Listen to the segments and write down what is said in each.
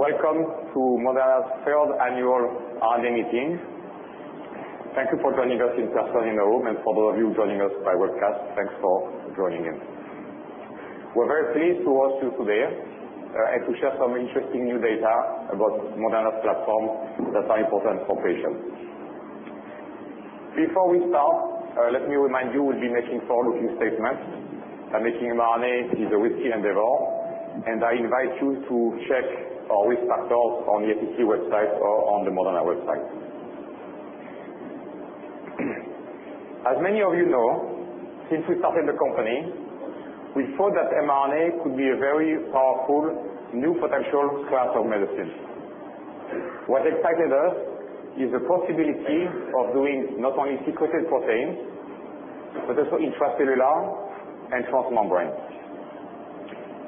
Welcome to Moderna's third annual R&D meeting. Thank you for joining us in person in the room, and for those of you joining us by webcast, thanks for joining in. We're very pleased to host you today and to share some interesting new data about Moderna's platform that are important for patients. Before we start, let me remind you, we'll be making forward-looking statements, that making mRNA is a risky endeavor, and I invite you to check our risk factors on the SEC website or on the Moderna website. As many of you know, since we started the company, we thought that mRNA could be a very powerful new potential class of medicines. What excited us is the possibility of doing not only secreted proteins, but also intracellular and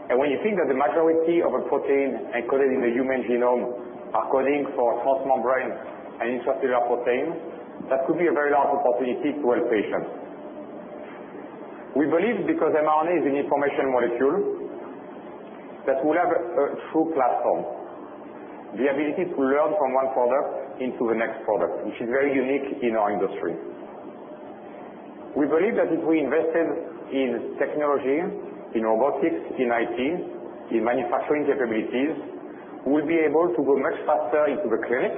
transmembrane. When you think that the majority of a protein encoded in the human genome are coding for transmembrane and intracellular proteins, that could be a very large opportunity to help patients. We believe because mRNA is an information molecule that will have a true platform, the ability to learn from one product into the next product, which is very unique in our industry. We believe that if we invested in technology, in robotics, in IT, in manufacturing capabilities, we'll be able to go much faster into the clinic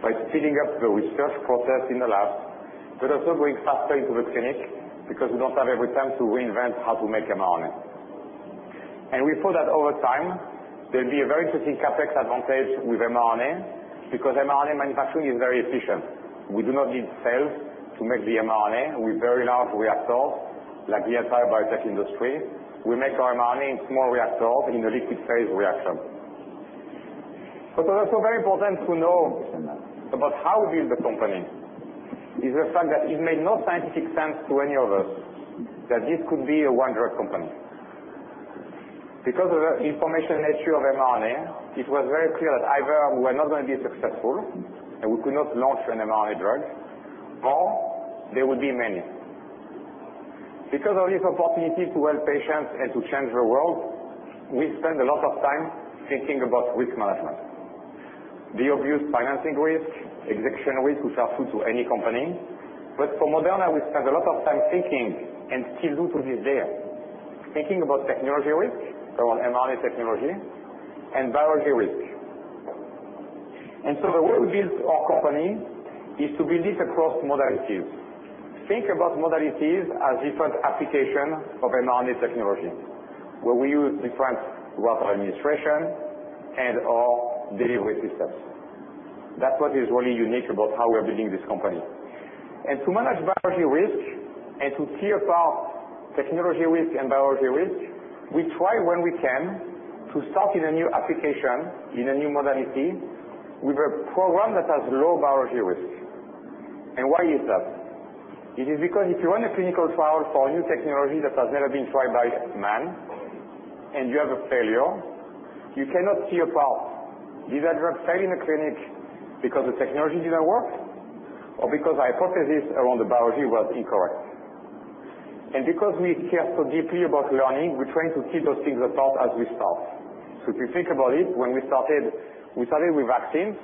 by speeding up the research process in the lab. Also going faster into the clinic because we don't have every time to reinvent how to make mRNA. We thought that over time, there'd be a very interesting CapEx advantage with mRNA, because mRNA manufacturing is very efficient. We do not need cells to make the mRNA with very large reactors like the entire biotech industry. We make our mRNA in small reactors in a liquid phase reaction. Also very important to know about how we build the company, is the fact that it made no scientific sense to any of us that this could be a one-drug company. Because of the information nature of mRNA, it was very clear that either we're not going to be successful and we could not launch an mRNA drug, or there would be many. Because of this opportunity to help patients and to change the world, we spend a lot of time thinking about risk management. The obvious financing risk, execution risk, which are true to any company. For Moderna, we spend a lot of time thinking, and still do to this day, thinking about technology risk around mRNA technology and biology risk. The way we built our company is to be risk across modalities. Think about modalities as different application of mRNA technology, where we use different route of administration and/or delivery systems. That's what is really unique about how we're building this company. To manage biology risk and to clear path technology risk and biology risk, we try when we can to start in a new application, in a new modality with a program that has low biology risk. Why is that? It is because if you run a clinical trial for a new technology that has never been tried by man and you have a failure, you cannot clear path. Did that drug fail in the clinic because the technology didn't work, or because the hypothesis around the biology was incorrect? Because we care so deeply about learning, we're trying to keep those things apart as we start. If you think about it, when we started, we started with vaccines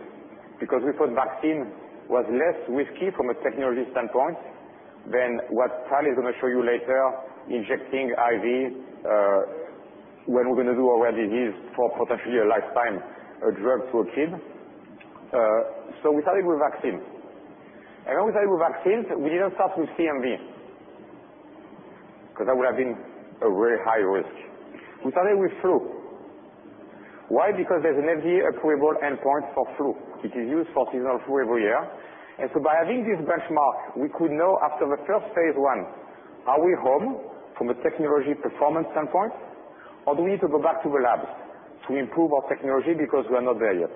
because we thought vaccine was less risky from a technology standpoint than what Tal is going to show you later, injecting IV, when we're going to do a rare disease for potentially a lifetime drug to a kid. We started with vaccines. When we started with vaccines, we didn't start with CMV, because that would have been a very high risk. We started with flu. Why? Because there's an FDA approvable endpoint for flu. It is used for seasonal flu every year. By having this benchmark, we could know after the first phase I, are we home from a technology performance standpoint, or do we need to go back to the labs to improve our technology because we're not there yet?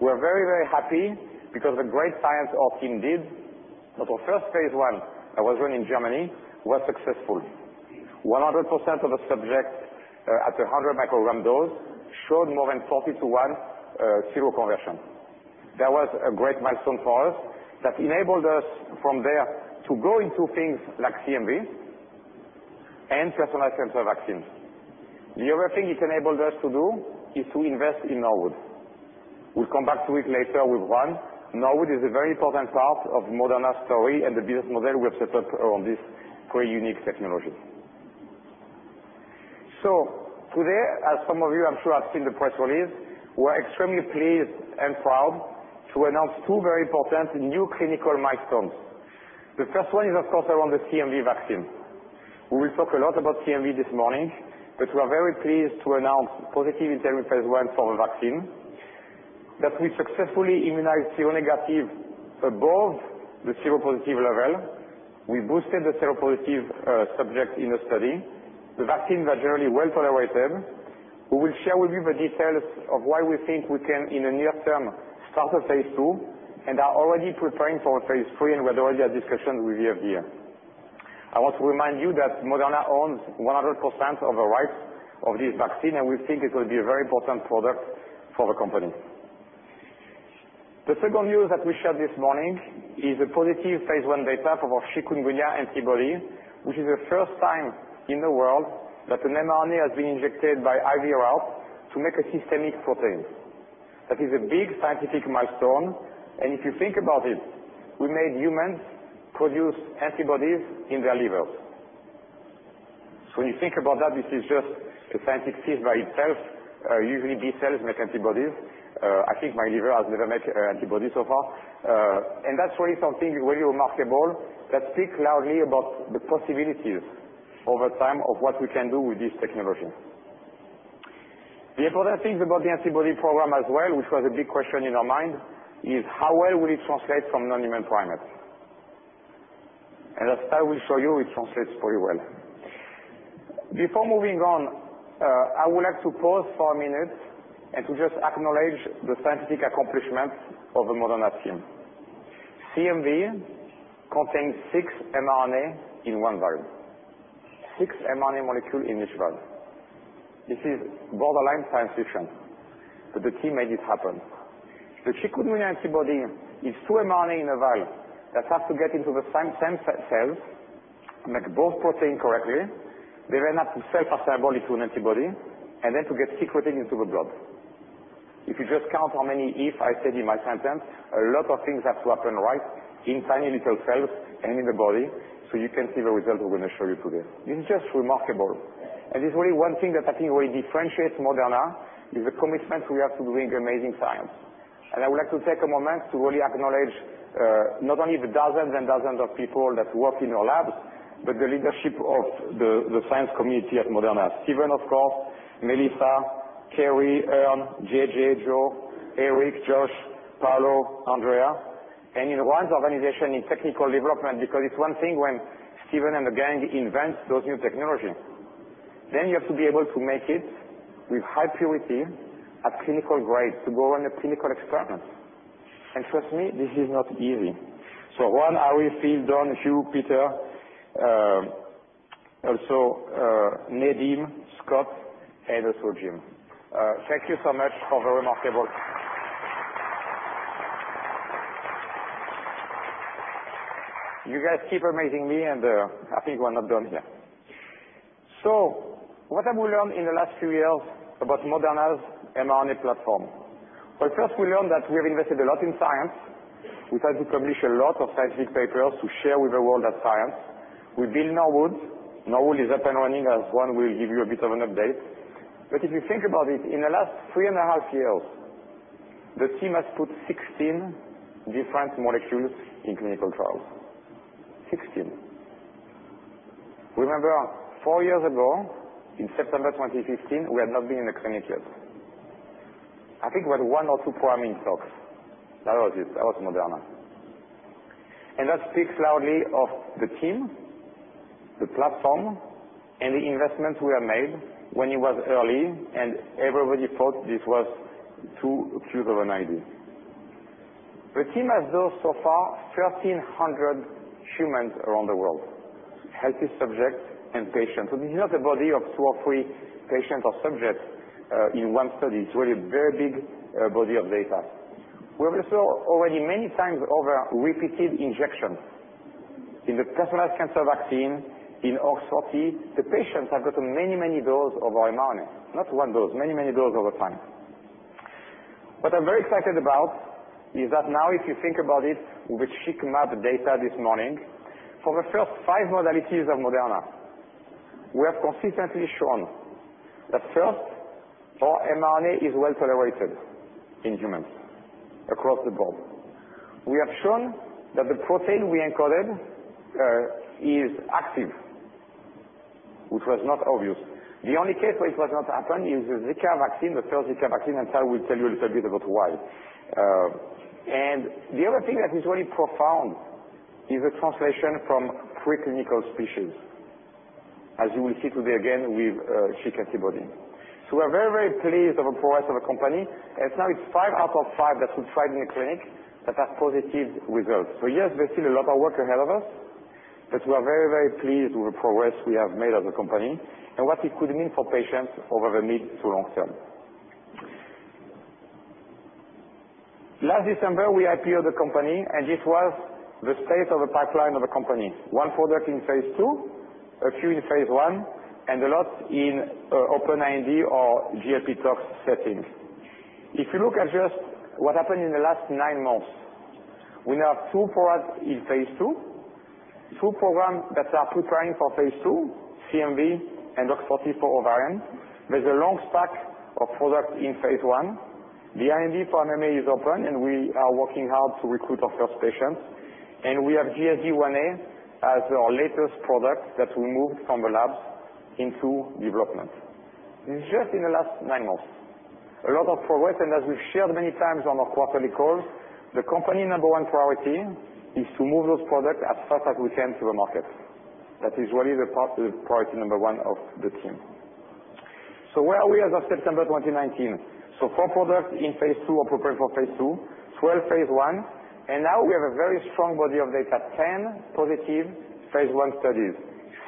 We're very happy because the great science our team did, that our first phase I that was run in Germany was successful. 100% of the subjects at 100 microgram dose showed more than 40 to 1 seroconversion. That was a great milestone for us that enabled us from there to go into things like CMV and personalized cancer vaccines. The other thing it enabled us to do is to invest in Norwood. We'll come back to it later with Juan. Norwood is a very important part of Moderna's story and the business model we have set up around this very unique technology. Today, as some of you, I'm sure, have seen the press release, we're extremely pleased and proud to announce two very important new clinical milestones. The first one is, of course, around the CMV vaccine. We will talk a lot about CMV this morning, we are very pleased to announce positive interim phase I for the vaccine that we successfully immunized seronegative above the seropositive level. We boosted the seropositive subject in the study. The vaccines are generally well tolerated. We will share with you the details of why we think we can, in the near term, start a phase II, and are already preparing for phase III and we already have discussions with FDA. I want to remind you that Moderna owns 100% of the rights of this vaccine, and we think it will be a very important product for the company. The second news that we shared this morning is the positive phase I data for our chikungunya antibody, which is the first time in the world that an mRNA has been injected by IV route to make a systemic protein. That is a big scientific milestone, and if you think about it, we made humans produce antibodies in their livers. When you think about that, this is just a scientific feat by itself. Usually, B cells make antibodies. I think my liver has never made antibody so far. That's really something very remarkable that speaks loudly about the possibilities over time of what we can do with this technology. The important things about the antibody program as well, which was a big question in our mind, is how well will it translate from non-human primates? As I will show you, it translates very well. Before moving on, I would like to pause for a minute and to just acknowledge the scientific accomplishments of the Moderna team. CMV contains six mRNA in one vial, six mRNA molecule in each vial. This is borderline science fiction, the team made it happen. The chikungunya antibody is two mRNA in a vial that has to get into the same cells and make both protein correctly. They then have to fold up into an antibody, then to get secreting into the blood. If you just count how many ifs I said in my sentence, a lot of things have to happen right in tiny little cells and in the body, so you can see the result we're going to show you today. This is just remarkable. It's really one thing that I think really differentiates Moderna, is the commitment we have to doing amazing science. I would like to take a moment to really acknowledge, not only the dozens and dozens of people that work in our labs, but the leadership of the science community at Moderna. Stephen, of course, Melissa, Kerry, Ern, JJ, Joe, Eric, Josh, Paulo, Andrea, and in Juan's organization in technical development, because it's one thing when Stephen and the gang invent those new technologies, then you have to be able to make it with high purity at clinical grade to go on a clinical experiment. Trust me, this is not easy. Juan, Ari, Phil, Don, Hugh, Peter, also Nadim, Scott, and also Jim. Thank you so much for the remarkable. You guys keep amazing me, and I think we're not done yet. What have we learned in the last few years about Moderna's mRNA platform? Well, first we learned that we have invested a lot in science. We've had to publish a lot of scientific papers to share with the world of science. We build Norwood. Norwood is up and running, as Juan will give you a bit of an update. If you think about it, in the last three and a half years, the team has put 16 different molecules in clinical trials. 16. Remember, four years ago, in September 2015, we had not been in a clinic yet. I think we had one or two programming talks. That was it. That was Moderna. That speaks loudly of the team, the platform, and the investments we have made when it was early and everybody thought this was too crazy of an idea. The team has dosed so far 1,300 humans around the world, healthy subjects and patients. This is not a body of two or three patients or subjects, in one study. It's really a very big body of data. We have also already many times over repeated injections. In the personalized cancer vaccine, in R40, the patients have gotten many, many doses of our mRNA. Not one dose, many, many doses over time. What I'm very excited about is that now if you think about it with CHIK map data this morning, for the first five modalities of Moderna, we have consistently shown that first, our mRNA is well-tolerated in humans across the board. We have shown that the protein we encoded is active, which was not obvious. The only case where it was not happened is the Zika vaccine, the first Zika vaccine, and I will tell you a little bit about why. The other thing that is really profound is the translation from preclinical species, as you will see today again with CHIK antibody. We are very, very pleased of the progress of the company. As now it's five out of five that we've tried in the clinic that have positive results. Yes, there's still a lot of work ahead of us, but we are very, very pleased with the progress we have made as a company and what it could mean for patients over the mid to long term. Last December, we IPO-ed the company, and this was the state of the pipeline of the company. One product in phase II, a few in phase I, and a lot in open IND or GLP tox setting. If you look at just what happened in the last nine months, we now have two products in phase II, two programs that are preparing for phase II, CMV and OX40 for ovarian. There's a long stack of products in phase I. The IND for MMA is open, we are working hard to recruit our first patients. We have GSD1A as our latest product that we moved from the labs into development. This is just in the last nine months. A lot of progress, and as we've shared many times on our quarterly calls, the company number 1 priority is to move those products as fast as we can to the market. That is really the priority number 1 of the team. Where are we as of September 2019? Four products in phase II or preparing for phase II, 12 phase I, and now we have a very strong body of data, 10 positive phase I studies,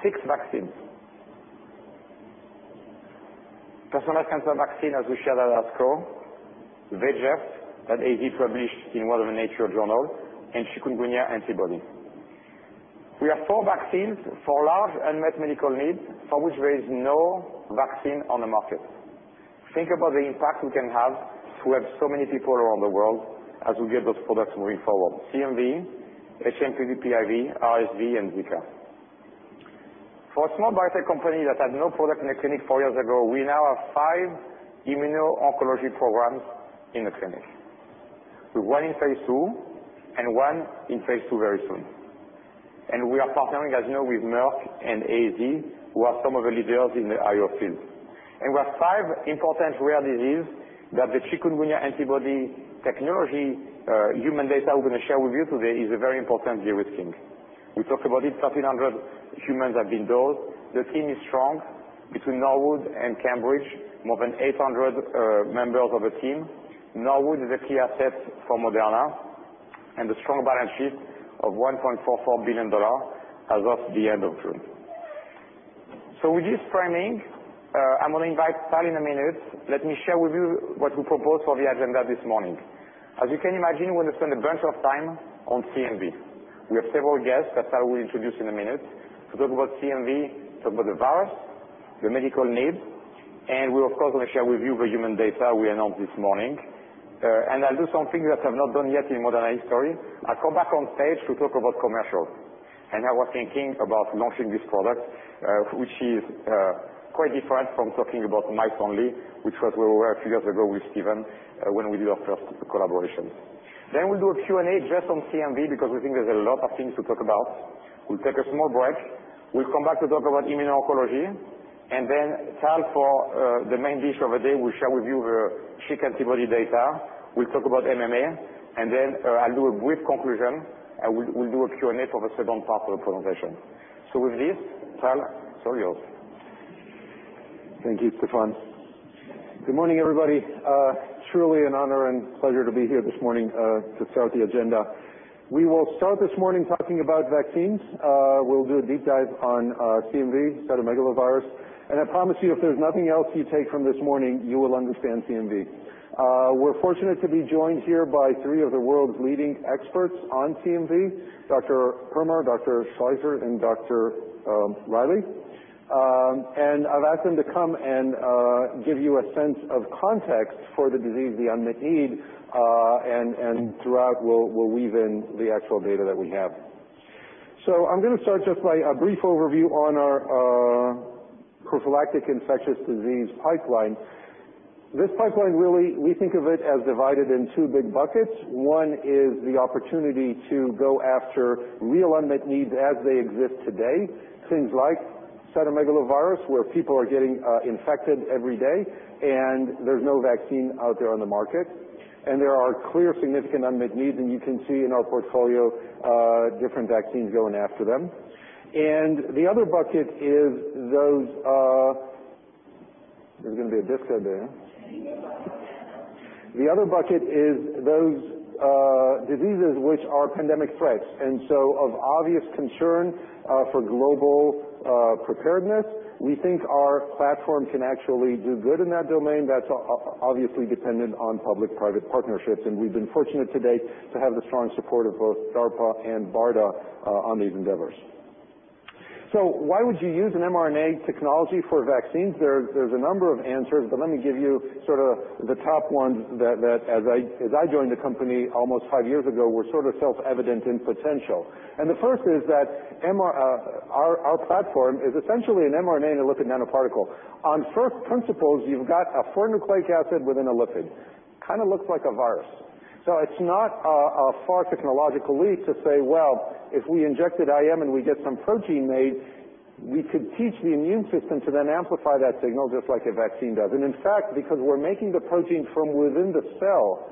six vaccines. Personalized cancer vaccine, as we shared at ASCO. VEGF, that AZ published in one of the Nature journal, and chikungunya antibody. We have four vaccines for large unmet medical need for which there is no vaccine on the market. Think about the impact we can have to have so many people around the world as we get those products moving forward. CMV, HMPV/PIV, RSV, and Zika. For a small biotech company that had no product in the clinic four years ago, we now have five immuno-oncology programs in the clinic. With one in phase II, and one in phase II very soon. We are partnering, as you know, with Merck and AZ, who are some of the leaders in the IO field. We have five important rare disease that the chikungunya antibody technology, human data we're going to share with you today, is a very important de-risking. We talked about it, 1,300 humans have been dosed. The team is strong between Norwood and Cambridge, more than 800 members of the team. Norwood is a key asset for Moderna and a strong balance sheet of $1.44 billion as of the end of June. With this framing, I'm going to invite Tal in a minute. Let me share with you what we propose for the agenda this morning. As you can imagine, we're going to spend a bunch of time on CMV. We have several guests that Tal will introduce in a minute, to talk about CMV, talk about the virus, the medical need, and we're of course, going to share with you the human data we announced this morning. I'll do something that I've not done yet in Moderna history. I'll come back on stage to talk about commercial. I was thinking about launching this product, which is quite different from talking about mice only, which was where we were a few years ago with Stephen, when we did our first collaboration. We'll do a Q&A just on CMV, because we think there's a lot of things to talk about. We'll take a small break. We'll come back to talk about immuno-oncology, and then Tal for the main dish of the day, we'll share with you the chik antibody data. We'll talk about MMA, and then I'll do a brief conclusion. We'll do a Q&A for the second part of the presentation. With this, Tal, it's all yours. Thank you, Stéphane. Good morning, everybody. Truly an honor and pleasure to be here this morning to start the agenda. We will start this morning talking about vaccines. We'll do a deep dive on CMV, cytomegalovirus. I promise you, if there's nothing else you take from this morning, you will understand CMV. We're fortunate to be joined here by three of the world's leading experts on CMV, Dr. Permar, Dr. Schleiss, and Dr. Riley. I've asked them to come and give you a sense of context for the disease, the unmet need, and throughout, we'll weave in the actual data that we have. I'm going to start just by a brief overview on our prophylactic infectious disease pipeline. This pipeline really, we think of it as divided in two big buckets. One is the opportunity to go after real unmet needs as they exist today. Things like cytomegalovirus, where people are getting infected every day, and there's no vaccine out there on the market. There are clear significant unmet needs, and you can see in our portfolio, different vaccines going after them. There's going to be a disco there. The other bucket is those diseases which are pandemic threats. Of obvious concern for global preparedness, we think our platform can actually do good in that domain. That's obviously dependent on public-private partnerships, and we've been fortunate to date to have the strong support of both DARPA and BARDA on these endeavors. Why would you use an mRNA technology for vaccines? There's a number of answers, but let me give you sort of the top ones that as I joined the company almost five years ago, were sort of self-evident in potential. The first is that our platform is essentially an mRNA and a lipid nanoparticle. On first principles, you've got a foreign nucleic acid with an lipid. Kind of looks like a virus. It's not a far technological leap to say, well, if we injected IM and we get some protein made, we could teach the immune system to then amplify that signal just like a vaccine does. In fact, because we're making the protein from within the cell,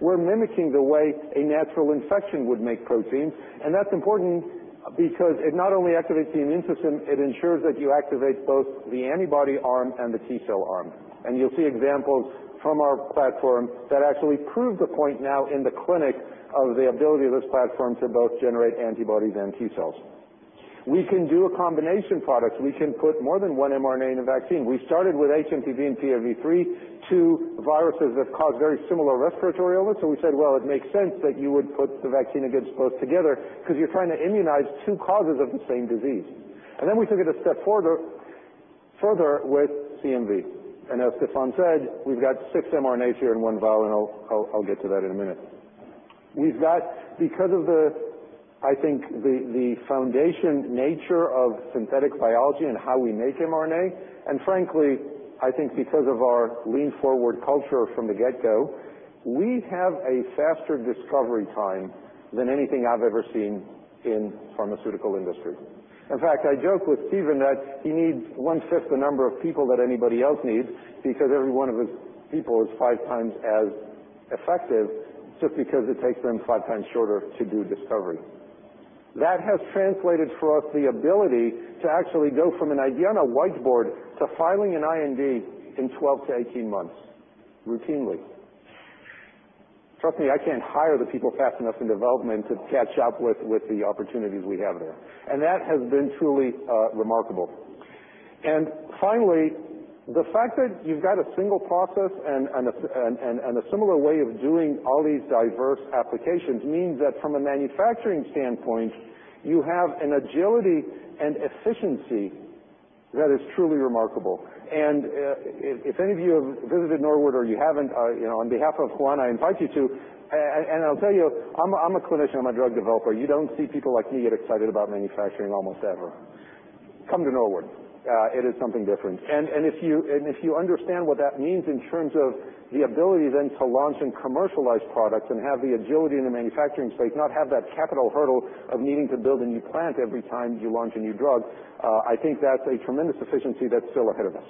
we're mimicking the way a natural infection would make protein. That's important because it not only activates the immune system, it ensures that you activate both the antibody arm and the T cell arm. You'll see examples from our platform that actually prove the point now in the clinic of the ability of this platform to both generate antibodies and T cells. We can do a combination product. We can put more than one mRNA in a vaccine. We started with HMPV and PIV3, two viruses that cause very similar respiratory illness. We said, well, it makes sense that you would put the vaccine against both together because you're trying to immunize two causes of the same disease. Then we took it a step further with CMV. As Stéphane said, we've got six mRNA here in one vial, and I'll get to that in a minute. We've got, because of the, I think the foundation nature of synthetic biology and how we make mRNA, and frankly, I think because of our lean forward culture from the get-go, we have a faster discovery time than anything I've ever seen in pharmaceutical industry. In fact, I joke with Stephen that he needs one-fifth the number of people that anybody else needs because every one of his people is five times as effective just because it takes them five times shorter to do discovery. That has translated for us the ability to actually go from an idea on a whiteboard to filing an IND in 12 to 18 months, routinely. Trust me, I can't hire the people fast enough in development to catch up with the opportunities we have there. That has been truly remarkable. Finally, the fact that you've got a single process and a similar way of doing all these diverse applications means that from a manufacturing standpoint, you have an agility and efficiency that is truly remarkable. If any of you have visited Norwood, or you haven't, on behalf of Juan, I invite you to. I'll tell you, I'm a clinician. I'm a drug developer. You don't see people like me get excited about manufacturing almost ever. Come to Norwood. It is something different. If you understand what that means in terms of the ability then to launch and commercialize products and have the agility in the manufacturing space, not have that capital hurdle of needing to build a new plant every time you launch a new drug, I think that's a tremendous efficiency that's still ahead of us.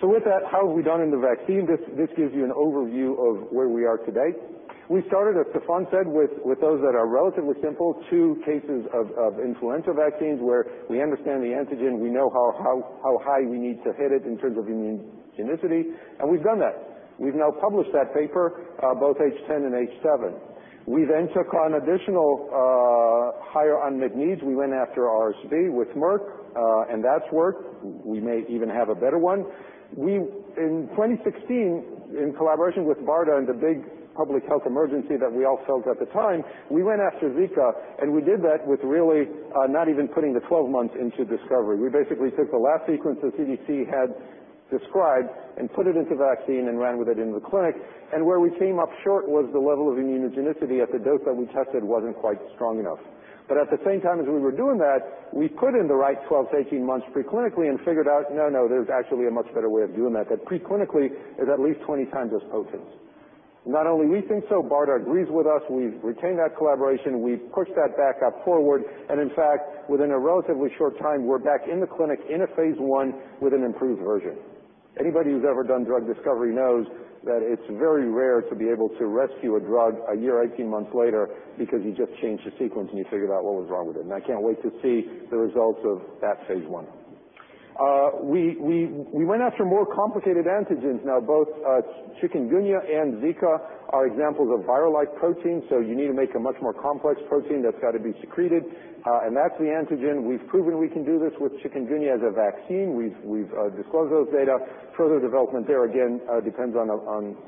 With that, how have we done in the vaccine? This gives you an overview of where we are today. We started, as Stéphane said, with those that are relatively simple. Two cases of influenza vaccines where we understand the antigen, we know how high we need to hit it in terms of immunogenicity, and we've done that. We've now published that paper, both H10 and H7. We took on additional higher unmet needs. We went after RSV with Merck, and that's worked. We may even have a better one. In 2016, in collaboration with BARDA and the big public health emergency that we all felt at the time, we went after Zika, and we did that with really not even putting the 12 months into discovery. We basically took the last sequence that CDC had described and put it into vaccine and ran with it in the clinic. Where we came up short was the level of immunogenicity at the dose that we tested wasn't quite strong enough. At the same time as we were doing that, we put in the right 12 to 18 months preclinically and figured out, no, there's actually a much better way of doing that preclinically is at least 20 times as potent. Not only we think so, BARDA agrees with us. We've retained that collaboration. We've pushed that back up forward, in fact, within a relatively short time, we're back in the clinic in a phase I with an improved version. Anybody who's ever done drug discovery knows that it's very rare to be able to rescue a drug a year, 18 months later, because you just changed the sequence and you figured out what was wrong with it. I can't wait to see the results of that phase I. We went after more complicated antigens. Both chikungunya and Zika are examples of viral-like proteins, so you need to make a much more complex protein that's got to be secreted, and that's the antigen. We've proven we can do this with chikungunya as a vaccine. We've disclosed those data. Further development there, again, depends on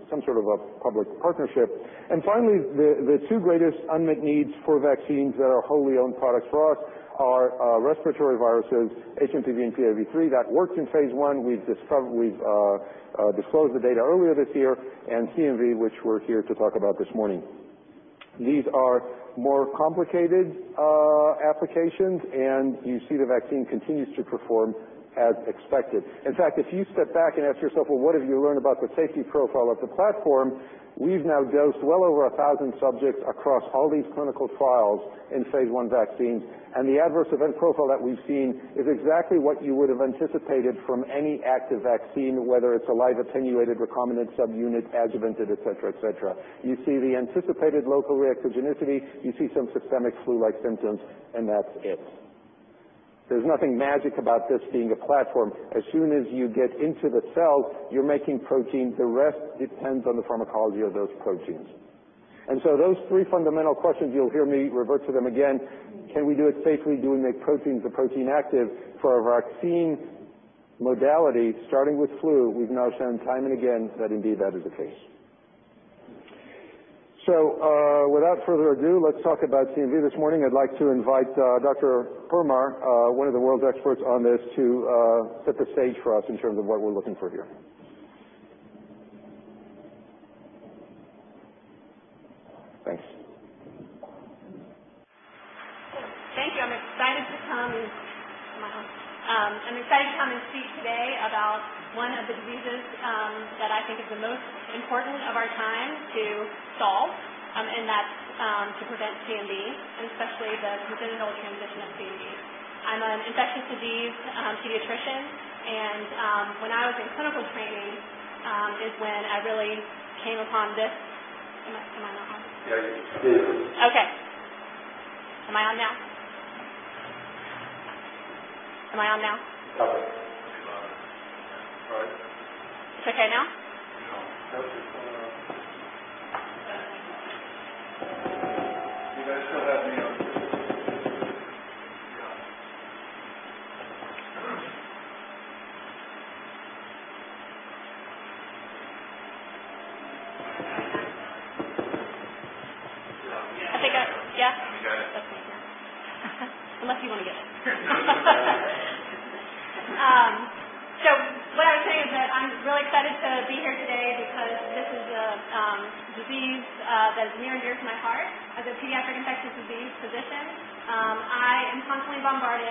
some sort of a public partnership. Finally, the two greatest unmet needs for vaccines that are wholly owned products for us are respiratory viruses, HMPV and PIV3. That worked in phase I. We've disclosed the data earlier this year, and CMV, which we're here to talk about this morning. These are more complicated applications, and you see the vaccine continues to perform as expected. In fact, if you step back and ask yourself, well, what have you learned about the safety profile of the platform, we've now dosed well over 1,000 subjects across all these clinical trials in phase I vaccines, and the adverse event profile that we've seen is exactly what you would have anticipated from any active vaccine, whether it's a live attenuated, recombinant, subunit, adjuvanted, et cetera. You see the anticipated local reactogenicity, you see some systemic flu-like symptoms, and that's it. There's nothing magic about this being a platform. As soon as you get into the cell, you're making protein. The rest depends on the pharmacology of those proteins. Those three fundamental questions, you'll hear me revert to them again. Can we do it safely? Do we make proteins or protein active? For a vaccine modality, starting with flu, we've now shown time and again that indeed that is the case. Without further ado, let's talk about CMV this morning. I'd like to invite Dr. Permar, one of the world's experts on this, to set the stage for us in terms of what we're looking for here. Thanks. Thank you. I'm excited to come and speak today about one of the diseases that I think is the most important of our time to solve, and that's to prevent CMV, and especially the congenital transition of CMV. I'm an infectious disease pediatrician, and when I was in clinical training is when I really came upon this. Am I on? Yeah, you can come in. Okay. Am I on now? No. It's okay now? No. You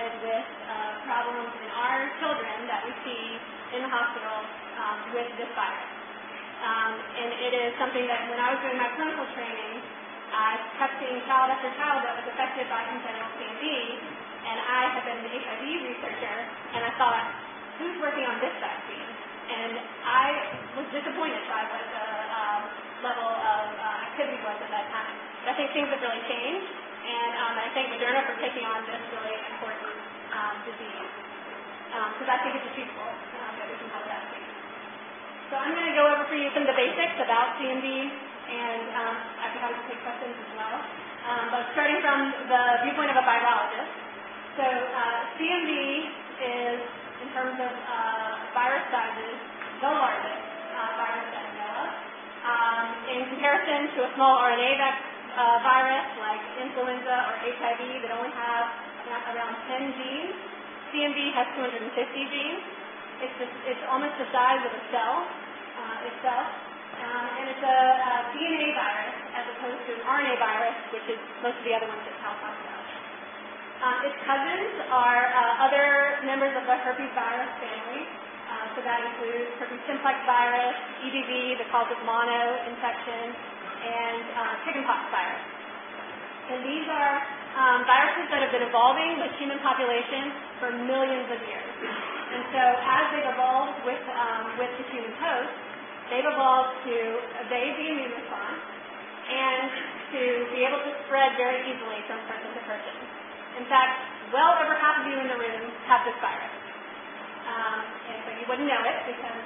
guys still have me on? I think I Yeah? We got it. That's weird. Unless you want to get it. No, you're good. What I was saying is that I'm really excited to be here today because this is a disease that is near and dear to my heart. As a pediatric infectious disease physician, I am constantly bombarded with problems in our children that we see in the hospital with this virus. It is something that when I was doing my clinical training, I kept seeing child after child that was affected by congenital CMV, and I had been an HIV researcher, and I thought, who's working on this vaccine? I was disappointed by the level of activity with it at that time. I think things have really changed, and I thank Moderna for taking on this really important disease. I think it's achievable, that we can develop a vaccine. I'm going to go over for you some of the basics about CMV, and I can also take questions as well. Starting from the viewpoint of a virologist, CMV is, in terms of virus sizes, the largest virus in the world. In comparison to a small RNA virus like influenza or HIV that only have around 10 genes, CMV has 250 genes. It's almost the size of a cell itself. It's a DNA virus as opposed to an RNA virus, which is most of the other ones that Tal talked about. Its cousins are other members of the herpes virus family. That includes herpes simplex virus, EBV that causes mono infections, and chickenpox virus. These are viruses that have been evolving with human populations for millions of years. As they've evolved with the human host, they've evolved to evade the immune response and to be able to spread very easily from person to person. In fact, well over half of you in the room have this virus. You wouldn't know it because,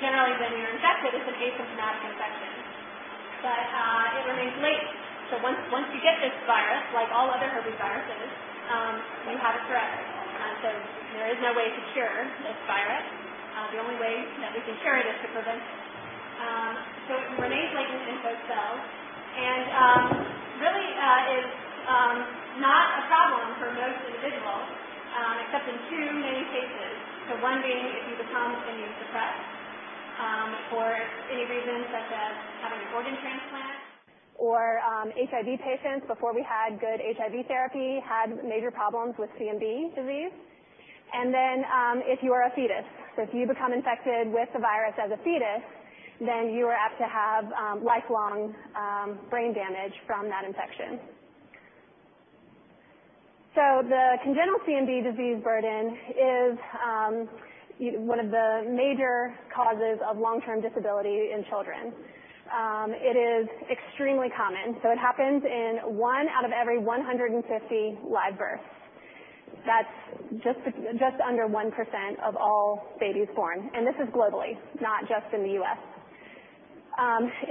generally, when you're infected, it's an asymptomatic infection. It remains latent. Once you get this virus, like all other herpesviruses, you have it forever. There is no way to cure this virus. The only way that we can cure it is to prevent it. It remains latent in host cells and really is not a problem for most individuals, except in two main cases. One being if you become immunosuppressed for any reason, such as having an organ transplant. HIV patients, before we had good HIV therapy, had major problems with CMV disease. If you are a fetus, if you become infected with the virus as a fetus, you are apt to have lifelong brain damage from that infection. The congenital CMV disease burden is one of the major causes of long-term disability in children. It is extremely common. It happens in 1 out of every 150 live births. That's just under 1% of all babies born, and this is globally, not just in the U.S.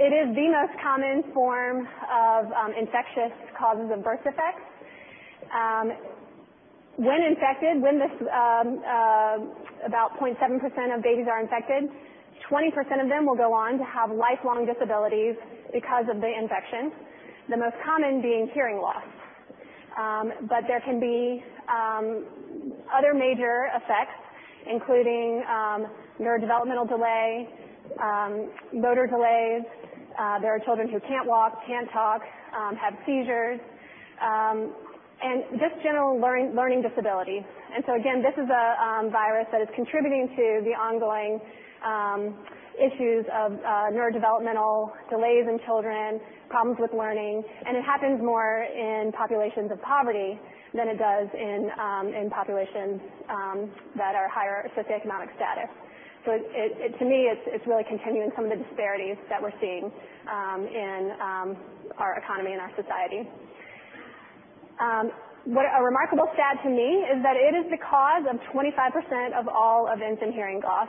It is the most common form of infectious causes of birth defects. When infected, about 0.7% of babies are infected, 20% of them will go on to have lifelong disabilities because of the infection, the most common being hearing loss. There can be other major effects, including neurodevelopmental delay, motor delays. There are children who can't walk, can't talk, have seizures, and just general learning disabilities. Again, this is a virus that is contributing to the ongoing issues of neurodevelopmental delays in children, problems with learning, and it happens more in populations of poverty than it does in populations that are higher socioeconomic status. To me, it's really continuing some of the disparities that we're seeing in our economy and our society. A remarkable stat to me is that it is the cause of 25% of all of infant hearing loss.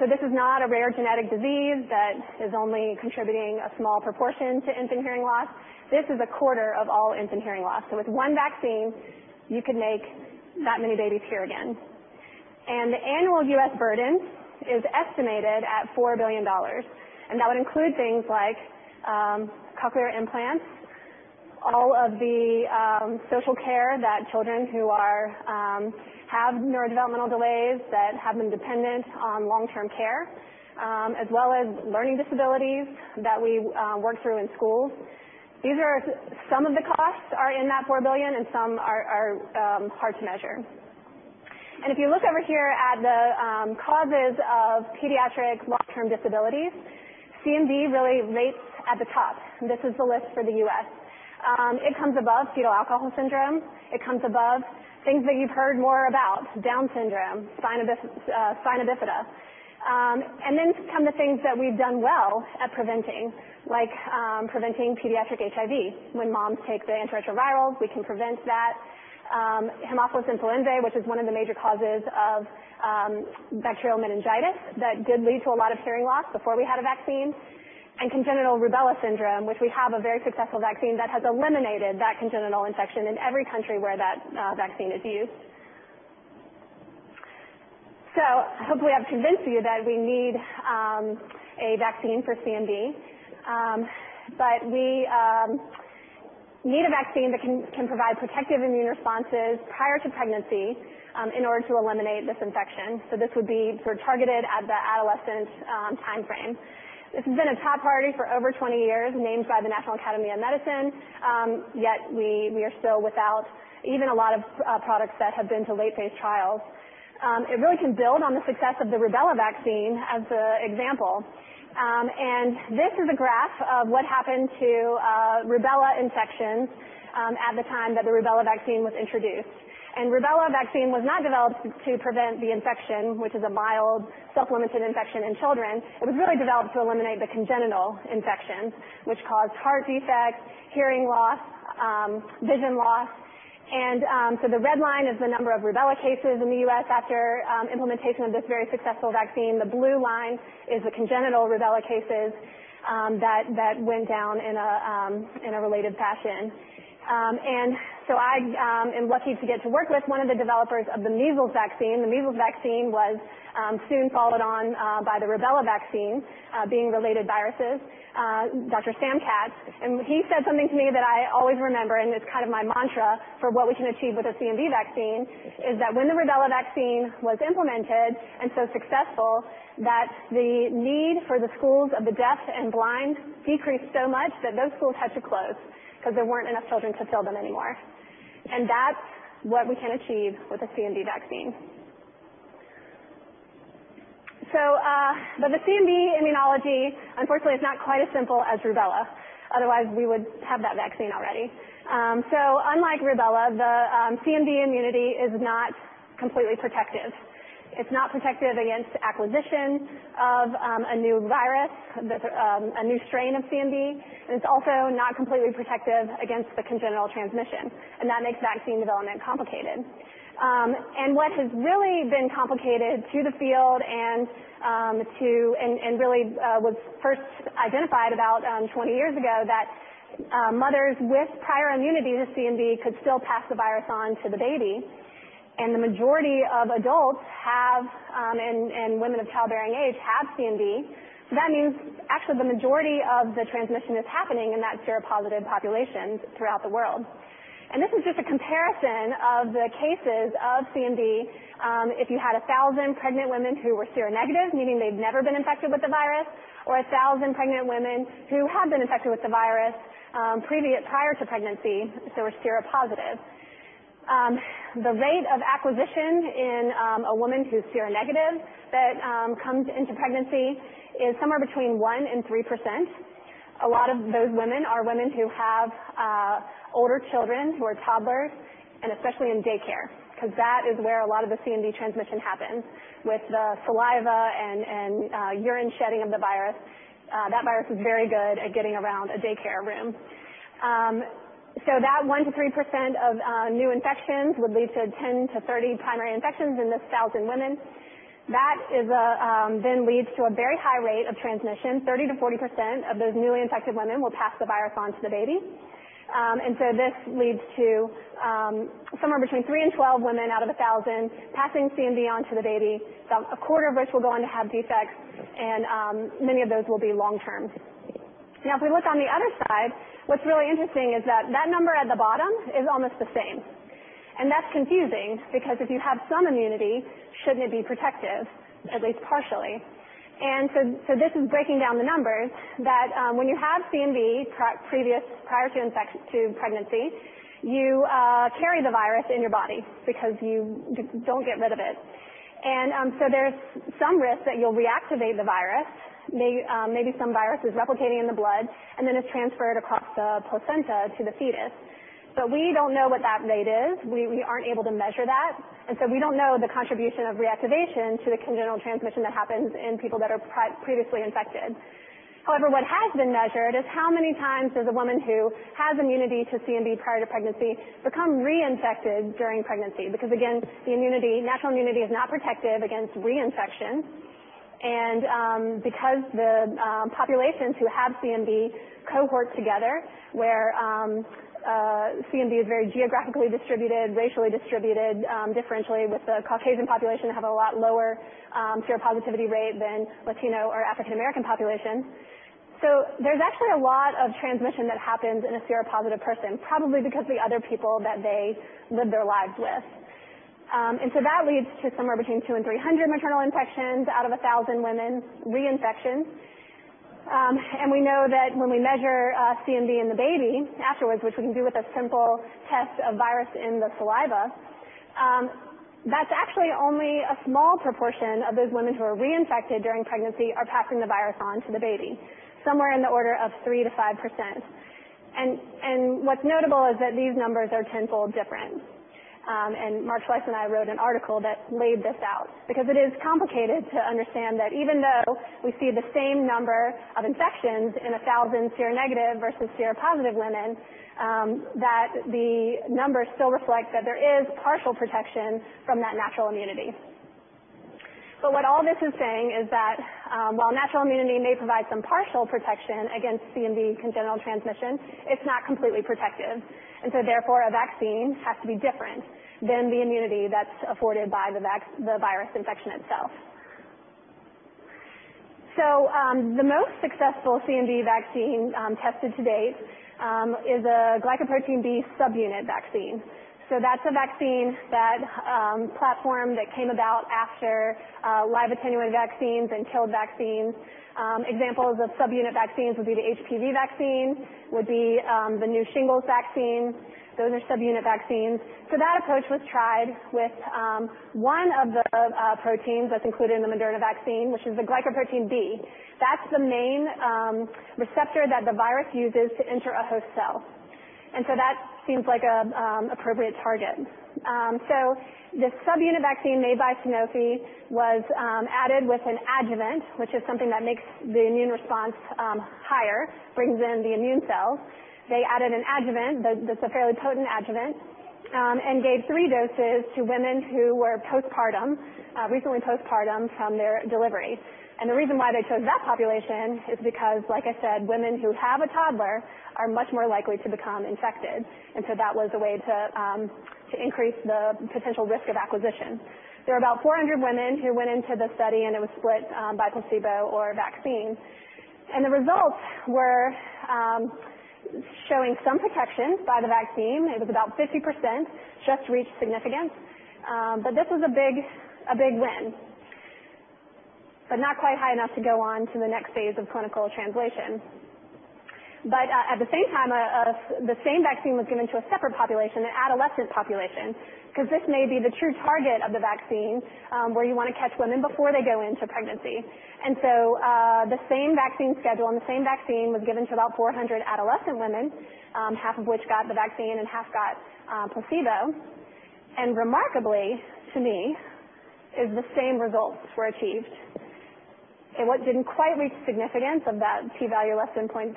This is not a rare genetic disease that is only contributing a small proportion to infant hearing loss. This is a quarter of all infant hearing loss. With one vaccine, you could make that many babies hear again. The annual U.S. burden is estimated at $4 billion. That would include things like cochlear implants, all of the social care that children who have neurodevelopmental delays that have been dependent on long-term care, as well as learning disabilities that we work through in schools. Some of the costs are in that $4 billion and some are hard to measure. If you look over here at the causes of pediatric long-term disabilities, CMV really rates at the top. This is the list for the U.S. It comes above fetal alcohol syndrome. It comes above things that you've heard more about, Down syndrome, spina bifida. Then come the things that we've done well at preventing, like preventing pediatric HIV. When moms take their antiretrovirals, we can prevent that. Haemophilus influenzae, which is one of the major causes of bacterial meningitis that did lead to a lot of hearing loss before we had a vaccine. Congenital rubella syndrome, which we have a very successful vaccine that has eliminated that congenital infection in every country where that vaccine is used. Hopefully, I've convinced you that we need a vaccine for CMV. We need a vaccine that can provide protective immune responses prior to pregnancy in order to eliminate this infection. This would be sort of targeted at the adolescent timeframe. This has been a top priority for over 20 years, named by the National Academy of Medicine, yet we are still without even a lot of products that have been to late-phase trials. It really can build on the success of the rubella vaccine as an example. This is a graph of what happened to rubella infections at the time that the rubella vaccine was introduced. Rubella vaccine was not developed to prevent the infection, which is a mild, self-limited infection in children. It was really developed to eliminate the congenital infection, which caused heart defects, hearing loss, vision loss. The red line is the number of rubella cases in the U.S. after implementation of this very successful vaccine. The blue line is the congenital rubella cases that went down in a related fashion. I am lucky to get to work with one of the developers of the measles vaccine. The measles vaccine was soon followed on by the rubella vaccine, being related viruses, Dr. Sam Katz. He said something to me that I always remember, and it's kind of my mantra for what we can achieve with a CMV vaccine, is that when the rubella vaccine was implemented and so successful that the need for the schools of the deaf and blind decreased so much that those schools had to close because there weren't enough children to fill them anymore. That's what we can achieve with a CMV vaccine. The CMV immunology, unfortunately, it's not quite as simple as rubella, otherwise we would have that vaccine already. Unlike rubella, the CMV immunity is not completely protective. It's not protective against acquisition of a new virus, a new strain of CMV. It's also not completely protective against the congenital transmission. That makes vaccine development complicated. What has really been complicated to the field and really was first identified about 20 years ago, that mothers with prior immunity to CMV could still pass the virus on to the baby. The majority of adults have, and women of childbearing age, have CMV. That means actually the majority of the transmission is happening in that seropositive populations throughout the world. This is just a comparison of the cases of CMV. If you had 1,000 pregnant women who were seronegative, meaning they have never been infected with the virus, or 1,000 pregnant women who had been infected with the virus prior to pregnancy, so were seropositive. The rate of acquisition in a woman who's seronegative that comes into pregnancy is somewhere between 1% and 3%. A lot of those women are women who have older children who are toddlers, and especially in daycare, because that is where a lot of the CMV transmission happens with the saliva and urine shedding of the virus. That virus is very good at getting around a daycare room. That 1%-3% of new infections would lead to 10-30 primary infections in this 1,000 women. That then leads to a very high rate of transmission. 30%-40% of those newly infected women will pass the virus on to the baby. This leads to somewhere between three and 12 women out of 1,000 passing CMV on to the baby. A quarter of which will go on to have defects and many of those will be long-term. If we look on the other side, what's really interesting is that that number at the bottom is almost the same. That's confusing because if you have some immunity, shouldn't it be protective, at least partially? This is breaking down the numbers that when you have CMV prior to pregnancy, you carry the virus in your body because you don't get rid of it. There's some risk that you'll reactivate the virus, maybe some virus is replicating in the blood and then is transferred across the placenta to the fetus. We don't know what that rate is. We aren't able to measure that. We don't know the contribution of reactivation to the congenital transmission that happens in people that are previously infected. However, what has been measured is how many times does a woman who has immunity to CMV prior to pregnancy become reinfected during pregnancy. Again, natural immunity is not protective against reinfection. Because the populations who have CMV cohort together where CMV is very geographically distributed, racially distributed differentially with the Caucasian population have a lot lower seropositivity rate than Latino or African American populations. There's actually a lot of transmission that happens in a seropositive person, probably because the other people that they live their lives with. That leads to somewhere between 200 and 300 maternal infections out of 1,000 women reinfections. We know that when we measure CMV in the baby afterwards, which we can do with a simple test of virus in the saliva, that's actually only a small proportion of those women who are reinfected during pregnancy are passing the virus on to the baby, somewhere in the order of 3%-5%. What's notable is that these numbers are tenfold different. Mark Schleiss and I wrote an article that laid this out because it is complicated to understand that even though we see the same number of infections in 1,000 seronegative versus seropositive women, that the numbers still reflect that there is partial protection from that natural immunity. What all this is saying is that while natural immunity may provide some partial protection against CMV congenital transmission, it's not completely protective. Therefore, a vaccine has to be different than the immunity that's afforded by the virus infection itself. The most successful CMV vaccine tested to date is a glycoprotein B subunit vaccine. That's a vaccine platform that came about after live attenuated vaccines and killed vaccines. Examples of subunit vaccines would be the HPV vaccine, would be the new shingles vaccine. Those are subunit vaccines. That approach was tried with one of the proteins that's included in the Moderna vaccine, which is the glycoprotein B. That's the main receptor that the virus uses to enter a host cell. That seems like an appropriate target. The subunit vaccine made by Sanofi was added with an adjuvant, which is something that makes the immune response higher, brings in the immune cells. They added an adjuvant that's a fairly potent adjuvant. They gave three doses to women who were recently postpartum from their delivery. The reason why they chose that population is because, like I said, women who have a toddler are much more likely to become infected. That was a way to increase the potential risk of acquisition. There were about 400 women who went into the study, and it was split by placebo or vaccine. The results were showing some protection by the vaccine. It was about 50%, just reached significance. This was a big win, but not quite high enough to go on to the next phase of clinical translation. At the same time, the same vaccine was given to a separate population, an adolescent population, because this may be the true target of the vaccine, where you want to catch women before they go into pregnancy. The same vaccine schedule and the same vaccine was given to about 400 adolescent women, half of which got the vaccine and half got placebo. Remarkably, to me, is the same results were achieved. It didn't quite reach significance of that p-value less than 0.05,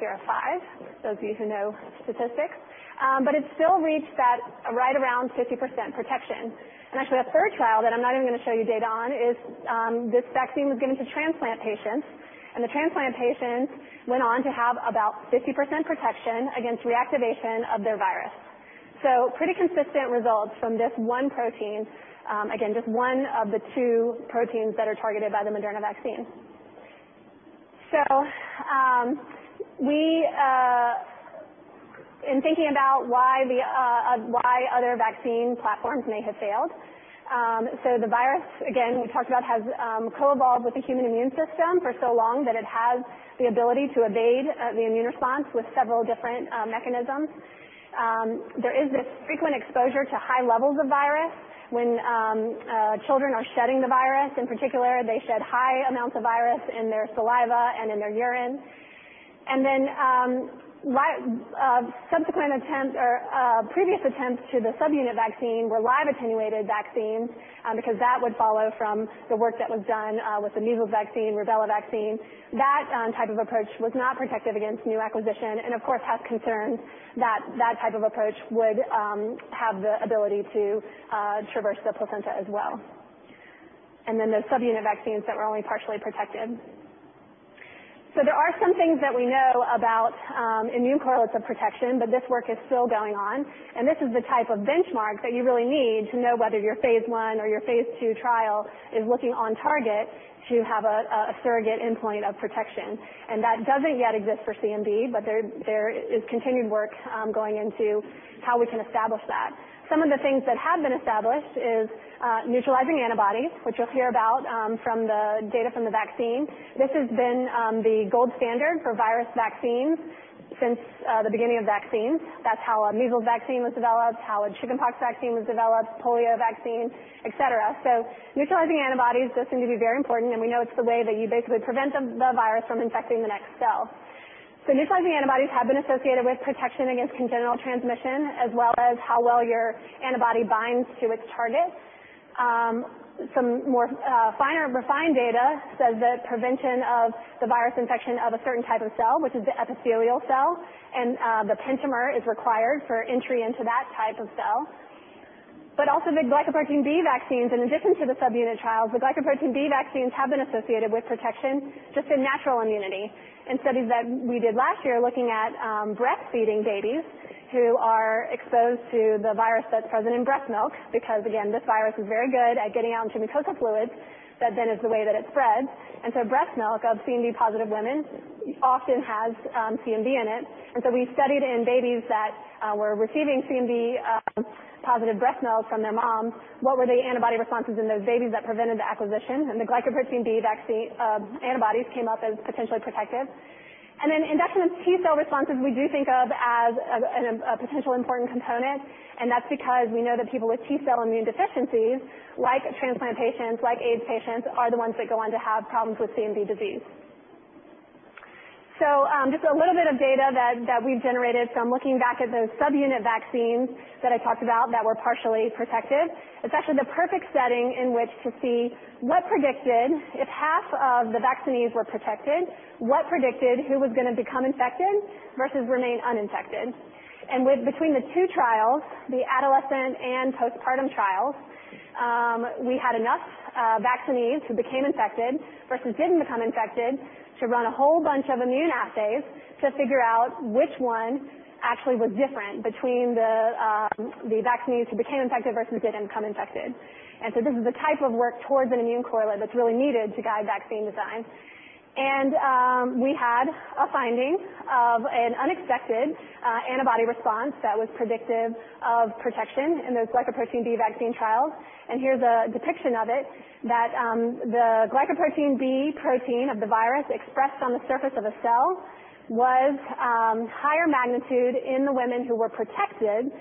those of you who know statistics, but it still reached that right around 50% protection. Actually, the third trial that I'm not even going to show you data on is this vaccine was given to transplant patients, and the transplant patients went on to have about 50% protection against reactivation of their virus. Pretty consistent results from this one protein. Again, just one of the two proteins that are targeted by the Moderna vaccine. In thinking about why other vaccine platforms may have failed. The virus, again, we talked about has co-evolved with the human immune system for so long that it has the ability to evade the immune response with several different mechanisms. There is this frequent exposure to high levels of virus when children are shedding the virus. In particular, they shed high amounts of virus in their saliva and in their urine. Previous attempts to the subunit vaccine were live attenuated vaccines, because that would follow from the work that was done with the measles vaccine, rubella vaccine. That type of approach was not protective against new acquisition and of course has concerns that that type of approach would have the ability to traverse the placenta as well. The subunit vaccines that were only partially protected. There are some things that we know about immune correlates of protection, but this work is still going on. This is the type of benchmark that you really need to know whether your phase I or your phase II trial is looking on target to have a surrogate endpoint of protection. That doesn't yet exist for CMV, but there is continued work going into how we can establish that. Some of the things that have been established is neutralizing antibodies, which you'll hear about from the data from the vaccine. This has been the gold standard for virus vaccines since the beginning of vaccines. That's how a measles vaccine was developed, how a chickenpox vaccine was developed, polio vaccine, et cetera. Neutralizing antibodies just seem to be very important, and we know it's the way that you basically prevent the virus from infecting the next cell. Neutralizing antibodies have been associated with protection against congenital transmission, as well as how well your antibody binds to its target. Some more refined data says that prevention of the virus infection of a certain type of cell, which is the epithelial cell, and the pentamer is required for entry into that type of cell. Also the glycoprotein B vaccines, in addition to the subunit trials, the glycoprotein B vaccines have been associated with protection, just in natural immunity. In studies that we did last year looking at breastfeeding babies who are exposed to the virus that's present in breast milk, because again, this virus is very good at getting out into mucosal fluids, that then is the way that it spreads. Breast milk of CMV-positive women often has CMV in it. We studied in babies that were receiving CMV-positive breast milk from their moms, what were the antibody responses in those babies that prevented the acquisition? The glycoprotein B vaccine antibodies came up as potentially protective. Induction of T-cell responses we do think of as a potential important component, and that's because we know that people with T-cell immune deficiencies, like transplant patients, like AIDS patients, are the ones that go on to have problems with CMV disease. Just a little bit of data that we've generated from looking back at those subunit vaccines that I talked about that were partially protective. It's actually the perfect setting in which to see what predicted if half of the vaccinees were protected, what predicted who was going to become infected versus remain uninfected. Between the two trials, the adolescent and postpartum trials, we had enough vaccinees who became infected versus didn't become infected to run a whole bunch of immune assays to figure out which one actually was different between the vaccinees who became infected versus didn't become infected. This is the type of work towards an immune correlate that's really needed to guide vaccine design. We had a finding of an unexpected antibody response that was predictive of protection in those glycoprotein B vaccine trials. Here's a depiction of it, that the glycoprotein B protein of the virus expressed on the surface of a cell was higher magnitude in the women who were protected,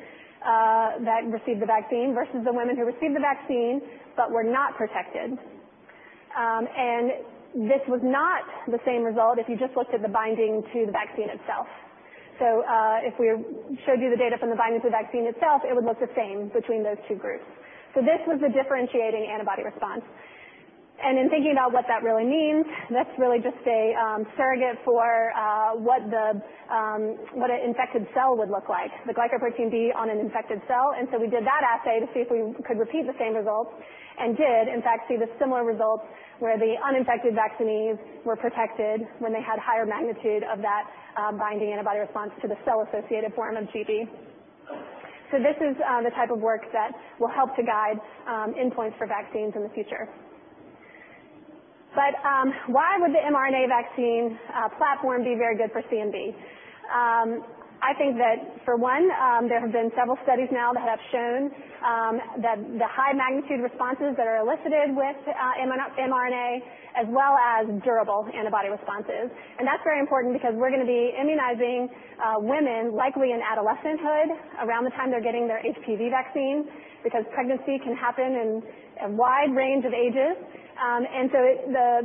that received the vaccine, versus the women who received the vaccine but were not protected. This was not the same result if you just looked at the binding to the vaccine itself. If we showed you the data from the binding to the vaccine itself, it would look the same between those two groups. This was a differentiating antibody response. In thinking about what that really means, that's really just a surrogate for what an infected cell would look like, the glycoprotein D on an infected cell. We did that assay to see if we could repeat the same results, and did, in fact, see the similar results where the uninfected vaccinees were protected when they had higher magnitude of that binding antibody response to the cell-associated form of gB. This is the type of work that will help to guide endpoints for vaccines in the future. Why would the mRNA vaccine platform be very good for CMV? I think that for one, there have been several studies now that have shown the high magnitude responses that are elicited with mRNA, as well as durable antibody responses. That's very important because we're going to be immunizing women, likely in adolescenthood, around the time they're getting their HPV vaccine, because pregnancy can happen in a wide range of ages.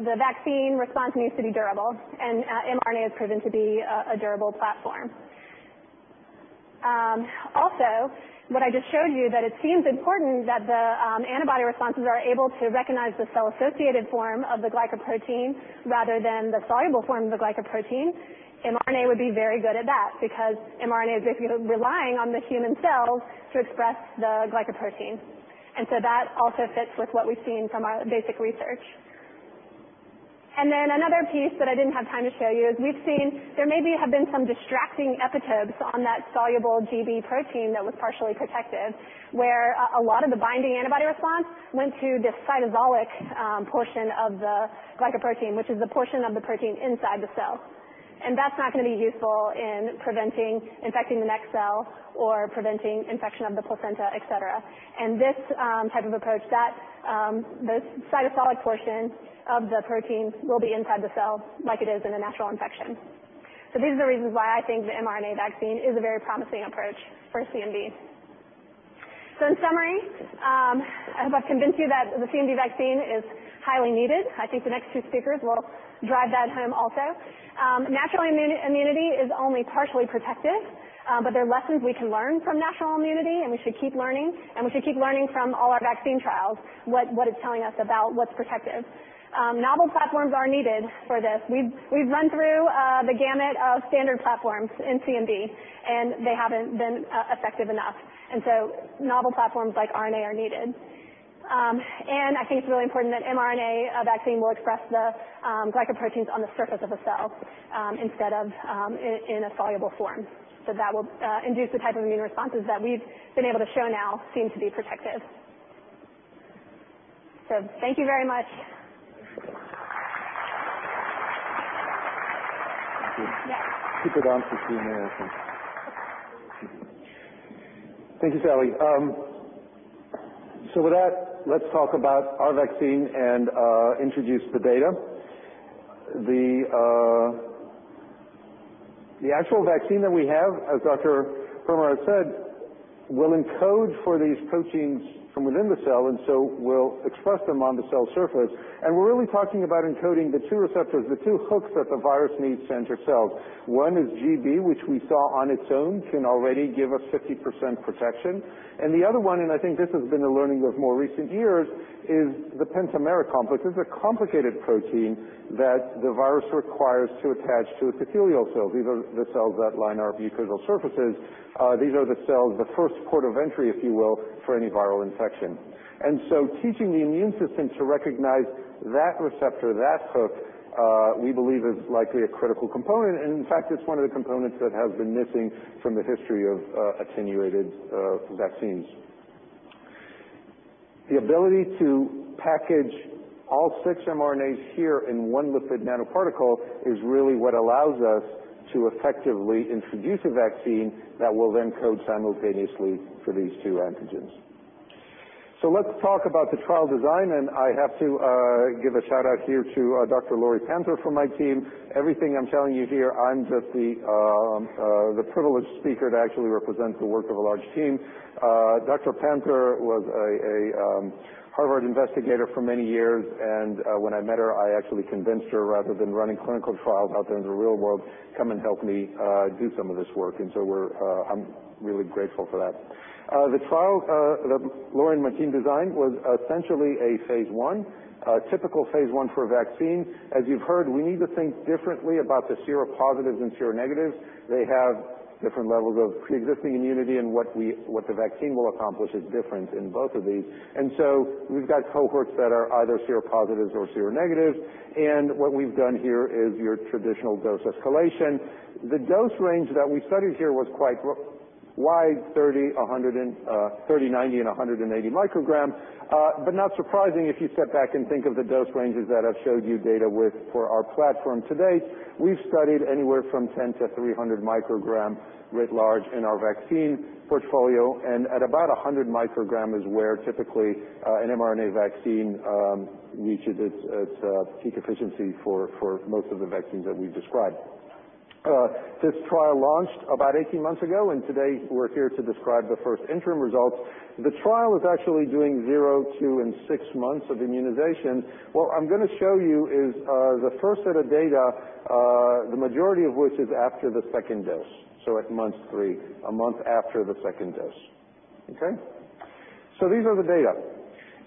The vaccine response needs to be durable, and mRNA has proven to be a durable platform. What I just showed you, that it seems important that the antibody responses are able to recognize the cell-associated form of the glycoprotein rather than the soluble form of the glycoprotein. mRNA would be very good at that because mRNA is basically relying on the human cells to express the glycoprotein. That also fits with what we've seen from our basic research. Another piece that I didn't have time to show you is we've seen there may have been some distracting epitopes on that soluble GB protein that was partially protective, where a lot of the binding antibody response went to the cytosolic portion of the glycoprotein, which is the portion of the protein inside the cell. That's not going to be useful in preventing infecting the next cell or preventing infection of the placenta, et cetera. This type of approach, the cytosolic portion of the protein will be inside the cell like it is in a natural infection. These are the reasons why I think the mRNA vaccine is a very promising approach for CMV. In summary, I hope I've convinced you that the CMV vaccine is highly needed. I think the next two speakers will drive that home also. Natural immunity is only partially protective, but there are lessons we can learn from natural immunity, and we should keep learning. We should keep learning from all our vaccine trials, what it's telling us about what's protective. Novel platforms are needed for this. We've run through the gamut of standard platforms in CMV, and they haven't been effective enough. Novel platforms like RNA are needed. I think it's really important that mRNA vaccine will express the glycoproteins on the surface of a cell, instead of in a soluble form. That will induce the type of immune responses that we've been able to show now seem to be protective. Thank you very much. Thank you. Yeah. Keep it on for Gene, I think. Thank you, Sallie. With that, let's talk about our vaccine and introduce the data. The actual vaccine that we have, as Dr. Permar said, will encode for these proteins from within the cell, and so will express them on the cell surface. We're really talking about encoding the two receptors, the two hooks that the virus needs to enter cells. One is GB, which we saw on its own can already give us 50% protection. The other one, and I think this has been a learning of more recent years, is the pentamer complex. This is a complicated protein that the virus requires to attach to epithelial cells. These are the cells that line our mucosal surfaces. These are the cells, the first port of entry, if you will, for any viral infection. Teaching the immune system to recognize that receptor, that hook, we believe is likely a critical component. In fact, it's one of the components that has been missing from the history of attenuated vaccines. The ability to package all six mRNAs here in one lipid nanoparticle is really what allows us to effectively introduce a vaccine that will then code simultaneously for these two antigens. Let's talk about the trial design, and I have to give a shout-out here to Dr. Lori Panther from my team. Everything I'm telling you here, I'm just the privileged speaker to actually represent the work of a large team. Dr. Panther was a Harvard investigator for many years, and when I met her, I actually convinced her, rather than running clinical trials out there in the real world, come and help me do some of this work. I'm really grateful for that. The trial that Lori and my team designed was essentially a phase I, a typical phase I for a vaccine. As you've heard, we need to think differently about the seropositives and seronegatives. They have different levels of preexisting immunity, and what the vaccine will accomplish is different in both of these. We've got cohorts that are either seropositives or seronegatives. What we've done here is your traditional dose escalation. The dose range that we studied here was quite wide, 30, 90, and 180 micrograms. Not surprising if you step back and think of the dose ranges that I've showed you data with for our platform today. We've studied anywhere from 10 to 300 micrograms writ large in our vaccine portfolio. At about 100 microgram is where typically an mRNA vaccine reaches its peak efficiency for most of the vaccines that we've described. This trial launched about 18 months ago, and today we're here to describe the first interim results. The trial is actually doing zero, two, and six months of immunization. What I'm going to show you is the first set of data, the majority of which is after the second dose, so at month 3, a month after the second dose. Okay. These are the data.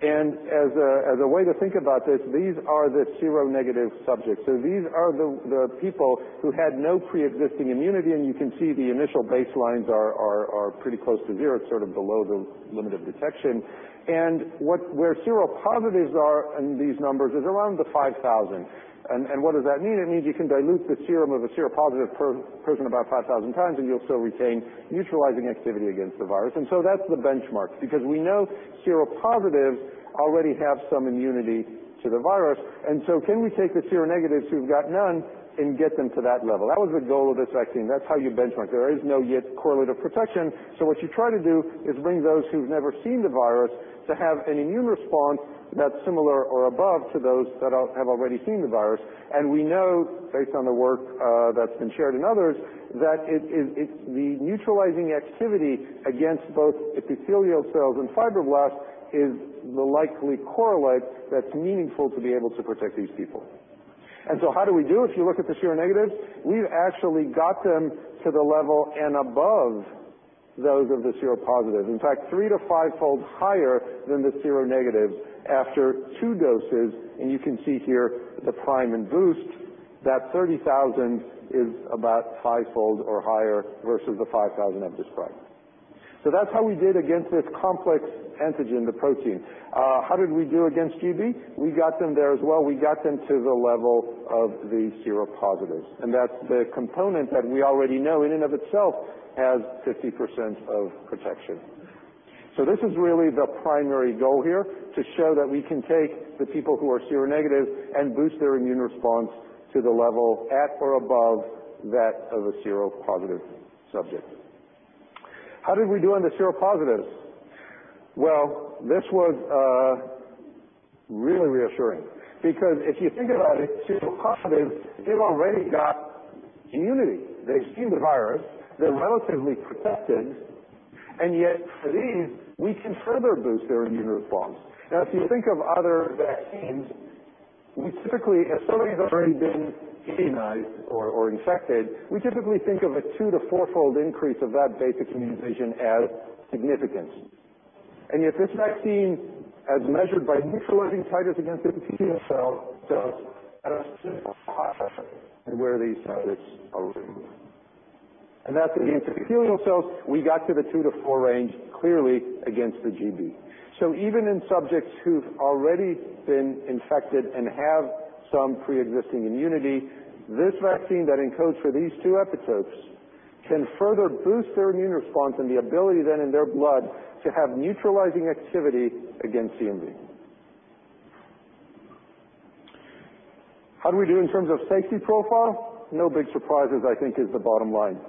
As a way to think about this, these are the seronegative subjects. These are the people who had no pre-existing immunity, and you can see the initial baselines are pretty close to zero, sort of below the limit of detection. Where seropositives are in these numbers is around the 5,000. What does that mean? It means you can dilute the serum of a seropositive person about 5,000 times, you'll still retain neutralizing activity against the virus. That's the benchmark, because we know seropositives already have some immunity to the virus. Can we take the seronegatives who've got none and get them to that level? That was the goal of this vaccine. That's how you benchmark. There is no, yet, correlate of protection. What you try to do is bring those who've never seen the virus to have an immune response that's similar or above to those that have already seen the virus. We know, based on the work that's been shared in others, that it's the neutralizing activity against both epithelial cells and fibroblasts is the likely correlate that's meaningful to be able to protect these people. How do we do? If you look at the seronegatives, we've actually got them to the level and above those of the seropositives. In fact, three to fivefold higher than the seronegatives after two doses. You can see here the prime and boost, that 30,000 is about fivefold or higher versus the 5,000 I've described. That's how we did against this complex antigen, the protein. How did we do against GB? We got them there as well. We got them to the level of the seropositives. That's the component that we already know in and of itself has 50% of protection. This is really the primary goal here, to show that we can take the people who are seronegative and boost their immune response to the level at or above that of a seropositive subject. How did we do on the seropositives? Well, this was really reassuring, because if you think about it, seropositives, they've already got immunity. They've seen the virus. They're relatively protected, and yet for these, we can further boost their immune response. Now, if you think of other vaccines, if somebody's already been immunized or infected, we typically think of a two to fourfold increase of that basic immunization as significant. Yet this vaccine, as measured by neutralizing titers against epithelial cells, does at a sixfold process in where these subjects are already. That's against epithelial cells. We got to the two to four range clearly against the GB. Even in subjects who've already been infected and have some preexisting immunity, this vaccine that encodes for these two epitopes can further boost their immune response and the ability then in their blood to have neutralizing activity against CMV. How do we do in terms of safety profile? No big surprises, I think is the bottom line.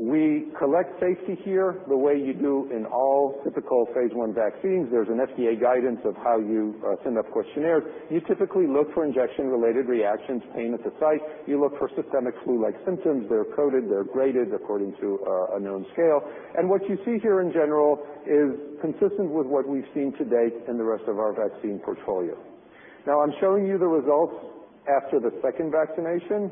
We collect safety here the way you do in all typical phase I vaccines. There's an FDA guidance of how you send up questionnaires. You typically look for injection-related reactions, pain at the site. You look for systemic flu-like symptoms. They're coded, they're graded according to a known scale. What you see here in general is consistent with what we've seen to date in the rest of our vaccine portfolio. Now I'm showing you the results after the second vaccination.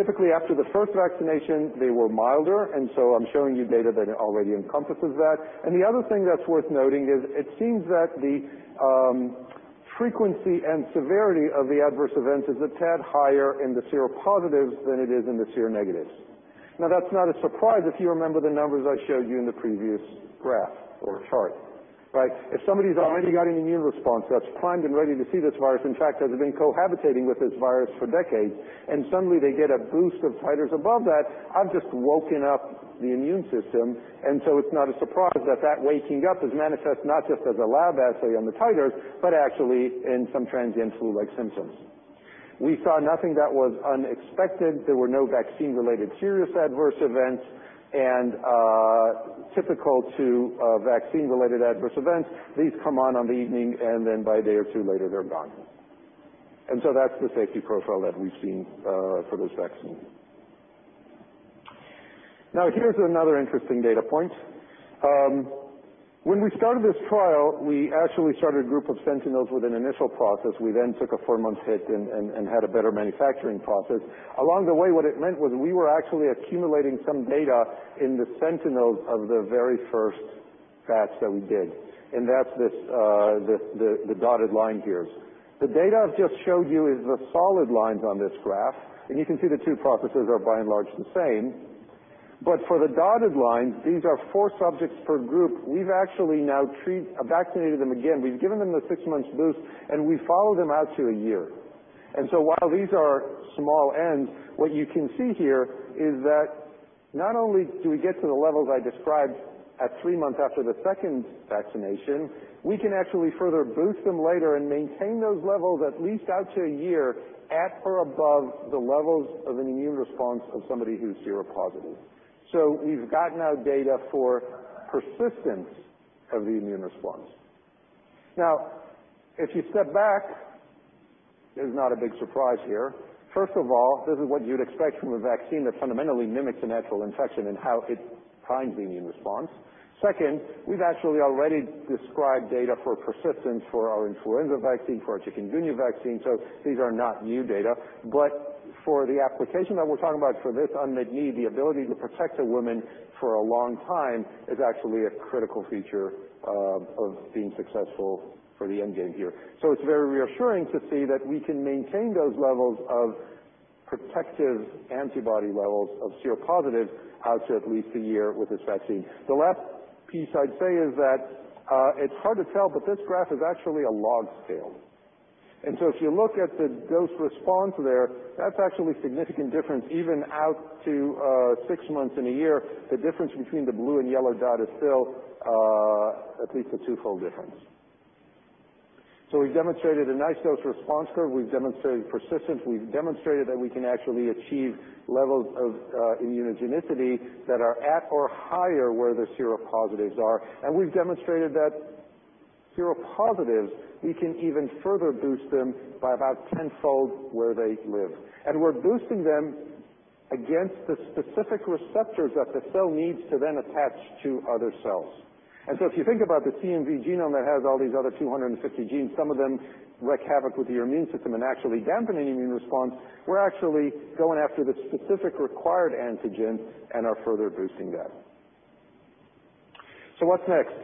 Typically, after the first vaccination, they were milder, and so I'm showing you data that already encompasses that. The other thing that's worth noting is it seems that the frequency and severity of the adverse events is a tad higher in the seropositives than it is in the seronegatives. That's not a surprise if you remember the numbers I showed you in the previous graph or chart. Right. If somebody's already got an immune response that's primed and ready to see this virus, in fact, has been cohabitating with this virus for decades, and suddenly they get a boost of titers above that, I've just woken up the immune system. It's not a surprise that that waking up is manifest not just as a lab assay on the titers, but actually in some transient flu-like symptoms. We saw nothing that was unexpected. There were no vaccine-related serious adverse events. Typical to vaccine-related adverse events, these come on on the evening, and then by a day or two later, they're gone. That's the safety profile that we've seen for this vaccine. Here's another interesting data point. When we started this trial, we actually started a group of sentinels with an initial process. We then took a four-month hit and had a better manufacturing process. Along the way, what it meant was we were actually accumulating some data in the sentinels of the very first batch that we did, and that's the dotted line here. The data I've just showed you is the solid lines on this graph, and you can see the two processes are by and large the same. For the dotted lines, these are four subjects per group. We've actually now treated vaccinated them again. We've given them the six months boost, and we follow them out to a year. So while these are small Ns, what you can see here is that not only do we get to the levels I described at three months after the second vaccination, we can actually further boost them later and maintain those levels at least out to one year at or above the levels of an immune response of somebody who's seropositive. We've gotten now data for persistence of the immune response. If you step back, there's not a big surprise here. First of all, this is what you'd expect from a vaccine that fundamentally mimics a natural infection and how it primes the immune response. We've actually already described data for persistence for our influenza vaccine, for our chikungunya vaccine, so these are not new data. For the application that we're talking about for this unmet need, the ability to protect a woman for a long time is actually a critical feature of being successful for the end game here. It's very reassuring to see that we can maintain those levels of protective antibody levels of seropositive out to at least a year with this vaccine. The last piece I'd say is that it's hard to tell, but this graph is actually a log scale. If you look at the dose response there, that's actually a significant difference even out to six months and a year, the difference between the blue and yellow dot is still at least a twofold difference. We've demonstrated a nice dose response curve. We've demonstrated persistence. We've demonstrated that we can actually achieve levels of immunogenicity that are at or higher where the seropositives are. We've demonstrated that seropositives, we can even further boost them by about tenfold where they live. We're boosting them against the specific receptors that the cell needs to then attach to other cells. If you think about the CMV genome that has all these other 250 genes, some of them wreak havoc with your immune system and actually dampen the immune response. We're actually going after the specific required antigen and are further boosting that. What's next?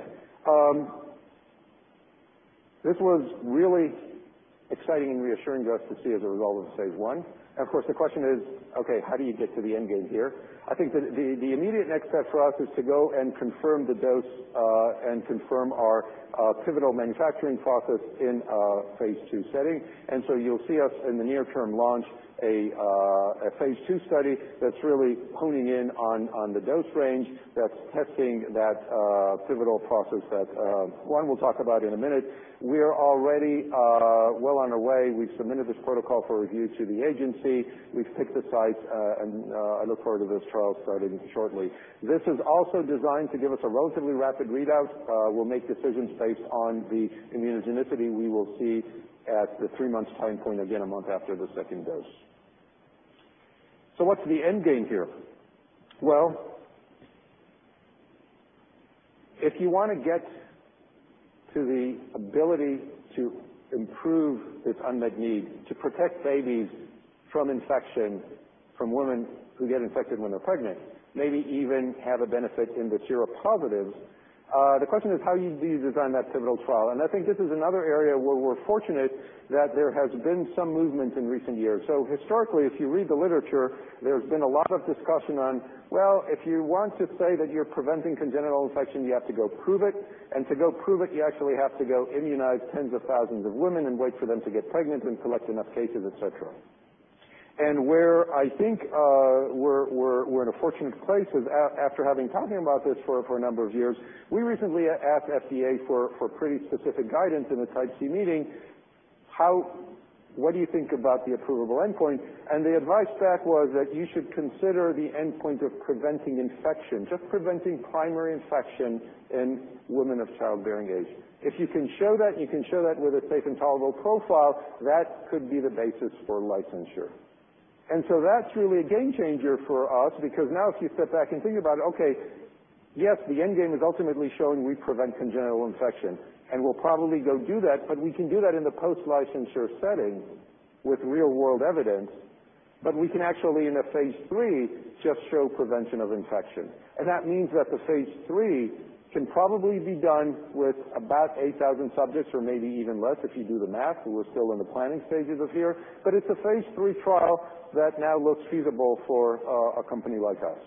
This was really exciting and reassuring to us to see as a result of phase I. Of course, the question is, okay, how do you get to the end game here? I think that the immediate next step for us is to go and confirm the dose, and confirm our pivotal manufacturing process in a phase II setting. You'll see us in the near term launch a phase II study that's really honing in on the dose range, that's testing that pivotal process that Juan will talk about in a minute. We're already well on our way. We've submitted this protocol for review to the agency. We've picked the sites, and I look forward to this trial starting shortly. This is also designed to give us a relatively rapid readout. We'll make decisions based on the immunogenicity we will see at the 3-month time point, again, a month after the second dose. What's the end game here? Well, if you want to get to the ability to improve this unmet need to protect babies from infection from women who get infected when they're pregnant, maybe even have a benefit in the seropositive, the question is how do you design that pivotal trial? I think this is another area where we're fortunate that there has been some movement in recent years. Historically, if you read the literature, there's been a lot of discussion on, well, if you want to say that you're preventing congenital infection, you have to go prove it. To go prove it, you actually have to go immunize tens of thousands of women and wait for them to get pregnant and collect enough cases, et cetera. Where I think we're in a fortunate place is after having talked about this for a number of years, we recently asked FDA for pretty specific guidance in a Type C meeting, what do you think about the approvable endpoint? The advice back was that you should consider the endpoint of preventing infection, just preventing primary infection in women of childbearing age. If you can show that, and you can show that with a safe and tolerable profile, that could be the basis for licensure. That's really a game changer for us, because now if you step back and think about it, okay, yes, the end game is ultimately showing we prevent congenital infection, we'll probably go do that, but we can do that in the post-licensure setting with real-world evidence. We can actually in a phase III, just show prevention of infection. That means that the phase III can probably be done with about 8,000 subjects or maybe even less if you do the math, and we're still in the planning stages of here. It's a phase III trial that now looks feasible for a company like us.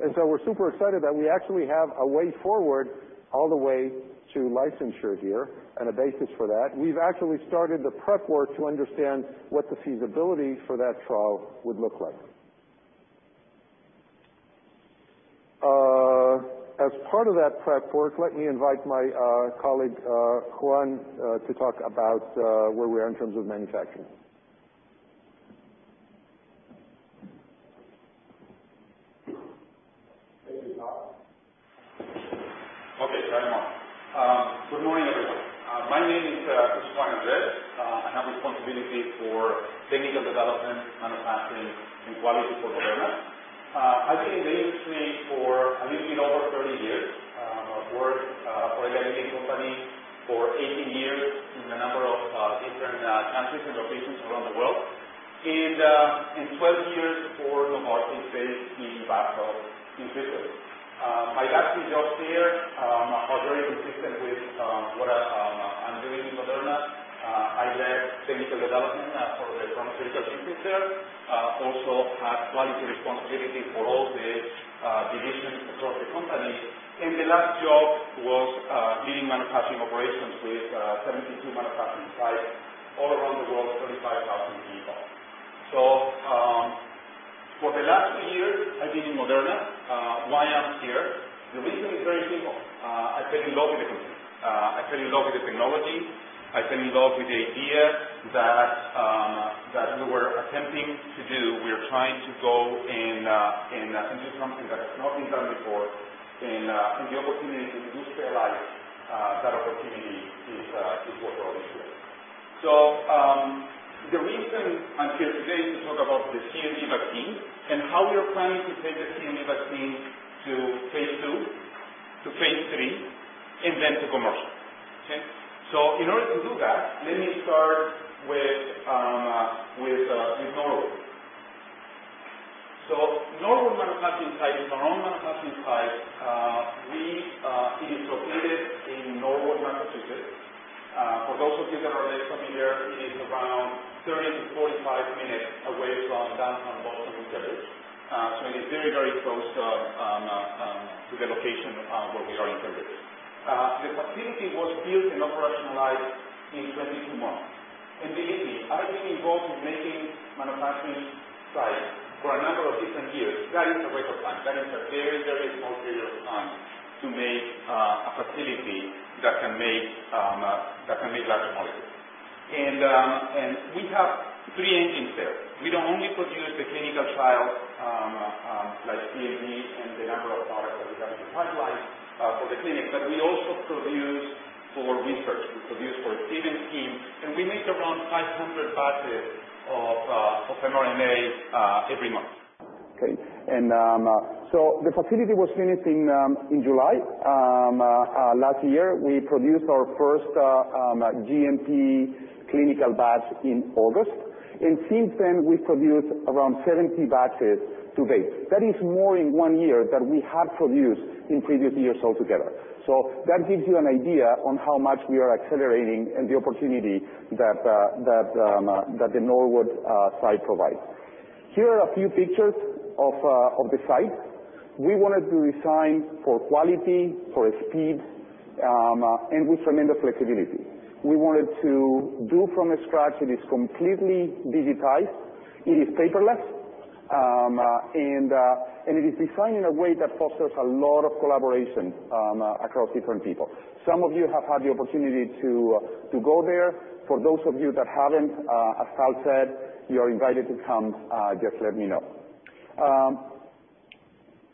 We're super excited that we actually have a way forward all the way to licensure here and a basis for that. We've actually started the prep work to understand what the feasibility for that trial would look like. As part of that prep work, let me invite my colleague, Juan, to talk about where we are in terms of manufacturing. Maybe talk. Okay, try them on. Good morning, everyone. My name is Juan Andres. I have responsibility for technical development, manufacturing, and quality for Moderna. I've been in the industry for a little bit over 30 years. I've worked for a dedicated company for 18 years in a number of different countries and locations around the world, and 12 years for Novartis based in Basel, in Switzerland. My last two jobs there are very consistent with what I'm doing in Moderna. I led technical development for the chromosomal synthesis there, also had quality responsibility for all the divisions across the company. The last job was leading manufacturing operations with 72 manufacturing sites all around the world, 35,000 people. For the last two years, I've been in Moderna. Why I'm here? The reason is very simple. I fell in love with the company. I fell in love with the technology. I fell in love with the idea that we were attempting to do. We're trying to go and do something that has not been done before, and the opportunity to be realized, that opportunity is what brought me here. The reason I'm here today is to talk about the CMV and how we are planning to take the CMV vaccine to phase II, to phase III, and then to commercial. Okay? In order to do that, let me start with Norwood. Norwood manufacturing site is our own manufacturing site. It is located in Norwood, Massachusetts. For those of you that are less familiar, it is around 30-45 minutes away from downtown Boston, Massachusetts. It is very close to the location where we are in Cambridge. The facility was built and operationalized in 22 months. Believe me, I've been involved with making manufacturing sites for a number of different years. That is a record time. That is a very small period of time to make a facility that can make larger molecules. We have three engines there. We don't only produce the clinical trials, like CMV and the number of products that we have in the pipeline for the clinic, but we also produce for research. We produce for Stephen's team, and we make around 500 batches of mRNA every month. Okay? The facility was finished in July last year. We produced our first GMP clinical batch in August. Since then, we've produced around 70 batches to date. That is more in one year than we had produced in previous years altogether. That gives you an idea on how much we are accelerating and the opportunity that the Norwood site provides. Here are a few pictures of the site. We wanted to design for quality, for speed, and with tremendous flexibility. We wanted to do from scratch. It is completely digitized. It is paperless. It is designed in a way that fosters a lot of collaboration across different people. Some of you have had the opportunity to go there. For those of you that haven't, as Tal said, you're invited to come, just let me know.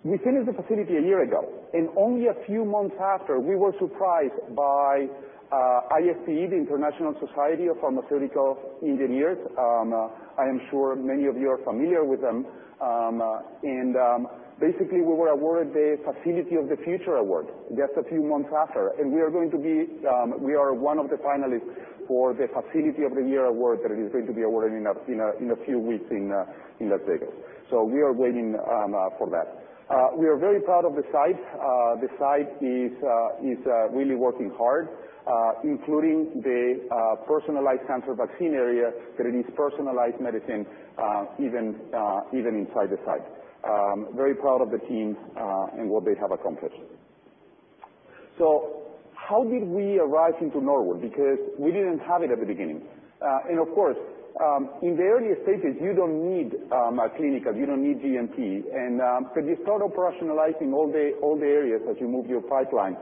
We finished the facility a year ago, and only a few months after we were surprised by ISPE, the International Society for Pharmaceutical Engineering. I am sure many of you are familiar with them. Basically we were awarded the Facility of the Future Award just a few months after. We are one of the finalists for the Facility of the Year Award that is going to be awarded in a few weeks in Las Vegas. We are waiting for that. We are very proud of the site. The site is really working hard, including the personalized cancer vaccine area that it is personalized medicine even inside the site. Very proud of the team and what they have accomplished. How did we arrive into Norwood? Because we didn't have it at the beginning. Of course, in the earliest stages you don't need clinical, you don't need GMP. You start operationalizing all the areas as you move your pipeline.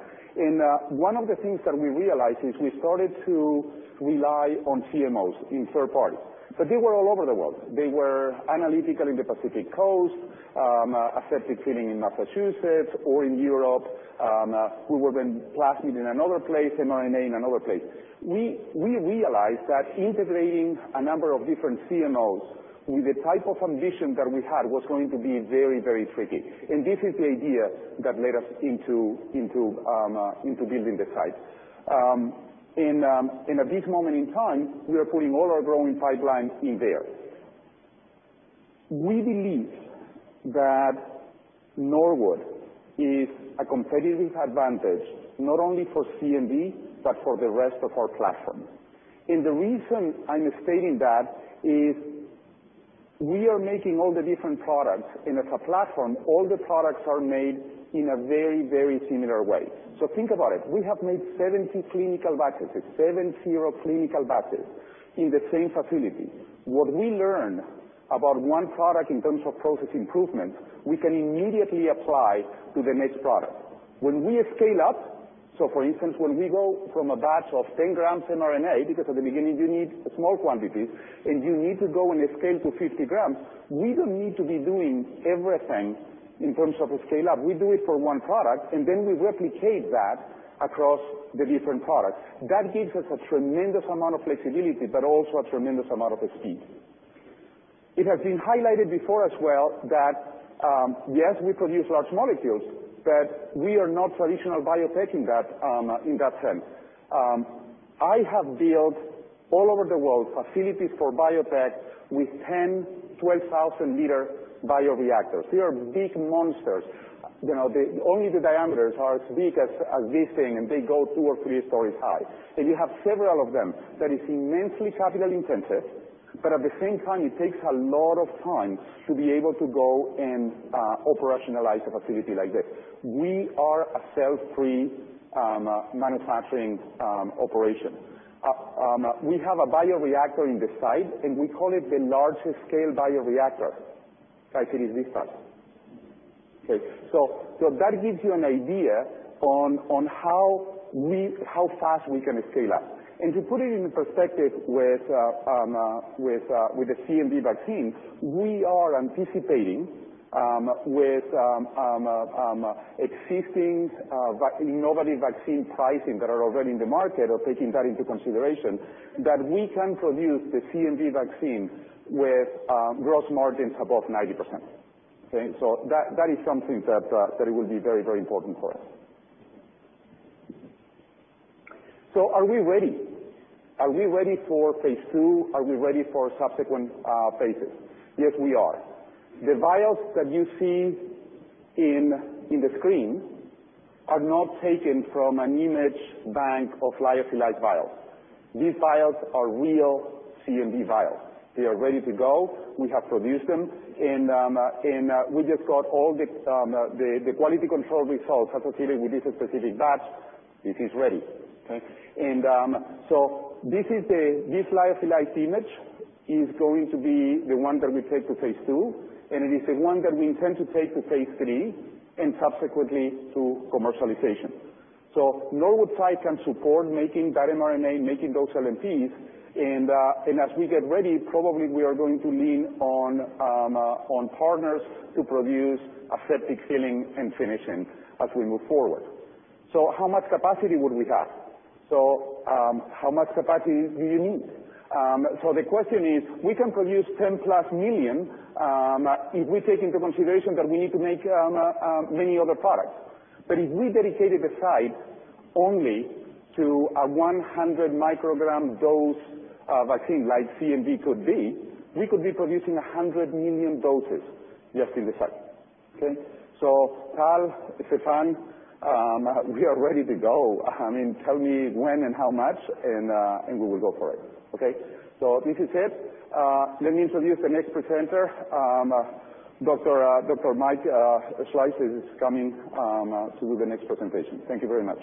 One of the things that we realized is we started to rely on CMOs in third parties, but they were all over the world. They were analytical in the Pacific Coast, aseptic filling in Massachusetts or in Europe. We were plasmid in another place, mRNA in another place. We realized that integrating a number of different CMOs with the type of ambition that we had was going to be very tricky. This is the idea that led us into building the site. In this moment in time, we are putting all our growing pipelines in there. We believe that Norwood is a competitive advantage not only for CMV, but for the rest of our platforms. The reason I'm stating that is we are making all the different products and as a platform, all the products are made in a very similar way. Think about it. We have made 70 clinical batches, seven zero clinical batches in the same facility. What we learn about one product in terms of process improvement, we can immediately apply to the next product. When we scale up, so for instance, when we go from a batch of 10 grams mRNA, because at the beginning you need small quantities and you need to go and scale to 50 grams, we don't need to be doing everything in terms of scale-up. We do it for one product and then we replicate that across the different products. That gives us a tremendous amount of flexibility, but also a tremendous amount of speed. It has been highlighted before as well that, yes, we produce large molecules, but we are not traditional biotech in that sense. I have built all over the world facilities for biotech with 10, 12,000 liter bioreactors. They are big monsters. Only the diameters are as big as this thing, they go two or three stories high. You have several of them. That is immensely capital intensive, but at the same time it takes a lot of time to be able to go and operationalize a facility like this. We are a cell-free manufacturing operation. We have a bioreactor in the site and we call it the largest scale bioreactor. Actually, it's this size. Okay. That gives you an idea on how fast we can scale up. To put it into perspective with the CMV vaccine, we are anticipating with existing novel vaccine pricing that are already in the market or taking that into consideration, that we can produce the CMV vaccine with gross margins above 90%. Okay. That is something that will be very important for us. Are we ready? Are we ready for phase II? Are we ready for subsequent phases? Yes, we are. The vials that you see on the screen are not taken from an image bank of lyophilized vials. These vials are real CMV vials. They are ready to go. We have produced them, and we just got all the quality control results associated with this specific batch. This is ready. Okay. This lyophilized image is going to be the one that we take to phase II, and it is the one that we intend to take to phase III and subsequently to commercialization. Norwood Site can support making that mRNA, making those LNPs. As we get ready, probably we are going to lean on partners to produce aseptic filling and finishing as we move forward. How much capacity would we have? How much capacity do you need? The question is, we can produce $10-plus million if we take into consideration that we need to make many other products. If we dedicated the site only to a 100 microgram dose of vaccine, like CMV could be, we could be producing $100 million doses just in the site. Okay. Tal, Stéphane, we are ready to go. Tell me when and how much, and we will go for it. Okay. This is it. Let me introduce the next presenter. Dr. Mark Schleiss is coming to do the next presentation. Thank you very much.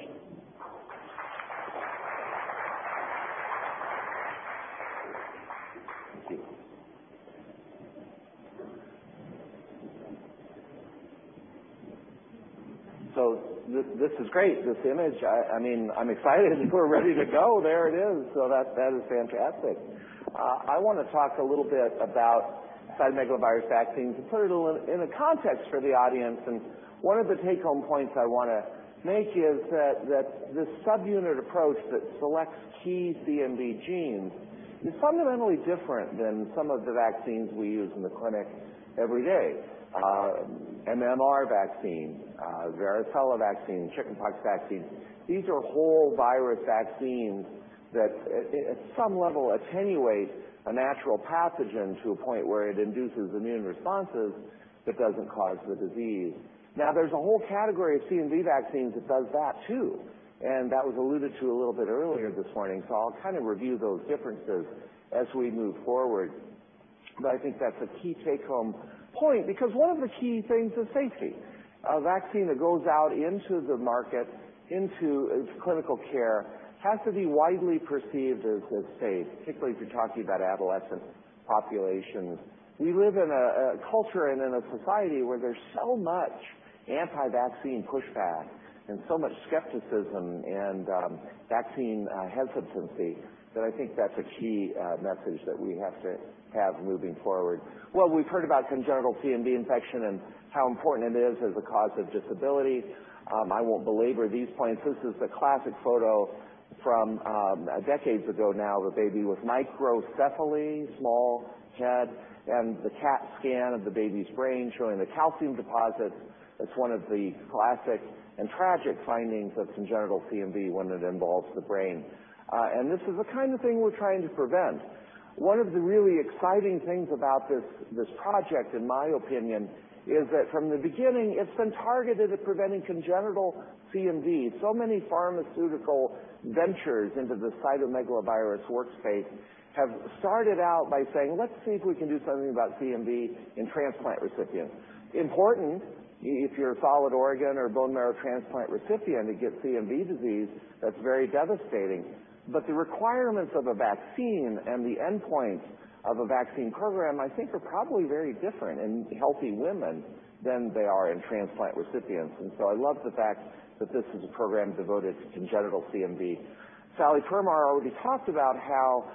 Thank you. This is great, this image. I'm excited. We're ready to go. There it is. That is fantastic. I want to talk a little bit about cytomegalovirus vaccines and put it a little in a context for the audience. One of the take-home points I want to make is that this subunit approach that selects key CMV genes is fundamentally different than some of the vaccines we use in the clinic every day. MMR vaccine, varicella vaccine, chickenpox vaccine, these are whole virus vaccines that at some level attenuate a natural pathogen to a point where it induces immune responses that doesn't cause the disease. Now, there's a whole category of CMV vaccines that does that too, and that was alluded to a little bit earlier this morning. I'll kind of review those differences as we move forward. I think that's a key take-home point, because one of the key things is safety. A vaccine that goes out into the market, into clinical care, has to be widely perceived as safe, particularly if you're talking about adolescent populations. We live in a culture and in a society where there's so much anti-vaccine pushback and so much skepticism and vaccine hesitancy that I think that's a key message that we have to have moving forward. We've heard about congenital CMV infection and how important it is as a cause of disability. I won't belabor these points. This is the classic photo from decades ago now of a baby with microcephaly, small head, and the CAT scan of the baby's brain showing the calcium deposits. That's one of the classic and tragic findings of congenital CMV when it involves the brain. This is the kind of thing we're trying to prevent. One of the really exciting things about this project, in my opinion, is that from the beginning, it's been targeted at preventing congenital CMV. Many pharmaceutical ventures into the cytomegalovirus workspace have started out by saying, "Let's see if we can do something about CMV in transplant recipients." Important if you're a solid organ or bone marrow transplant recipient and get CMV disease, that's very devastating. The requirements of a vaccine and the endpoint of a vaccine program, I think, are probably very different in healthy women than they are in transplant recipients. I love the fact that this is a program devoted to congenital CMV. Sally Permar already talked about how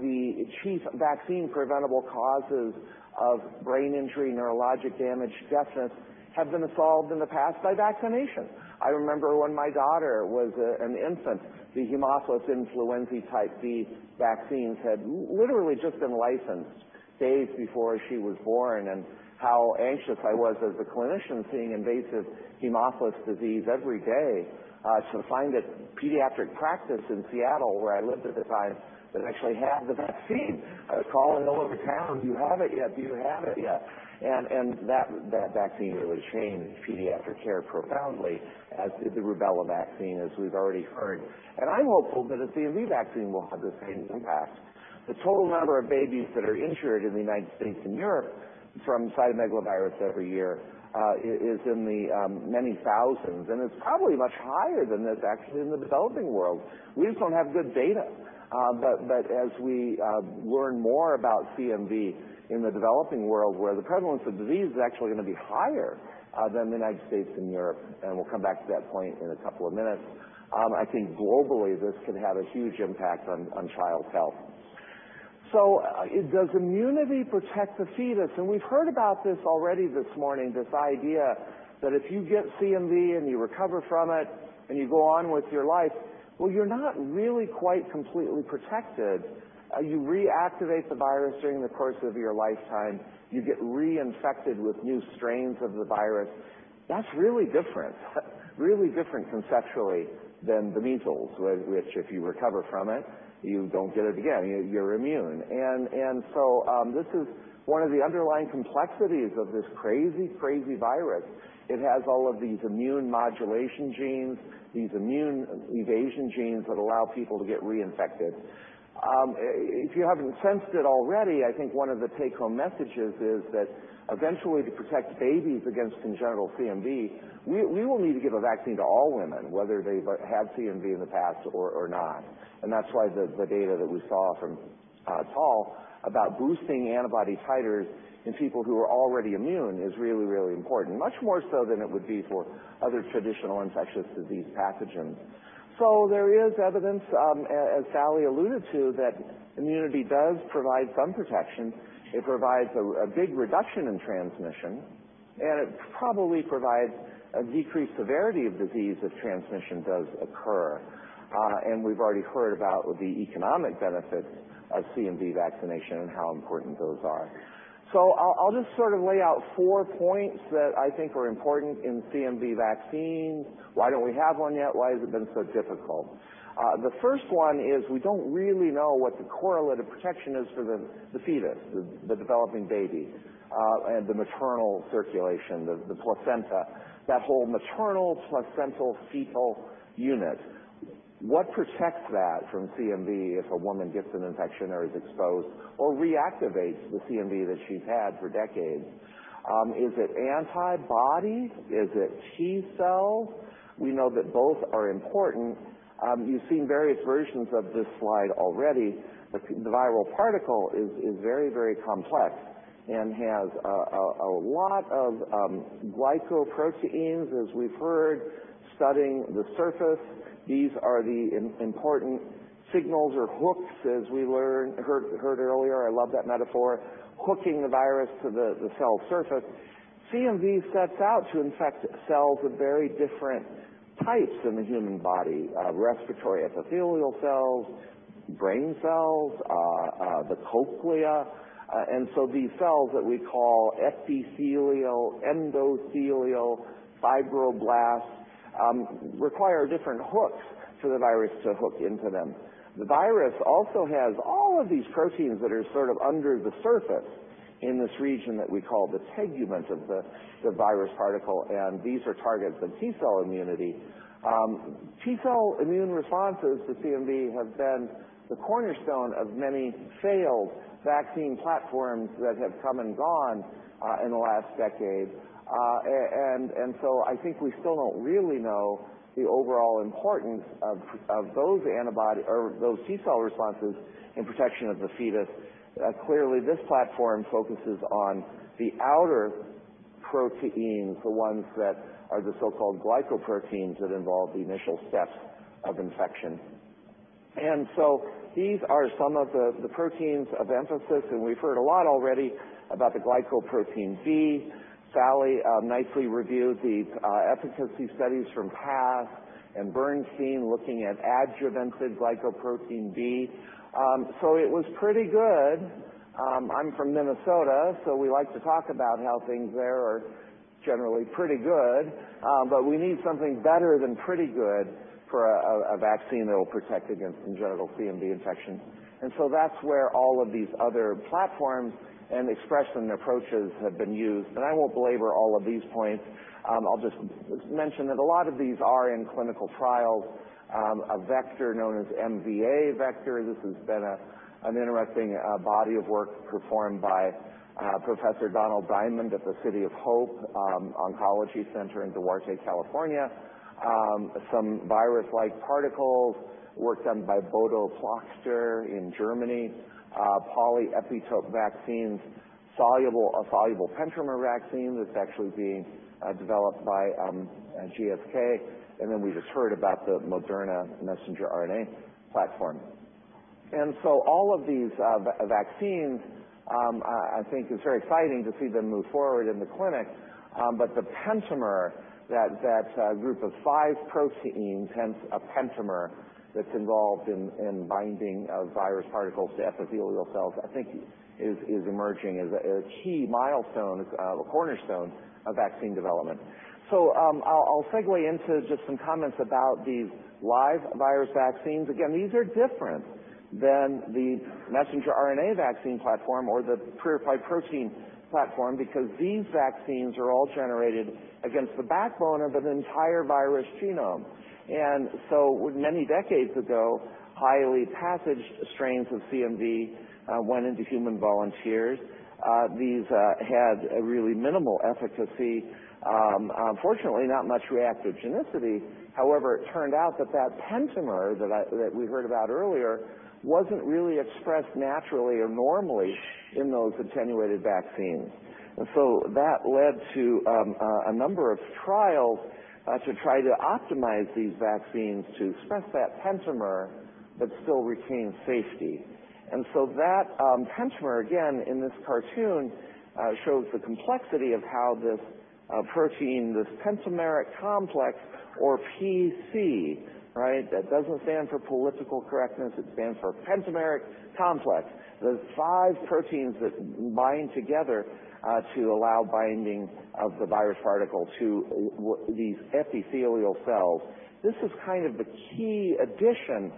the chief vaccine-preventable causes of brain injury, neurologic damage, deafness, have been solved in the past by vaccination. I remember when my daughter was an infant, the Haemophilus influenzae type b vaccines had literally just been licensed days before she was born, and how anxious I was as a clinician seeing invasive Haemophilus disease every day, to find a pediatric practice in Seattle where I lived at the time that actually had the vaccine. I was calling all over town, "Do you have it yet? Do you have it yet?" That vaccine really changed pediatric care profoundly, as did the rubella vaccine, as we've already heard. I'm hopeful that a CMV vaccine will have the same impact. The total number of babies that are injured in the United States and Europe from cytomegalovirus every year is in the many thousands, and it's probably much higher than this actually in the developing world. We just don't have good data. As we learn more about CMV in the developing world, where the prevalence of disease is actually going to be higher than the United States and Europe, and we'll come back to that point in a couple of minutes, I think globally, this can have a huge impact on child health. Does immunity protect the fetus? We've heard about this already this morning, this idea that if you get CMV and you recover from it and you go on with your life, well, you're not really quite completely protected. You reactivate the virus during the course of your lifetime. You get reinfected with new strains of the virus. That's really different conceptually than the measles, which if you recover from it, you don't get it again. You're immune. This is one of the underlying complexities of this crazy virus. It has all of these immune modulation genes, these immune evasion genes that allow people to get reinfected. If you haven't sensed it already, I think one of the take-home messages is that eventually to protect babies against congenital CMV, we will need to give a vaccine to all women, whether they've had CMV in the past or not. That's why the data that we saw from Tal about boosting antibody titers in people who are already immune is really important, much more so than it would be for other traditional infectious disease pathogens. There is evidence, as Sally alluded to, that immunity does provide some protection. It provides a big reduction in transmission, and it probably provides a decreased severity of disease if transmission does occur. We've already heard about the economic benefits of CMV vaccination and how important those are. I'll just sort of lay out four points that I think are important in CMV vaccines. Why don't we have one yet? Why has it been so difficult? The first one is we don't really know what the correlative protection is for the fetus, the developing baby, and the maternal circulation, the placenta, that whole maternal placental-fetal unit. What protects that from CMV if a woman gets an infection or is exposed or reactivates the CMV that she's had for decades? Is it antibody? Is it T cells? We know that both are important. You've seen various versions of this slide already. The viral particle is very complex and has a lot of glycoproteins, as we've heard, studding the surface. These are the important signals or hooks, as we heard earlier. I love that metaphor, hooking the virus to the cell surface. CMV sets out to infect cells of very different types in the human body, respiratory epithelial cells, brain cells, the cochlea. These cells that we call epithelial, endothelial, fibroblasts, require different hooks for the virus to hook into them. The virus also has all of these proteins that are sort of under the surface in this region that we call the tegument of the virus particle, and these are targets of T cell immunity. T cell immune responses to CMV have been the cornerstone of many failed vaccine platforms that have come and gone in the last decade. I think we still don't really know the overall importance of those T cell responses in protection of the fetus. Clearly, this platform focuses on the outer proteins, the ones that are the so-called glycoproteins that involve the initial steps of infection. These are some of the proteins of emphasis, and we've heard a lot already about the glycoprotein B. Sally nicely reviewed the efficacy studies from Pass and Bernstein, looking at adjuvanted glycoprotein B. It was pretty good. I'm from Minnesota, so we like to talk about how things there are generally pretty good. We need something better than pretty good for a vaccine that will protect against congenital CMV infection. That's where all of these other platforms and expression approaches have been used. I won't belabor all of these points. I'll just mention that a lot of these are in clinical trials. A vector known as MVA vector, this has been an interesting body of work performed by Professor Donald Diamond at the City of Hope Oncology Center in Duarte, California. Some virus-like particles, work done by Professor Bodo Plachter in Germany. Polyepitope vaccines, soluble pentamer vaccine that's actually being developed by GSK. We just heard about the Moderna messenger RNA platform. All of these vaccines, I think it's very exciting to see them move forward in the clinic. The pentamer, that group of five proteins, hence a pentamer that's involved in binding of virus particles to epithelial cells, I think is emerging as a key milestone, as a cornerstone of vaccine development. I'll segue into just some comments about these live virus vaccines. Again, these are different than the messenger RNA vaccine platform or the purified protein platform because these vaccines are all generated against the backbone of an entire virus genome. Many decades ago, highly passaged strains of CMV went into human volunteers. These had a really minimal efficacy. Unfortunately, not much reactogenicity. It turned out that pentamer that we heard about earlier wasn't really expressed naturally or normally in those attenuated vaccines. That led to a number of trials to try to optimize these vaccines to express that pentamer, but still retain safety. That pentamer, again, in this cartoon, shows the complexity of how this protein, this pentameric complex or PC, right? That doesn't stand for political correctness, it stands for pentameric complex, the five proteins that bind together to allow binding of the virus particle to these epithelial cells. This is the key addition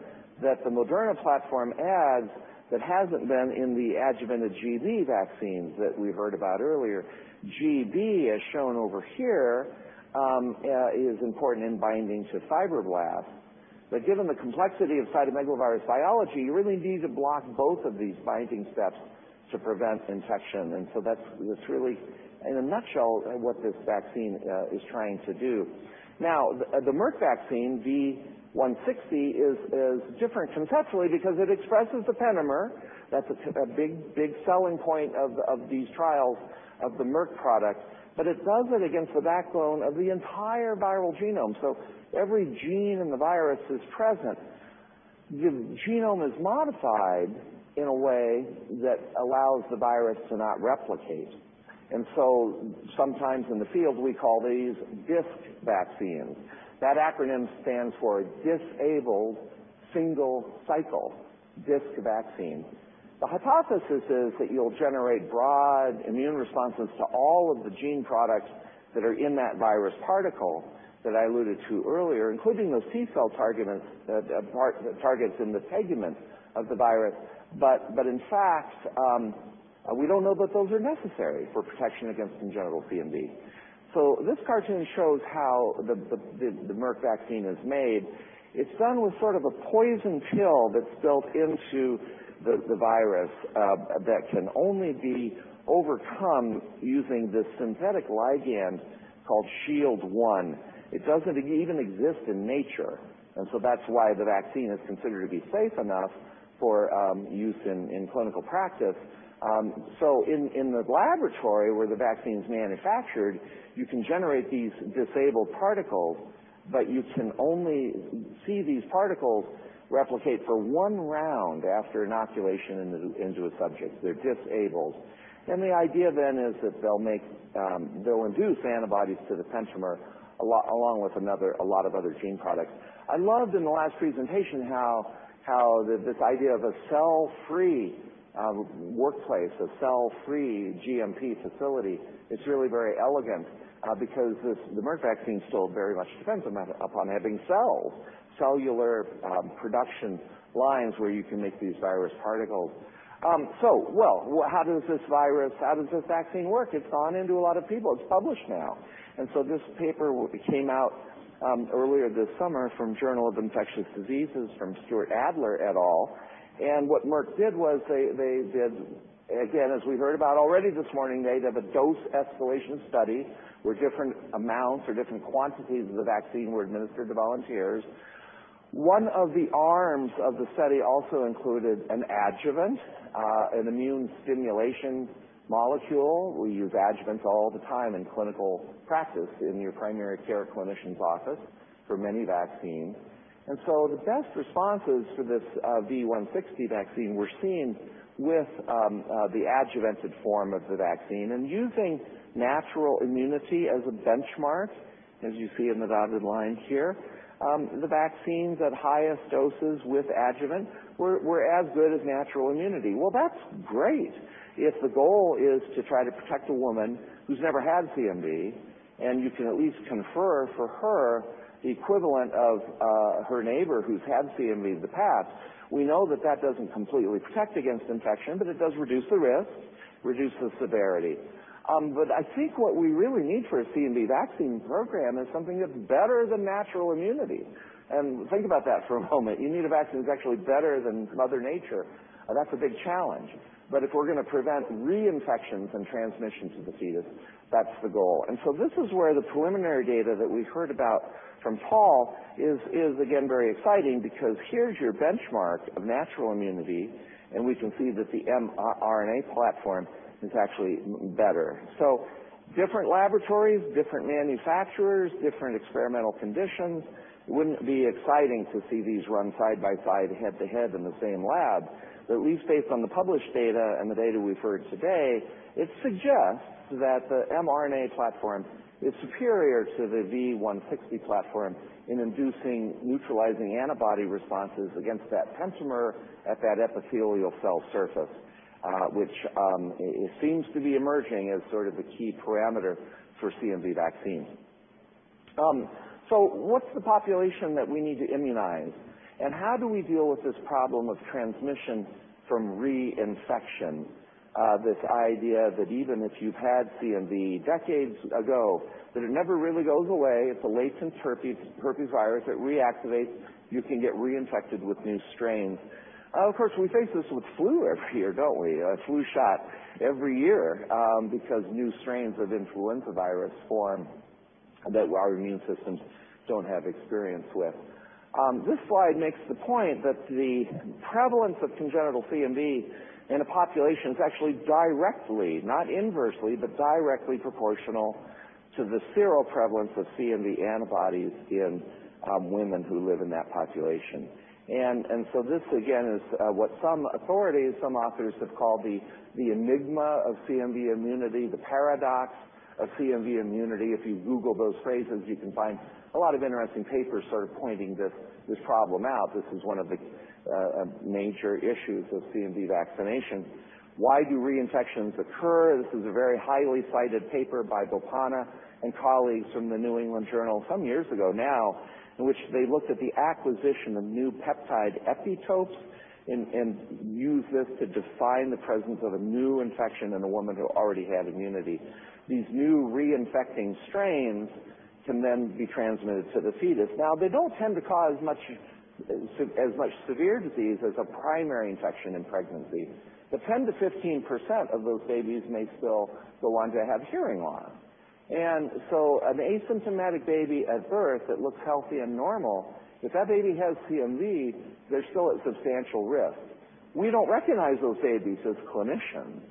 that the Moderna platform adds that hasn't been in the adjuvanted gB vaccines that we heard about earlier. gB, as shown over here, is important in binding to fibroblasts. Given the complexity of cytomegalovirus biology, you really need to block both of these binding steps to prevent infection. That's really, in a nutshell, what this vaccine is trying to do. Now, the Merck vaccine, V160, is different conceptually because it expresses the pentamer. That's a big selling point of these trials of the Merck product, but it does it against the backbone of the entire viral genome. Every gene in the virus is present. The genome is modified in a way that allows the virus to not replicate. Sometimes in the field, we call these DiSC vaccines. That acronym stands for Disabled Single Cycle, DiSC vaccine. The hypothesis is that you'll generate broad immune responses to all of the gene products that are in that virus particle that I alluded to earlier, including those T-cell targets in the tegument of the virus. In fact, we don't know that those are necessary for protection against congenital CMV. This cartoon shows how the Merck vaccine is made. It's done with sort of a poison pill that's built into the virus, that can only be overcome using this synthetic ligand called Shield-1. It doesn't even exist in nature. That's why the vaccine is considered to be safe enough for use in clinical practice. In the laboratory where the vaccine's manufactured, you can generate these disabled particles, but you can only see these particles replicate for one round after inoculation into a subject. They're disabled. The idea then is that they'll induce antibodies to the pentamer, along with a lot of other gene products. I loved in the last presentation how this idea of a cell-free workplace, a cell-free GMP facility, is really very elegant, because the Merck vaccine still very much depends upon having cells, cellular production lines where you can make these virus particles. Well, how does this vaccine work? It's gone into a lot of people. It's published now. This paper came out earlier this summer from The Journal of Infectious Diseases from Stuart Adler et al. What Merck did was they did, again, as we heard about already this morning, they did a dose escalation study where different amounts or different quantities of the vaccine were administered to volunteers. One of the arms of the study also included an adjuvant, an immune stimulation molecule. We use adjuvants all the time in clinical practice in your primary care clinician's office for many vaccines. The best responses to this V160 vaccine were seen with the adjuvanted form of the vaccine. Using natural immunity as a benchmark, as you see in the dotted line here, the vaccines at highest doses with adjuvant were as good as natural immunity. Well, that's great. If the goal is to try to protect a woman who's never had CMV, and you can at least confer for her the equivalent of her neighbor who's had CMV in the past. We know that that doesn't completely protect against infection, but it does reduce the risk, reduce the severity. I think what we really need for a CMV vaccine program is something that's better than natural immunity. Think about that for a moment. You need a vaccine that's actually better than Mother Nature. That's a big challenge. If we're going to prevent reinfections and transmission to the fetus, that's the goal. This is where the preliminary data that we've heard about from Tal is, again, very exciting because here's your benchmark of natural immunity, and we can see that the mRNA platform is actually better. Different laboratories, different manufacturers, different experimental conditions. Wouldn't it be exciting to see these run side by side, head to head in the same lab? At least based on the published data and the data we've heard today, it suggests that the mRNA platform is superior to the V160 platform in inducing neutralizing antibody responses against that pentamer at that epithelial cell surface, which seems to be emerging as sort of the key parameter for CMV vaccine. What's the population that we need to immunize? How do we deal with this problem of transmission from reinfection? This idea that even if you've had CMV decades ago, that it never really goes away. It's a latent herpes virus that reactivates. You can get reinfected with new strains. Of course, we face this with flu every year, don't we? A flu shot every year, because new strains of influenza virus form that our immune systems don't have experience with. This slide makes the point that the prevalence of congenital CMV in a population is actually directly, not inversely, but directly proportional to the seroprevalence of CMV antibodies in women who live in that population. This, again, is what some authorities, some authors have called the enigma of CMV immunity, the paradox of CMV immunity. If you Google those phrases, you can find a lot of interesting papers sort of pointing this problem out. This is one of the major issues with CMV vaccination. Why do reinfections occur? This is a very highly cited paper by Boppana and colleagues from the New England Journal some years ago now, in which they looked at the acquisition of new peptide epitopes and used this to define the presence of a new infection in a woman who already had immunity. These new reinfecting strains can be transmitted to the fetus. They don't tend to cause as much severe disease as a primary infection in pregnancy, but 10%-15% of those babies may still go on to have hearing loss. An asymptomatic baby at birth that looks healthy and normal, if that baby has CMV, there's still a substantial risk. We don't recognize those babies as clinicians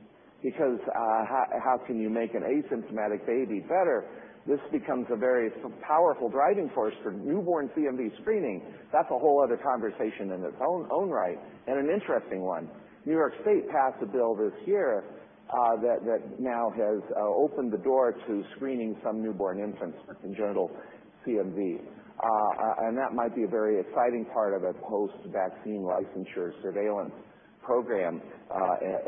because how can you make an asymptomatic baby better? This becomes a very powerful driving force for newborn CMV screening. That's a whole other conversation in its own right, an interesting one. New York State passed a bill this year that now has opened the door to screening some newborn infants for congenital CMV. That might be a very exciting part of a post-vaccine licensure surveillance program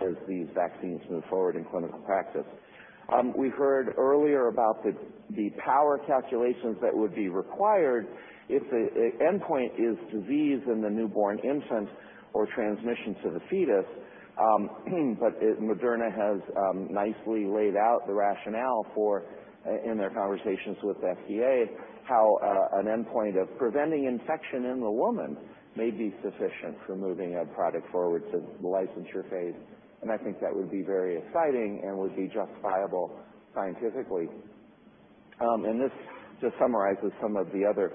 as these vaccines move forward in clinical practice. We heard earlier about the power calculations that would be required if the endpoint is disease in the newborn infant or transmission to the fetus. Moderna has nicely laid out the rationale for, in their conversations with FDA, how an endpoint of preventing infection in the woman may be sufficient for moving a product forward to the licensure phase, and I think that would be very exciting and would be justifiable scientifically. This just summarizes some of the other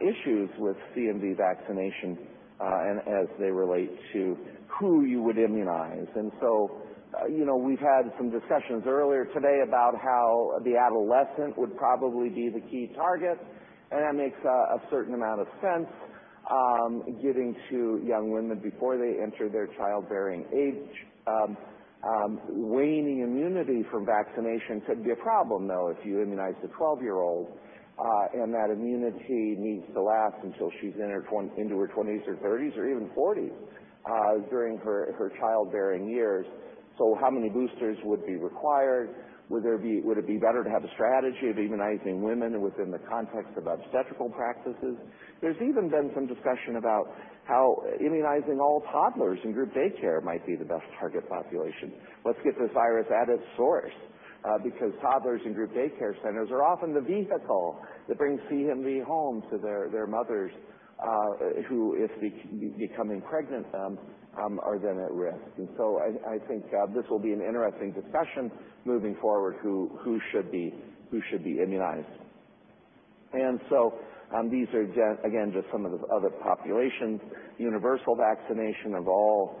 issues with CMV vaccination as they relate to who you would immunize. We've had some discussions earlier today about how the adolescent would probably be the key target, and that makes a certain amount of sense, giving to young women before they enter their childbearing age. Waning immunity from vaccination could be a problem, though, if you immunize a 12-year-old, and that immunity needs to last until she's into her 20s or 30s or even 40s during her childbearing years. How many boosters would be required? Would it be better to have a strategy of immunizing women within the context of obstetrical practices? There's even been some discussion about how immunizing all toddlers in group daycare might be the best target population. Let's get this virus at its source, because toddlers in group daycare centers are often the vehicle that brings CMV home to their mothers, who, if becoming pregnant, are then at risk. I think this will be an interesting discussion moving forward who should be immunized. These are, again, just some of the other populations. Universal vaccination of all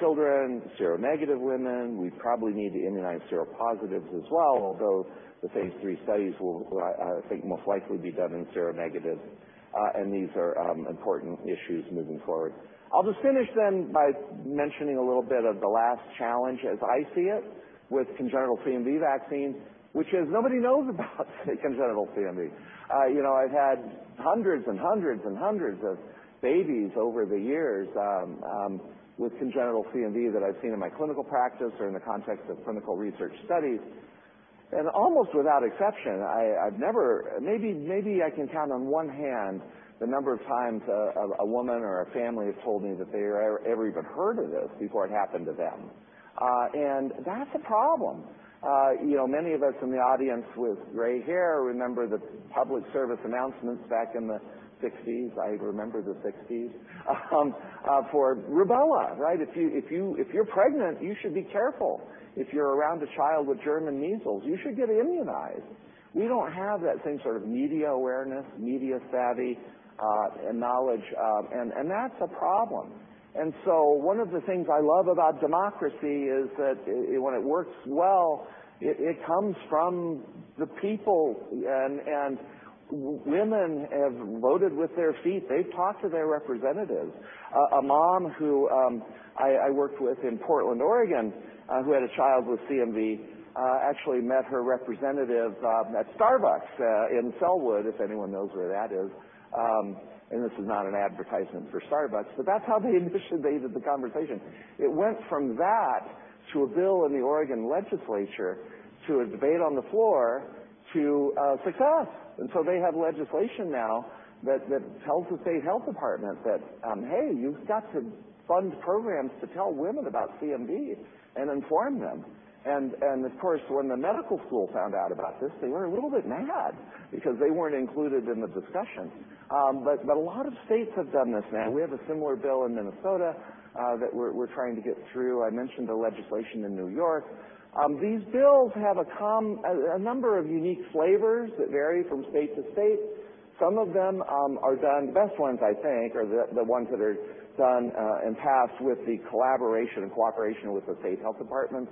children, seronegative women. We probably need to immunize seropositives as well, although the phase III studies will, I think, most likely be done in seronegative. These are important issues moving forward. I'll just finish then by mentioning a little bit of the last challenge as I see it with congenital CMV vaccine, which is nobody knows about congenital CMV. I've had hundreds of babies over the years with congenital CMV that I've seen in my clinical practice or in the context of clinical research studies. Almost without exception, I've never maybe I can count on one hand the number of times a woman or a family has told me that they ever even heard of this before it happened to them. That's a problem. Many of us in the audience with gray hair remember the public service announcements back in the 1960s, I remember the 1960s, for rubella, right? If you're pregnant, you should be careful. If you're around a child with German measles, you should get immunized. We don't have that same sort of media awareness, media savvy, and knowledge. That's a problem. One of the things I love about democracy is that when it works well, it comes from the people, and women have voted with their feet. They've talked to their representatives. A mom who I worked with in Portland, Oregon, who had a child with CMV, actually met her representative at Starbucks in Sellwood, if anyone knows where that is. This is not an advertisement for Starbucks, but that's how they initiated the conversation. It went from that to a bill in the Oregon legislature to a debate on the floor to success. They have legislation now that tells the state health department that, "Hey, you've got to fund programs to tell women about CMV and inform them." Of course, when the medical school found out about this, they were a little bit mad because they weren't included in the discussion. A lot of states have done this now. We have a similar bill in Minnesota, that we're trying to get through. I mentioned the legislation in New York. These bills have a number of unique flavors that vary from state to state. Some of them are done, the best ones, I think, are the ones that are done and passed with the collaboration and cooperation with the state health departments.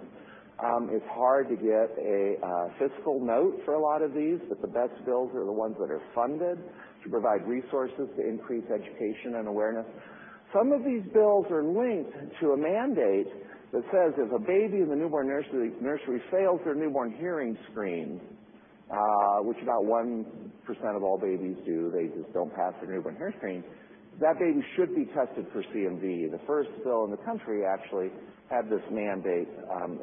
It's hard to get a fiscal note for a lot of these, but the best bills are the ones that are funded to provide resources to increase education and awareness. Some of these bills are linked to a mandate that says if a baby in the newborn nursery fails their newborn hearing screen, which about 1% of all babies do, they just don't pass the newborn hearing screen, that baby should be tested for CMV. The first bill in the country actually had this mandate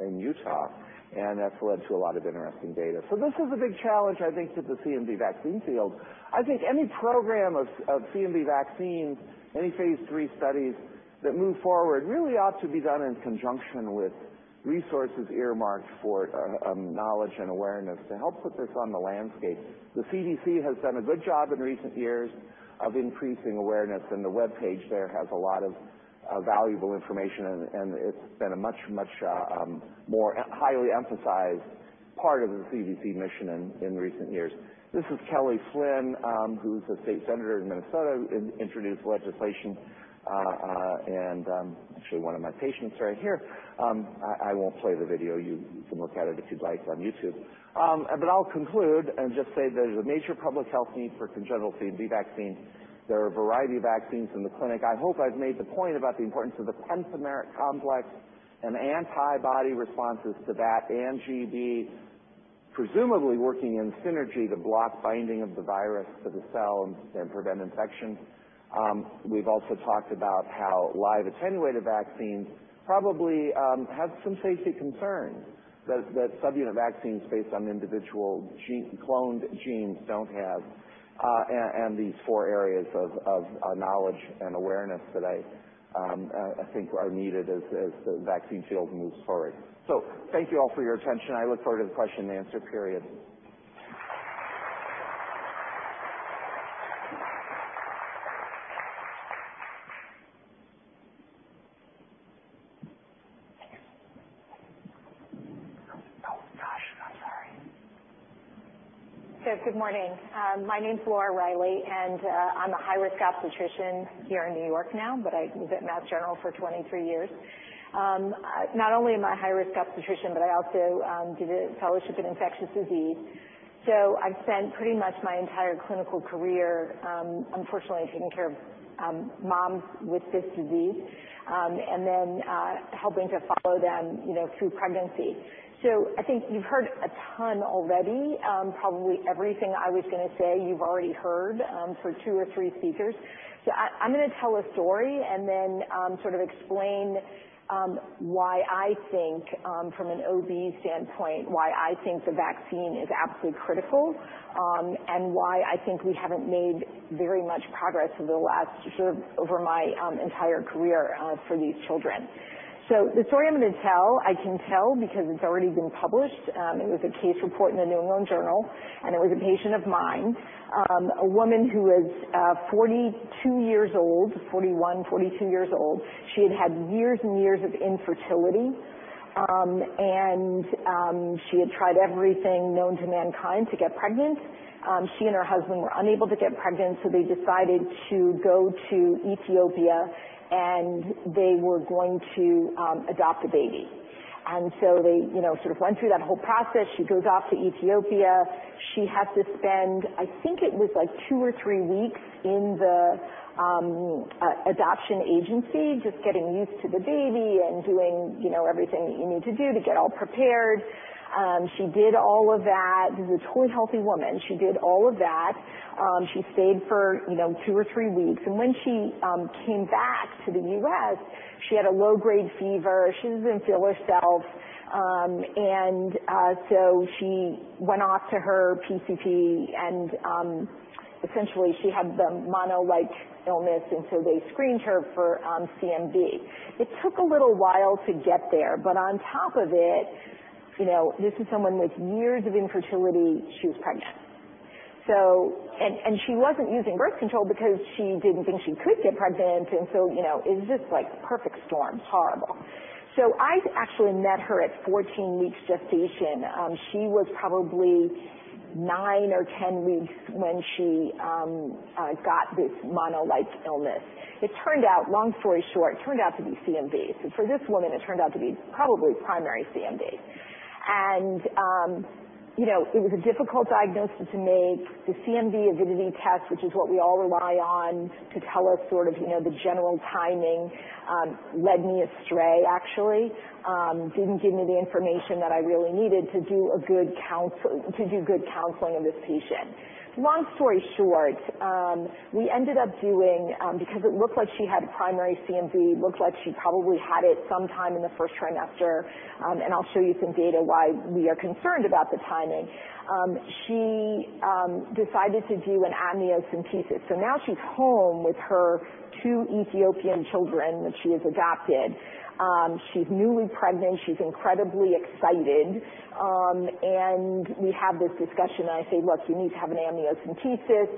in Utah, and that's led to a lot of interesting data. This is a big challenge, I think, to the CMV vaccine field. I think any program of CMV vaccines, any phase III studies that move forward really ought to be done in conjunction with resources earmarked for knowledge and awareness to help put this on the landscape. The CDC has done a good job in recent years of increasing awareness, and the webpage there has a lot of valuable information, and it's been a much more highly emphasized part of the CDC mission in recent years. This is Kelly Fenton, who's a State Senator in Minnesota, introduced legislation, and actually one of my patients right here. I won't play the video. You can look at it if you'd like on YouTube. I'll conclude and just say there's a major public health need for congenital CMV vaccine. There are a variety of vaccines in the clinic. I hope I've made the point about the importance of the pentameric complex and antibody responses to that and gB, presumably working in synergy to block binding of the virus to the cell and prevent infection. We've also talked about how live attenuated vaccines probably have some safety concerns that subunit vaccines based on individual cloned genes don't have, and these four areas of knowledge and awareness that I think are needed as the vaccine field moves forward. Thank you all for your attention. I look forward to the question and answer period. Good morning. My name's Laura Riley, I'm a high-risk obstetrician here in New York now, I was at Mass General for 23 years. Not only am I a high-risk obstetrician, I also did a fellowship in infectious disease. I've spent pretty much my entire clinical career, unfortunately, taking care of moms with this disease, then helping to follow them through pregnancy. I think you've heard a ton already. Probably everything I was going to say, you've already heard from two or three speakers. I'm going to tell a story then sort of explain why I think, from an OB standpoint, why I think the vaccine is absolutely critical, and why I think we haven't made very much progress over my entire career for these children. The story I'm going to tell, I can tell because it's already been published. It was a case report in The New England Journal, and it was a patient of mine, a woman who was 42 years old, 41, 42 years old. She had had years and years of infertility, and she had tried everything known to mankind to get pregnant. She and her husband were unable to get pregnant, so they decided to go to Ethiopia, and they were going to adopt a baby. They sort of went through that whole process. She goes off to Ethiopia. She had to spend, I think it was two or three weeks in the adoption agency, just getting used to the baby and doing everything that you need to do to get all prepared. She did all of that. This is a totally healthy woman. She did all of that. She stayed for two or three weeks. When she came back to the U.S., she had a low-grade fever. She didn't feel herself. She went off to her PCP. Essentially, she had the mono-like illness. They screened her for CMV. It took a little while to get there. On top of it, this is someone with years of infertility. She was pregnant. She wasn't using birth control because she didn't think she could get pregnant. It was just like the perfect storm. Horrible. I actually met her at 14 weeks gestation. She was probably nine or 10 weeks when she got this mono-like illness. It turned out, long story short, it turned out to be CMV. For this woman, it turned out to be probably primary CMV. It was a difficult diagnosis to make. The CMV immunity test, which is what we all rely on to tell us sort of the general timing, led me astray, actually. It didn't give me the information that I really needed to do good counseling of this patient. Long story short, we ended up doing, because it looked like she had primary CMV, looked like she probably had it sometime in the first trimester, and I'll show you some data why we are concerned about the timing. She decided to do an amniocentesis. Now she's home with her two Ethiopian children that she has adopted. She's newly pregnant. She's incredibly excited. We have this discussion, and I say, "Look, you need to have an amniocentesis."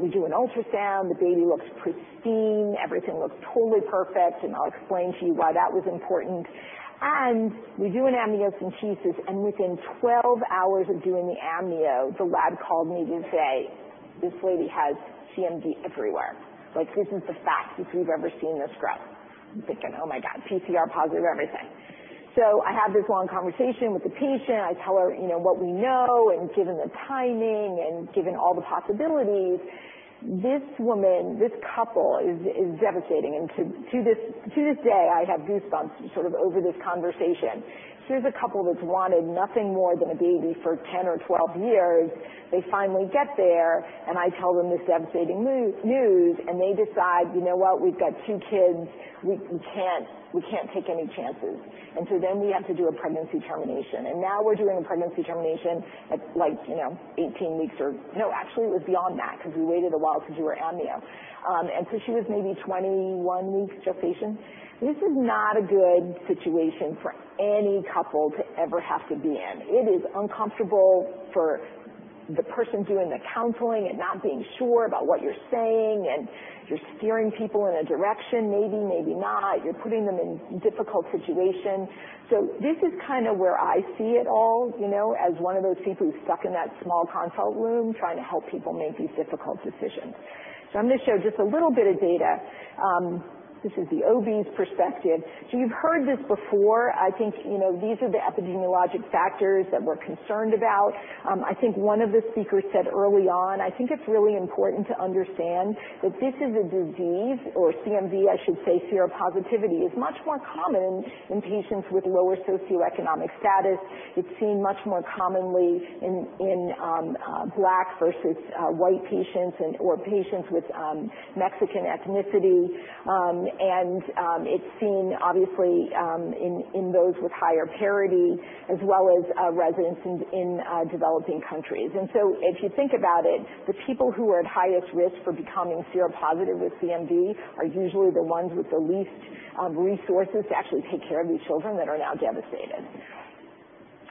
We do an ultrasound. The baby looks pristine. Everything looks totally perfect, and I'll explain to you why that was important. We do an amniocentesis. Within 12 hours of doing the amnio, the lab called me to say, "This lady has CMV everywhere. This is the fattest we've ever seen this grow." I'm thinking, "Oh my God, PCR positive everything." I have this long conversation with the patient. I tell her what we know. Given the timing and given all the possibilities, this woman, this couple, is devastated. To this day, I have goosebumps over this conversation. Here's a couple that's wanted nothing more than a baby for 10 or 12 years. They finally get there. I tell them this devastating news, and they decide, "You know what? We've got two kids. We can't take any chances." We have to do a pregnancy termination. Now we're doing a pregnancy termination at 18 weeks or, no, actually, it was beyond that because we waited a while to do her amnio. She was maybe 21 weeks gestation. This is not a good situation for any couple to ever have to be in. It is uncomfortable for the person doing the counseling and not being sure about what you're saying, and you're steering people in a direction, maybe not. You're putting them in difficult situations. This is where I see it all, as one of those people who's stuck in that small consult room trying to help people make these difficult decisions. I'm going to show just a little bit of data. This is the OB's perspective. You've heard this before. I think these are the epidemiologic factors that we're concerned about. I think one of the speakers said early on, I think it's really important to understand that this is a disease, or CMV, I should say, seropositivity, is much more common in patients with lower socioeconomic status. It's seen much more commonly in Black versus white patients or patients with Mexican ethnicity. It's seen, obviously, in those with higher parity as well as residents in developing countries. If you think about it, the people who are at highest risk for becoming seropositive with CMV are usually the ones with the least resources to actually take care of these children that are now devastated.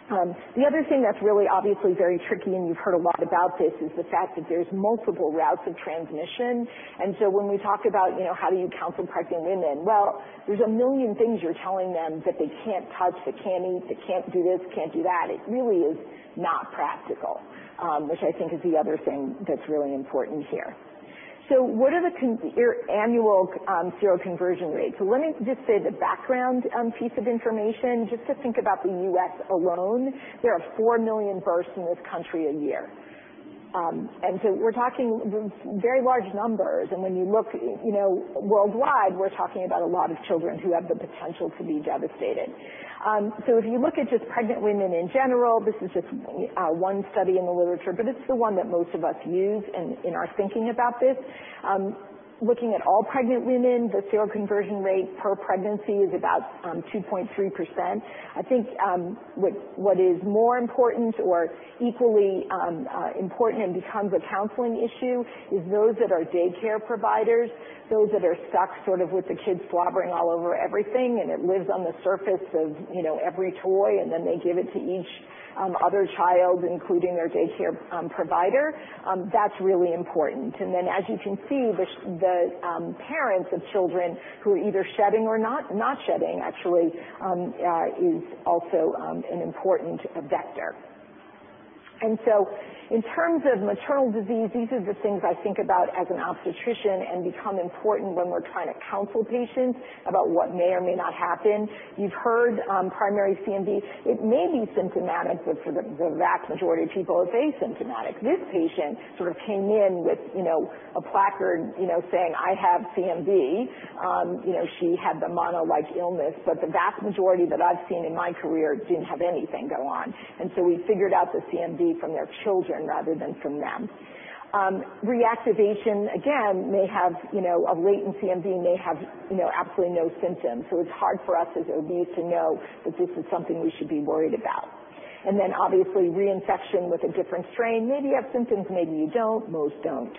The other thing that's really obviously very tricky, and you've heard a lot about this, is the fact that there's multiple routes of transmission. When we talk about how do you counsel pregnant women, well, there's a million things you're telling them that they can't touch, they can't eat, they can't do this, can't do that. It really is not practical, which I think is the other thing that's really important here. What are the annual seroconversion rates? Let me just say the background piece of information, just to think about the U.S. alone, there are 4 million births in this country a year. We're talking very large numbers. When you look worldwide, we're talking about a lot of children who have the potential to be devastated. If you look at just pregnant women in general, this is just one study in the literature, but it's the one that most of us use in our thinking about this. Looking at all pregnant women, the seroconversion rate per pregnancy is about 2.3%. I think what is more important or equally important and becomes a counseling issue is those that are daycare providers, those that are stuck sort of with the kids slobbering all over everything, and it lives on the surface of every toy, and then they give it to each other child, including their daycare provider. That's really important. As you can see, the parents of children who are either shedding or not shedding, actually, is also an important vector. In terms of maternal disease, these are the things I think about as an obstetrician and become important when we're trying to counsel patients about what may or may not happen. You've heard primary CMV, it may be symptomatic, but for the vast majority of people, it's asymptomatic. This patient sort of came in with a placard saying, "I have CMV." She had the mono-like illness, the vast majority that I've seen in my career didn't have anything going on. We figured out the CMV from their children rather than from them. Reactivation, again, may have a latent CMV, may have absolutely no symptoms. It's hard for us as OBs to know that this is something we should be worried about. Obviously, reinfection with a different strain, maybe you have symptoms, maybe you don't, most don't.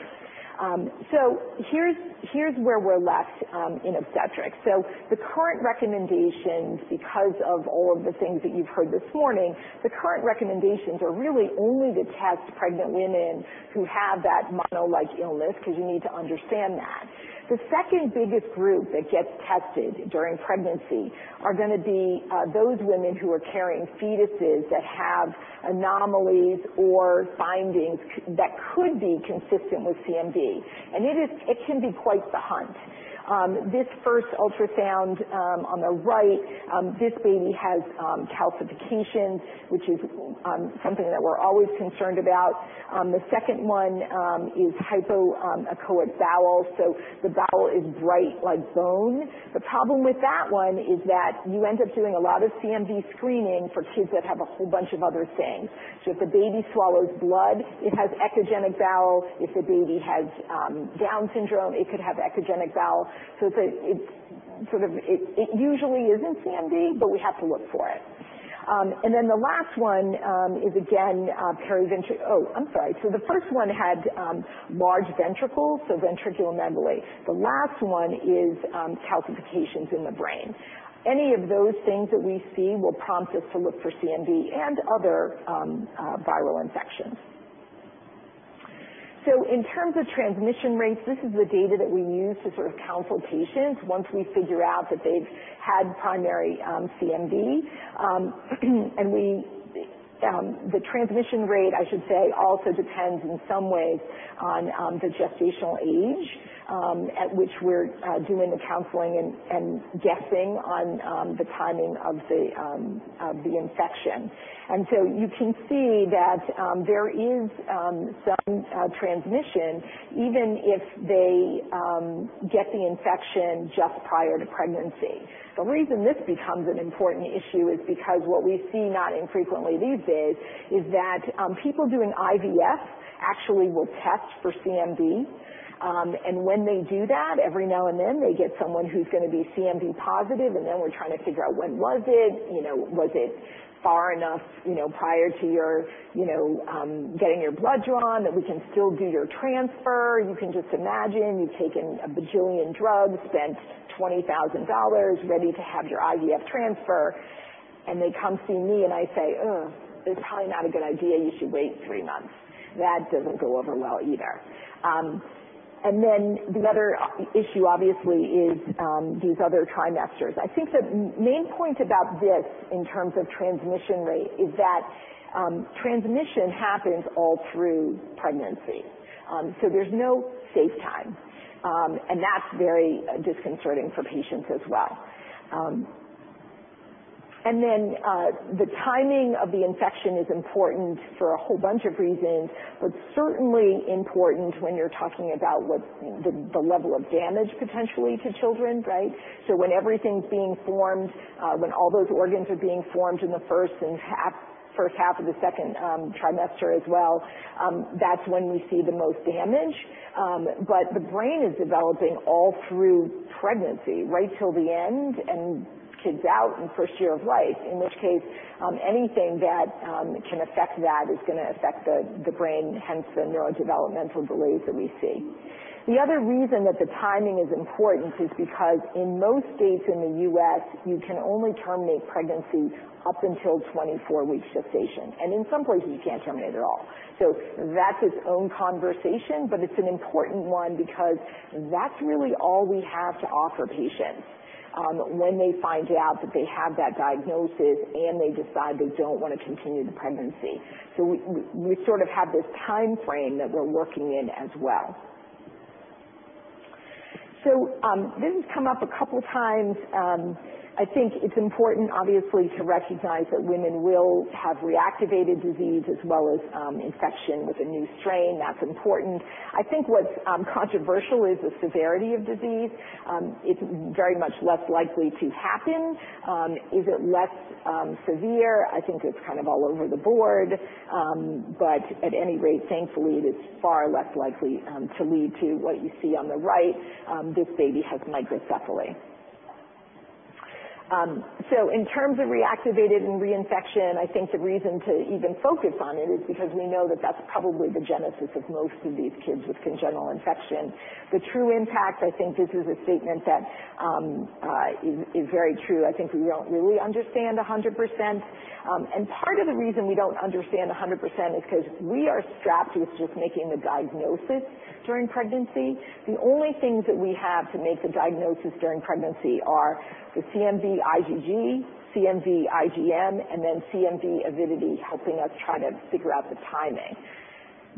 Here's where we're left in obstetrics. The current recommendations, because of all of the things that you've heard this morning, the current recommendations are really only to test pregnant women who have that mono-like illness, because you need to understand that. The second biggest group that gets tested during pregnancy are going to be those women who are carrying fetuses that have anomalies or findings that could be consistent with CMV. It can be quite the hunt. This first ultrasound on the right, this baby has calcifications, which is something that we're always concerned about. The second one is hypoechoic bowel, so the bowel is bright like bone. The problem with that one is that you end up doing a lot of CMV screening for kids that have a whole bunch of other things. If a baby swallows blood, it has echogenic bowel. If a baby has Down syndrome, it could have echogenic bowel. It usually isn't CMV, but we have to look for it. The last one is again, oh, I'm sorry. The first one had large ventricles, so ventriculomegaly. The last one is calcifications in the brain. Any of those things that we see will prompt us to look for CMV and other viral infections. In terms of transmission rates, this is the data that we use to sort of counsel patients once we figure out that they've had primary CMV. The transmission rate, I should say, also depends in some ways on the gestational age at which we're doing the counseling and guessing on the timing of the infection. You can see that there is some transmission even if they get the infection just prior to pregnancy. The reason this becomes an important issue is because what we see not infrequently these days is that people doing IVF actually will test for CMV. When they do that, every now and then, they get someone who's going to be CMV positive. Then we're trying to figure out when was it. Was it far enough prior to your getting your blood drawn that we can still do your transfer? You can just imagine you've taken a bajillion drugs, spent $20,000, ready to have your IVF transfer. They come see me. I say, "Ugh, it's probably not a good idea. You should wait three months." That doesn't go over well either. The other issue, obviously, is these other trimesters. I think the main point about this in terms of transmission rate is that transmission happens all through pregnancy. There's no safe time. That's very disconcerting for patients as well. The timing of the infection is important for a whole bunch of reasons, but certainly important when you're talking about the level of damage potentially to children, right? When everything's being formed, when all those organs are being formed in the first half of the second trimester as well, that's when we see the most damage. The brain is developing all through pregnancy, right till the end, and kid's out in first year of life. In which case, anything that can affect that is going to affect the brain, hence the neurodevelopmental delays that we see. The other reason that the timing is important is because in most states in the U.S., you can only terminate pregnancy up until 24 weeks gestation, and in some places you can't terminate at all. That's its own conversation, but it's an important one because that's really all we have to offer patients when they find out that they have that diagnosis, and they decide they don't want to continue the pregnancy. We sort of have this timeframe that we're working in as well. This has come up a couple times. I think it's important, obviously, to recognize that women will have reactivated disease as well as infection with a new strain. That's important. I think what's controversial is the severity of disease. It's very much less likely to happen. Is it less severe? I think it's kind of all over the board. At any rate, thankfully, it is far less likely to lead to what you see on the right. This baby has microcephaly. In terms of reactivated and reinfection, I think the reason to even focus on it is because we know that that's probably the genesis of most of these kids with congenital infection. The true impact, I think this is a statement that is very true. I think we don't really understand 100%. Part of the reason we don't understand 100% is because we are strapped with just making the diagnosis during pregnancy. The only things that we have to make the diagnosis during pregnancy are the CMV IgG, CMV IgM, and then CMV avidity helping us try to figure out the timing.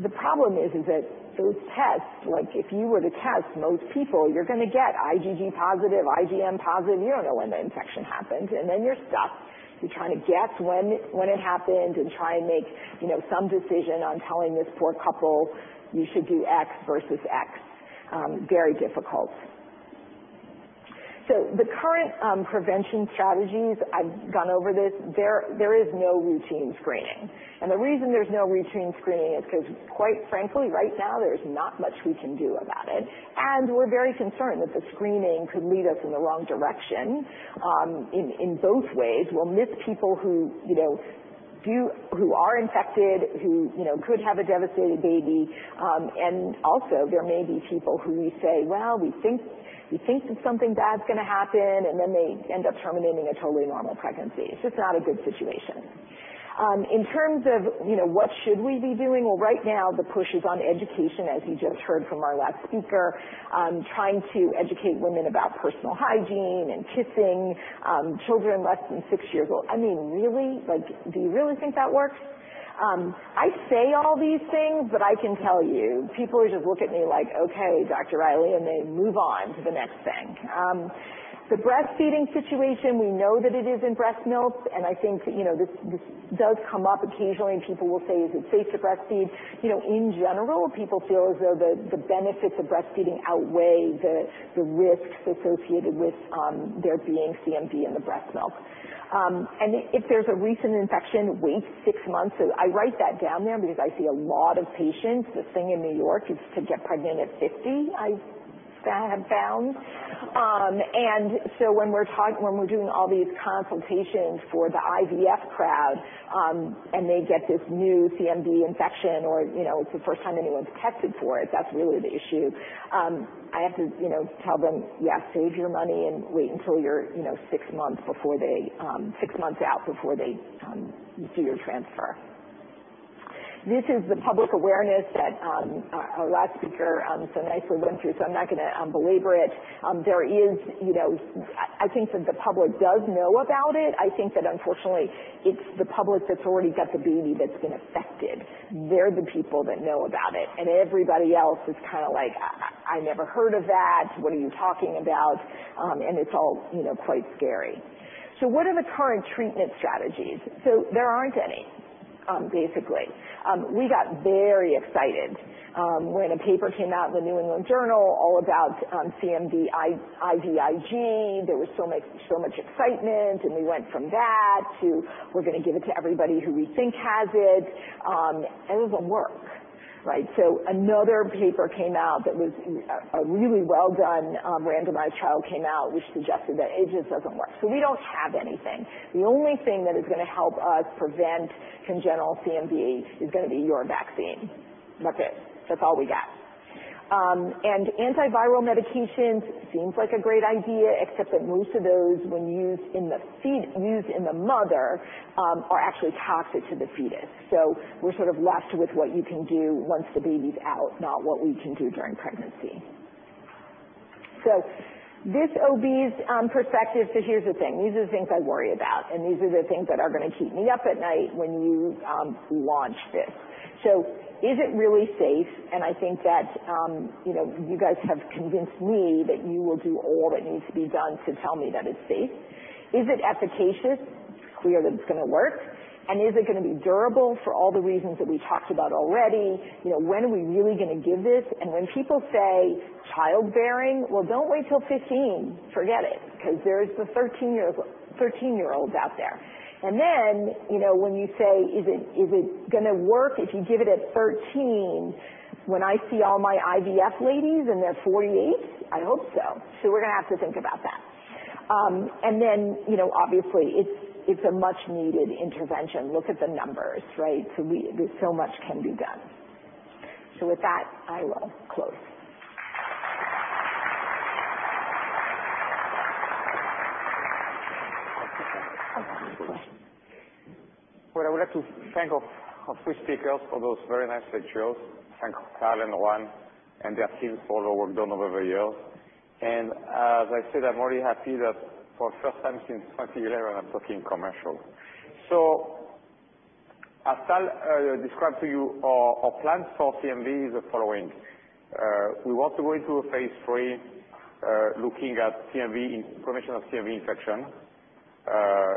The problem is that those tests, like if you were to test most people, you're going to get IgG positive, IgM positive, and you don't know when the infection happened, and then you're stuck. You're trying to guess when it happened and try and make some decision on telling this poor couple, "You should do X versus X." Very difficult. The current prevention strategies, I've gone over this, there is no routine screening. The reason there's no routine screening is because quite frankly, right now, there's not much we can do about it. We're very concerned that the screening could lead us in the wrong direction. In both ways, we'll miss people who are infected, who could have a devastated baby, and also there may be people who we say, "Well, we think that something bad is going to happen," and then they end up terminating a totally normal pregnancy. It's just not a good situation. In terms of what should we be doing? Well, right now the push is on education, as you just heard from our last speaker. Trying to educate women about personal hygiene and kissing children less than six years old. I mean, really? Do you really think that works? I say all these things, but I can tell you, people just look at me like, "Okay, Dr. Riley," and they move on to the next thing. The breastfeeding situation, we know that it is in breast milk, and I think this does come up occasionally, and people will say, "Is it safe to breastfeed?" In general, people feel as though the benefits of breastfeeding outweigh the risks associated with there being CMV in the breast milk. If there's a recent infection, wait six months. I write that down there because I see a lot of patients. The thing in New York is to get pregnant at 50, I have found. When we're doing all these consultations for the IVF crowd, and they get this new CMV infection, or it's the first time anyone's tested for it, that's really the issue. I have to tell them, "Yeah, save your money and wait until you're six months out before they do your transfer." This is the public awareness that our last speaker so nicely went through, so I'm not going to belabor it. I think that the public does know about it. I think that unfortunately, it's the public that's already got the baby that's been affected. They're the people that know about it, and everybody else is like, "I never heard of that. What are you talking about?" It's all quite scary. What are the current treatment strategies? There aren't any, basically. We got very excited when a paper came out in the New England Journal all about CMV-IVIG. There was so much excitement, we went from that to, we're going to give it to everybody who we think has it. It doesn't work, right? Another paper that was a really well-done randomized trial came out, which suggested that it just doesn't work. We don't have anything. The only thing that is going to help us prevent congenital CMV is going to be your vaccine. That's it. That's all we got. Antiviral medications seems like a great idea, except that most of those, when used in the mother, are actually toxic to the fetus. We're sort of left with what you can do once the baby's out, not what we can do during pregnancy. This OB's perspective. Here's the thing, these are the things I worry about, and these are the things that are going to keep me up at night when you launch this. Is it really safe? I think that you guys have convinced me that you will do all that needs to be done to tell me that it's safe. Is it efficacious? It's clear that it's going to work. Is it going to be durable for all the reasons that we talked about already? When are we really going to give this? When people say childbearing, well, don't wait till 15, forget it, because there's the 13-year-olds out there. When you say, is it going to work if you give it at 13? When I see all my IVF ladies and they're 48, I hope so. We're going to have to think about that. Obviously it's a much needed intervention. Look at the numbers, right? Much can be done. With that, I will close. Well, I would like to thank our three speakers for those very nice lectures. Thank Tal and Juan and their teams for all work done over the years. As I said, I'm very happy that for the first time since 2011, I'm talking commercial. As Tal described to you, our plan for CMV is the following. We want to go into a phase III, looking at prevention of CMV infection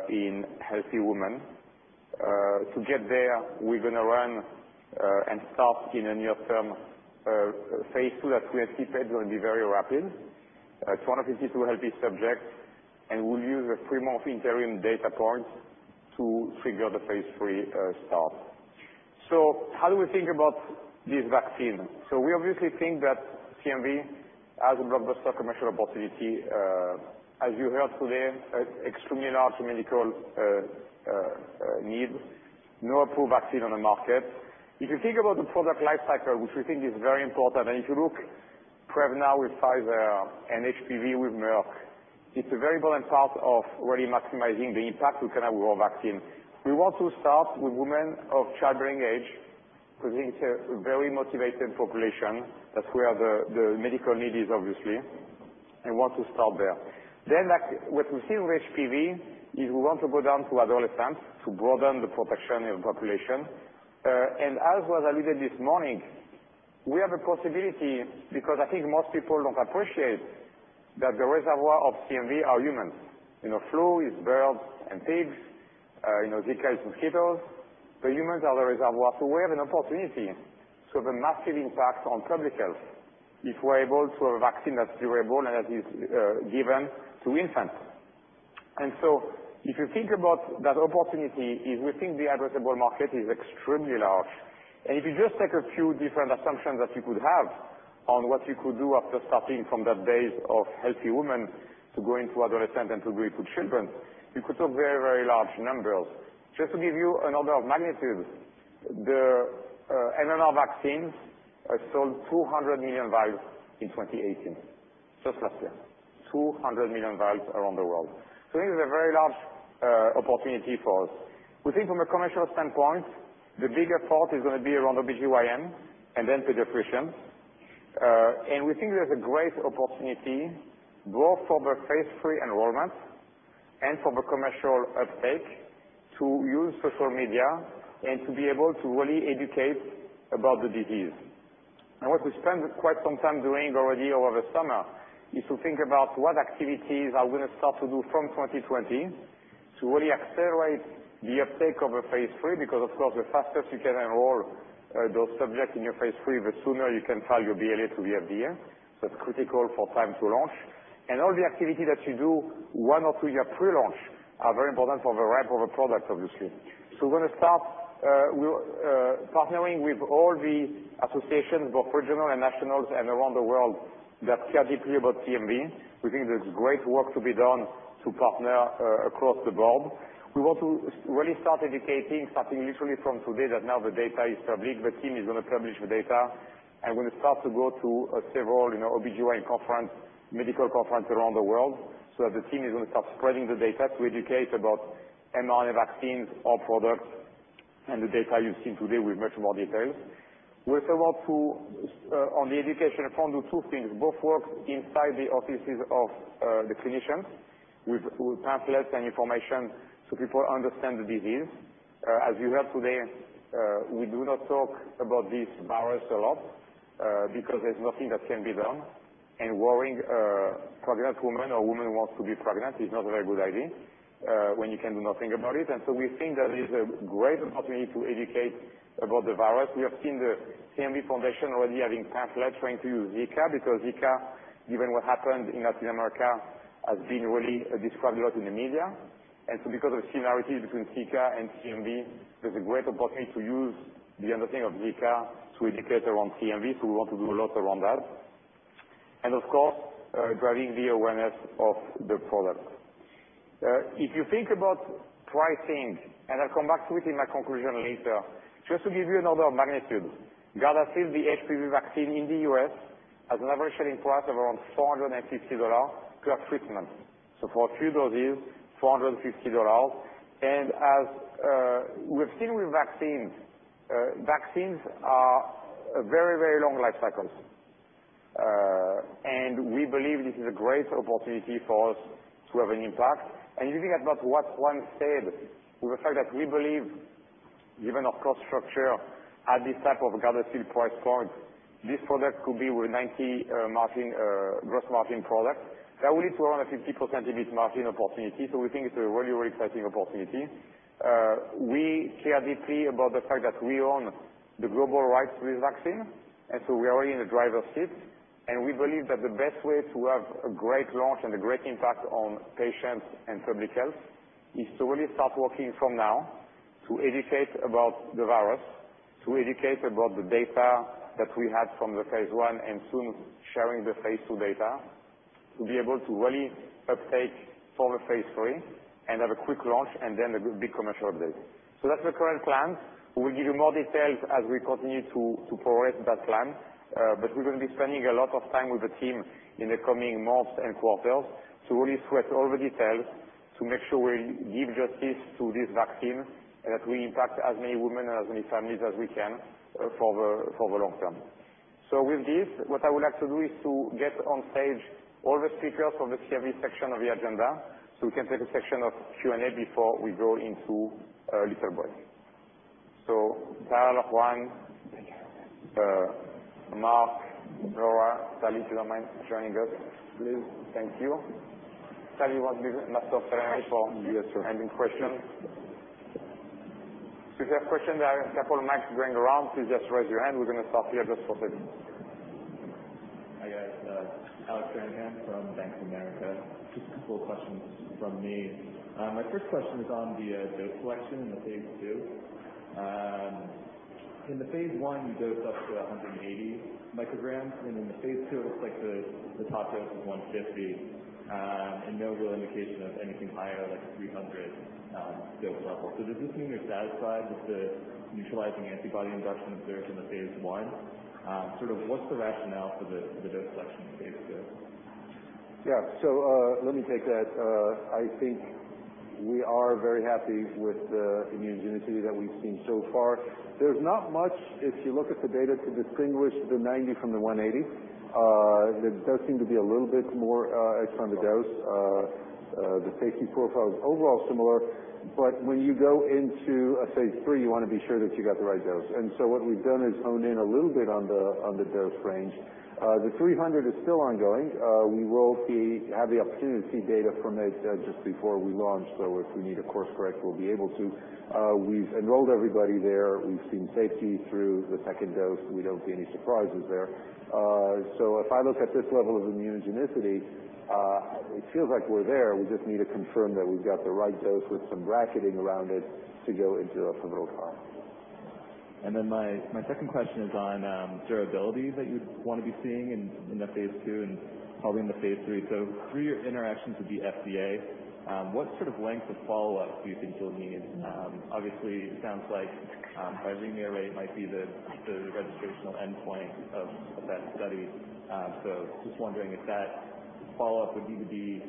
in healthy women. To get there, we're going to run and start in the near term, phase II that we have tapered will be very rapid. It's 152 healthy subjects, and we'll use a three-month interim data point to trigger the phase III start. How do we think about this vaccine? We obviously think that CMV has a blockbuster commercial opportunity. As you heard today, extremely large medical needs, no approved vaccine on the market. If you think about the product life cycle, which we think is very important, and if you look Prevnar with Pfizer and HPV with Merck, it's a very important part of really maximizing the impact we can have with our vaccine. We want to start with women of childbearing age, because it's a very motivated population. That's where the medical need is, obviously, and want to start there. What we see with HPV is we want to go down to adolescents to broaden the protection in the population. As was alluded this morning, we have a possibility because I think most people don't appreciate that the reservoir of CMV are humans. Flu is birds and pigs. Zika is mosquitoes. The humans are the reservoir. We have an opportunity to have a massive impact on public health if we're able to have a vaccine that's durable and that is given to infants. If you think about that opportunity, we think the addressable market is extremely large. If you just take a few different assumptions that you could have on what you could do after starting from the base of healthy women to go into adolescent and to go into children, you could talk very large numbers. Just to give you an order of magnitude, the MMR vaccines have sold 200 million vials in 2018. Just last year. 200 million vials around the world. This is a very large opportunity for us. We think from a commercial standpoint, the bigger part is going to be around OBGYN and then pediatricians. We think there's a great opportunity both for the phase III enrollment and for the commercial uptake to use social media and to be able to really educate about the disease. What we spent quite some time doing already over the summer is to think about what activities are we going to start to do from 2020 to really accelerate the uptake of phase III, because of course, the faster you can enroll those subjects in your phase III, the sooner you can file your BLA to the FDA. It's critical for time to launch. All the activity that you do one or two year pre-launch are very important for the ramp of the product, obviously. We're going to start partnering with all the associations, both regional and nationals and around the world that care deeply about CMV. We think there's great work to be done to partner across the globe. We want to really start educating, starting literally from today, that now the data is public. The team is going to publish the data, and we're going to start to go to several OBGYN conference, medical conference around the world, so that the team is going to start spreading the data to educate about mRNA vaccines or products. The data you've seen today with much more detail. We're about to, on the education front, do two things, both work inside the offices of the clinicians with pamphlets and information so people understand the disease. As you heard today, we do not talk about this virus a lot because there's nothing that can be done. Worrying a pregnant woman or woman who wants to be pregnant is not a very good idea when you can do nothing about it. We think that it is a great opportunity to educate about the virus. We have seen the CMV Foundation already having pamphlets trying to use Zika, because Zika, given what happened in Latin America, has been really described a lot in the media. Because of the similarities between Zika and CMV, there's a great opportunity to use the understanding of Zika to educate around CMV. We want to do a lot around that. Of course, driving the awareness of the product. If you think about pricing, and I'll come back to it in my conclusion later, just to give you an order of magnitude. Gardasil, the HPV vaccine in the U.S., has an average selling price of around $450 per treatment. For three doses, $450. As we've seen with vaccines are very long life cycles. We believe this is a great opportunity for us to have an impact. If you think about what Juan said, with the fact that we believe given our cost structure at this type of Gardasil price point, this product could be a 90 gross margin product. There only is around a 50% of it margin opportunity. We think it's a really exciting opportunity. We care deeply about the fact that we own the global rights to this vaccine, we are in the driver's seat. We believe that the best way to have a great launch and a great impact on patients and public health is to really start working from now to educate about the virus, to educate about the data that we had from the phase I, and soon sharing the phase II data to be able to really uptake for the phase III and have a quick launch and then a good, big commercial update. That's the current plan. We will give you more details as we continue to progress that plan. We're going to be spending a lot of time with the team in the coming months and quarters to really sweat all the details to make sure we give justice to this vaccine and that we impact as many women and as many families as we can for the long term. With this, what I would like to do is to get on stage all the speakers for the CMV section of the agenda, so we can take a section of Q&A before we go into a little break. Juan, Mark, Laura. Sally, if you don't mind joining us, please. Thank you. Sally, you want this? Yes, sir. For handling questions. If you have questions, there are a couple of mics going around, please just raise your hand. We're going to start here just for 15. Hi, guys. Alec Stranahan from Bank of America. Just a couple of questions from me. My first question is on the dose selection in the phase II. In the phase I, you dosed up to 180 micrograms, in the phase II, it looks like the top dose was 150, and no real indication of anything higher, like 300 dose level. Does this mean you're satisfied with the neutralizing antibody induction observed in the phase I? Sort of what's the rationale for the dose selection in phase II? Yeah. Let me take that. I think we are very happy with the immunogenicity that we've seen so far. There's not much, if you look at the data, to distinguish the 90 from the 180. There does seem to be a little bit more, expanded dose. The safety profile is overall similar. When you go into a phase III, you want to be sure that you got the right dose. What we've done is hone in a little bit on the dose range. The 300 is still ongoing. We will have the opportunity to see data from that dose just before we launch. If we need a course correct, we'll be able to. We've enrolled everybody there. We've seen safety through the second dose. We don't see any surprises there. If I look at this level of immunogenicity, it feels like we're there. We just need to confirm that we've got the right dose with some bracketing around it to go into a pivotal trial. My second question is on durability that you'd want to be seeing in the phase II and probably in the phase III. Through your interactions with the FDA, what sort of length of follow-up do you think you'll need? Obviously, it sounds like viremia rate might be the registrational endpoint of that study. Just wondering if that follow-up would need to be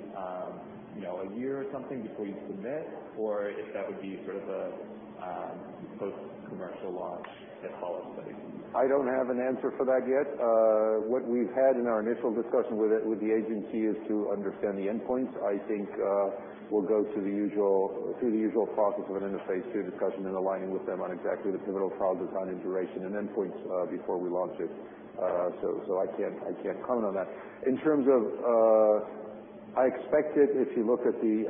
a year or something before you submit, or if that would be sort of a post-commercial launch follow-up study. I don't have an answer for that yet. What we've had in our initial discussion with the agency is to understand the endpoints. I think we'll go through the usual process of an interface, do a discussion and aligning with them on exactly the pivotal trial design and duration and endpoints before we launch it. I can't comment on that. I expect it, if you look at the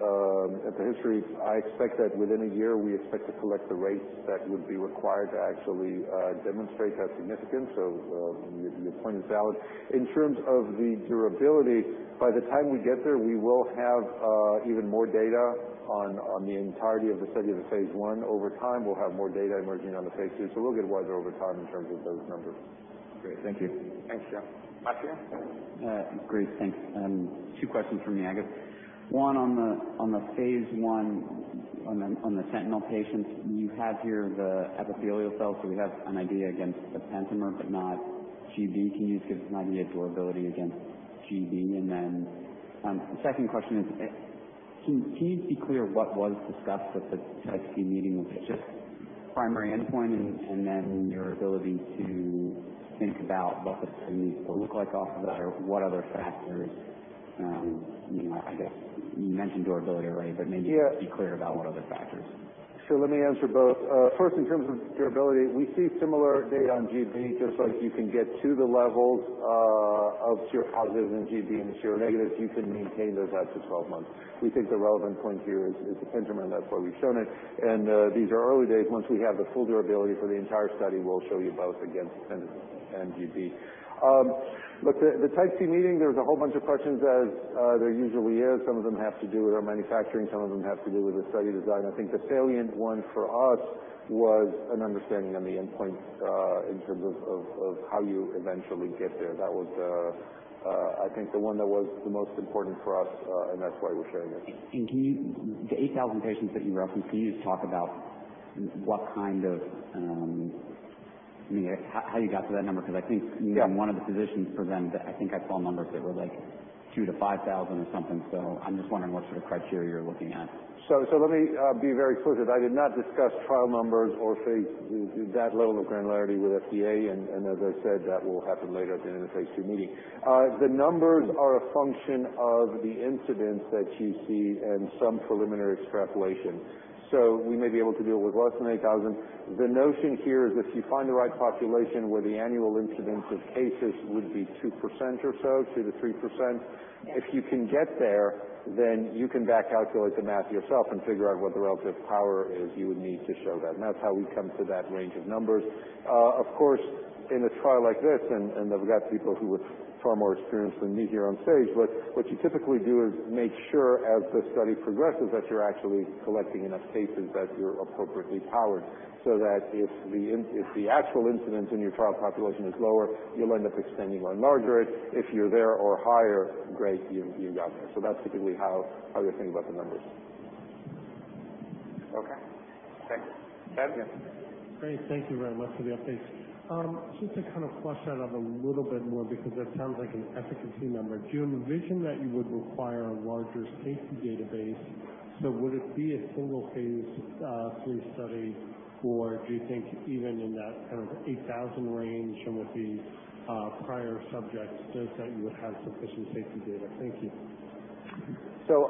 history, I expect that within a year, we expect to collect the rates that would be required to actually demonstrate that significance. Your point is valid. In terms of the durability, by the time we get there, we will have even more data on the entirety of the study of the phase I. Over time, we'll have more data emerging on the phase II. We'll get wiser over time in terms of those numbers. Great. Thank you. Thanks, yeah. Matthew? Great. Thanks. Two questions from me, I guess. One, on the phase I, on the sentinel patients, you have here the epithelial cells. We have an idea against the pentamer, but not GB. Can you give us an idea of durability against GB? Second question is. Can you be clear what was discussed at the Type C meeting? Was it just primary endpoint and then your ability to think about what the safety will look like off of that, or what other factors? I guess you mentioned durability already. Yeah just be clear about what other factors. Let me answer both. First, in terms of durability, we see similar data on GB, just like you can get to the levels of seropositive in GB and seronegative, you can maintain those out to 12 months. We think the relevant point here is the pinpoint, that's why we've shown it. These are early days. Once we have the full durability for the entire study, we'll show you both against MGB. The Type C meeting, there was a whole bunch of questions, as there usually is. Some of them have to do with our manufacturing. Some of them have to do with the study design. I think the salient one for us was an understanding on the endpoint, in terms of how you eventually get there. That was, I think, the one that was the most important for us, and that's why we're sharing it. The 8,000 patients that you referenced, can you just talk about how you got to that number? Yeah in one of the positions for them, I think I saw numbers that were like 2,000 to 5,000 or something. I'm just wondering what sort of criteria you're looking at. Let me be very clear that I did not discuss trial numbers or that level of granularity with FDA. As I said, that will happen later than in the phase II meeting. The numbers are a function of the incidence that you see and some preliminary extrapolation. We may be able to do it with less than 8,000. The notion here is if you find the right population where the annual incidence of cases would be 2% or so, 2%-3%, if you can get there, then you can back calculate the math yourself and figure out what the relative power is you would need to show that, and that's how we come to that range of numbers. Of course, in a trial like this, and I've got people who are far more experienced than me here on stage, what you typically do is make sure as the study progresses, that you're actually collecting enough cases that you're appropriately powered, so that if the actual incidence in your trial population is lower, you'll end up extending or enlarging it. If you're there or higher, great, you got there. That's typically how you're thinking about the numbers. Okay, thank you. Kevin? Great. Thank you very much for the updates. Just to kind of flush that out a little bit more because that sounds like an efficacy number. Do you have a vision that you would require a larger safety database? Would it be a single phase III study, or do you think even in that kind of 8,000 range from the prior subjects does that you would have sufficient safety data? Thank you.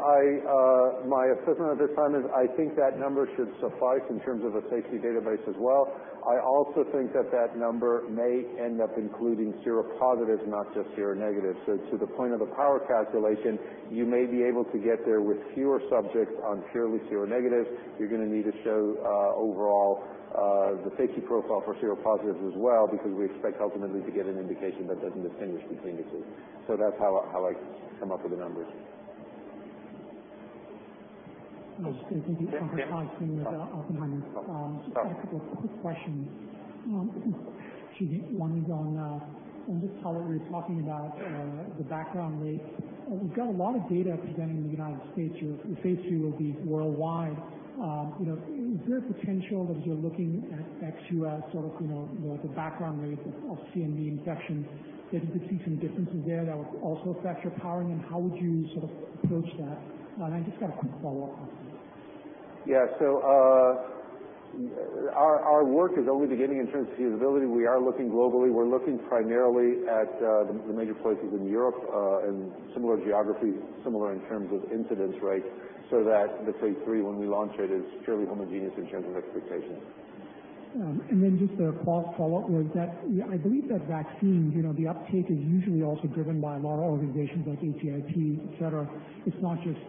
My assessment at this time is I think that number should suffice in terms of a safety database as well. I also think that that number may end up including seropositive, not just seronegative. To the point of the power calculation, you may be able to get there with fewer subjects on purely seronegative. You're going to need to show overall, the safety profile for seropositive as well, because we expect ultimately to get an indication that doesn't distinguish between the two. That's how I come up with the numbers. Thank you. Kim. From Oppenheimer. Sorry. Just a couple of quick questions. One is on just how you were talking about the background rate. We've got a lot of data presenting in the U.S. here, so phase II will be worldwide. Is there a potential that as you're looking at ex-U.S., the background rate of CMV infection, that you could see some differences there that would also affect your powering, and how would you sort of approach that? I've just got a quick follow-up after that. Yeah. Our work is only beginning in terms of feasibility. We are looking globally. We're looking primarily at the major places in Europe, and similar geographies, similar in terms of incidence rates, so that the phase III, when we launch it, is fairly homogeneous in terms of expectations. Just a quick follow-up was that I believe that vaccines, the uptake is usually also driven by a lot of organizations like ACIP, et cetera. It's not just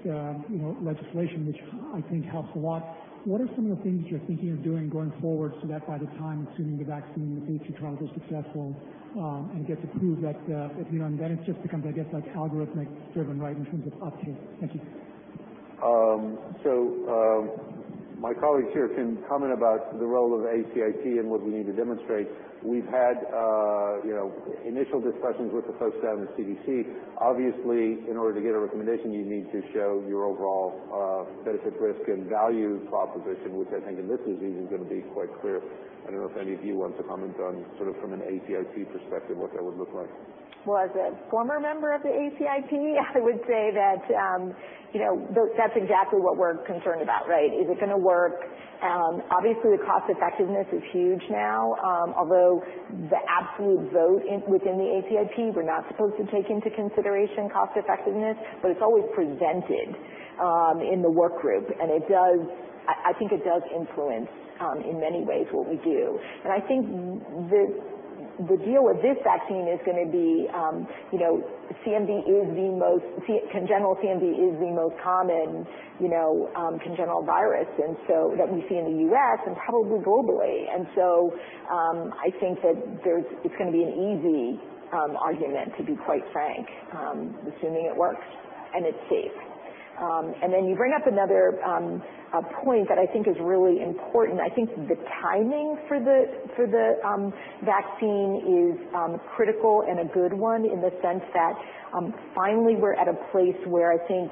legislation, which I think helps a lot. What are some of the things you're thinking of doing going forward so that by the time, assuming the vaccine and the phase II trials are successful, and get approved, then it just becomes, I guess that's algorithmic driven, right, in terms of uptake. Thank you. My colleagues here can comment about the role of ACIP and what we need to demonstrate. We've had initial discussions with the folks down at the CDC. Obviously, in order to get a recommendation, you need to show your overall benefit, risk, and value proposition, which I think in this disease is going to be quite clear. I don't know if any of you want to comment on sort of from an ACIP perspective, what that would look like. Well, as a former member of the ACIP, I would say that's exactly what we're concerned about, right? Is it going to work? Obviously, the cost effectiveness is huge now. Although the absolute vote within the ACIP, we're not supposed to take into consideration cost effectiveness, but it's always presented in the work group. I think it does influence in many ways what we do. I think the deal with this vaccine is going to be congenital CMV is the most common congenital virus that we see in the U.S. and probably globally. I think that it's going to be an easy argument, to be quite frank, assuming it works and it's safe. You bring up another point that I think is really important. I think the timing for the vaccine is critical and a good one in the sense that finally, we're at a place where I think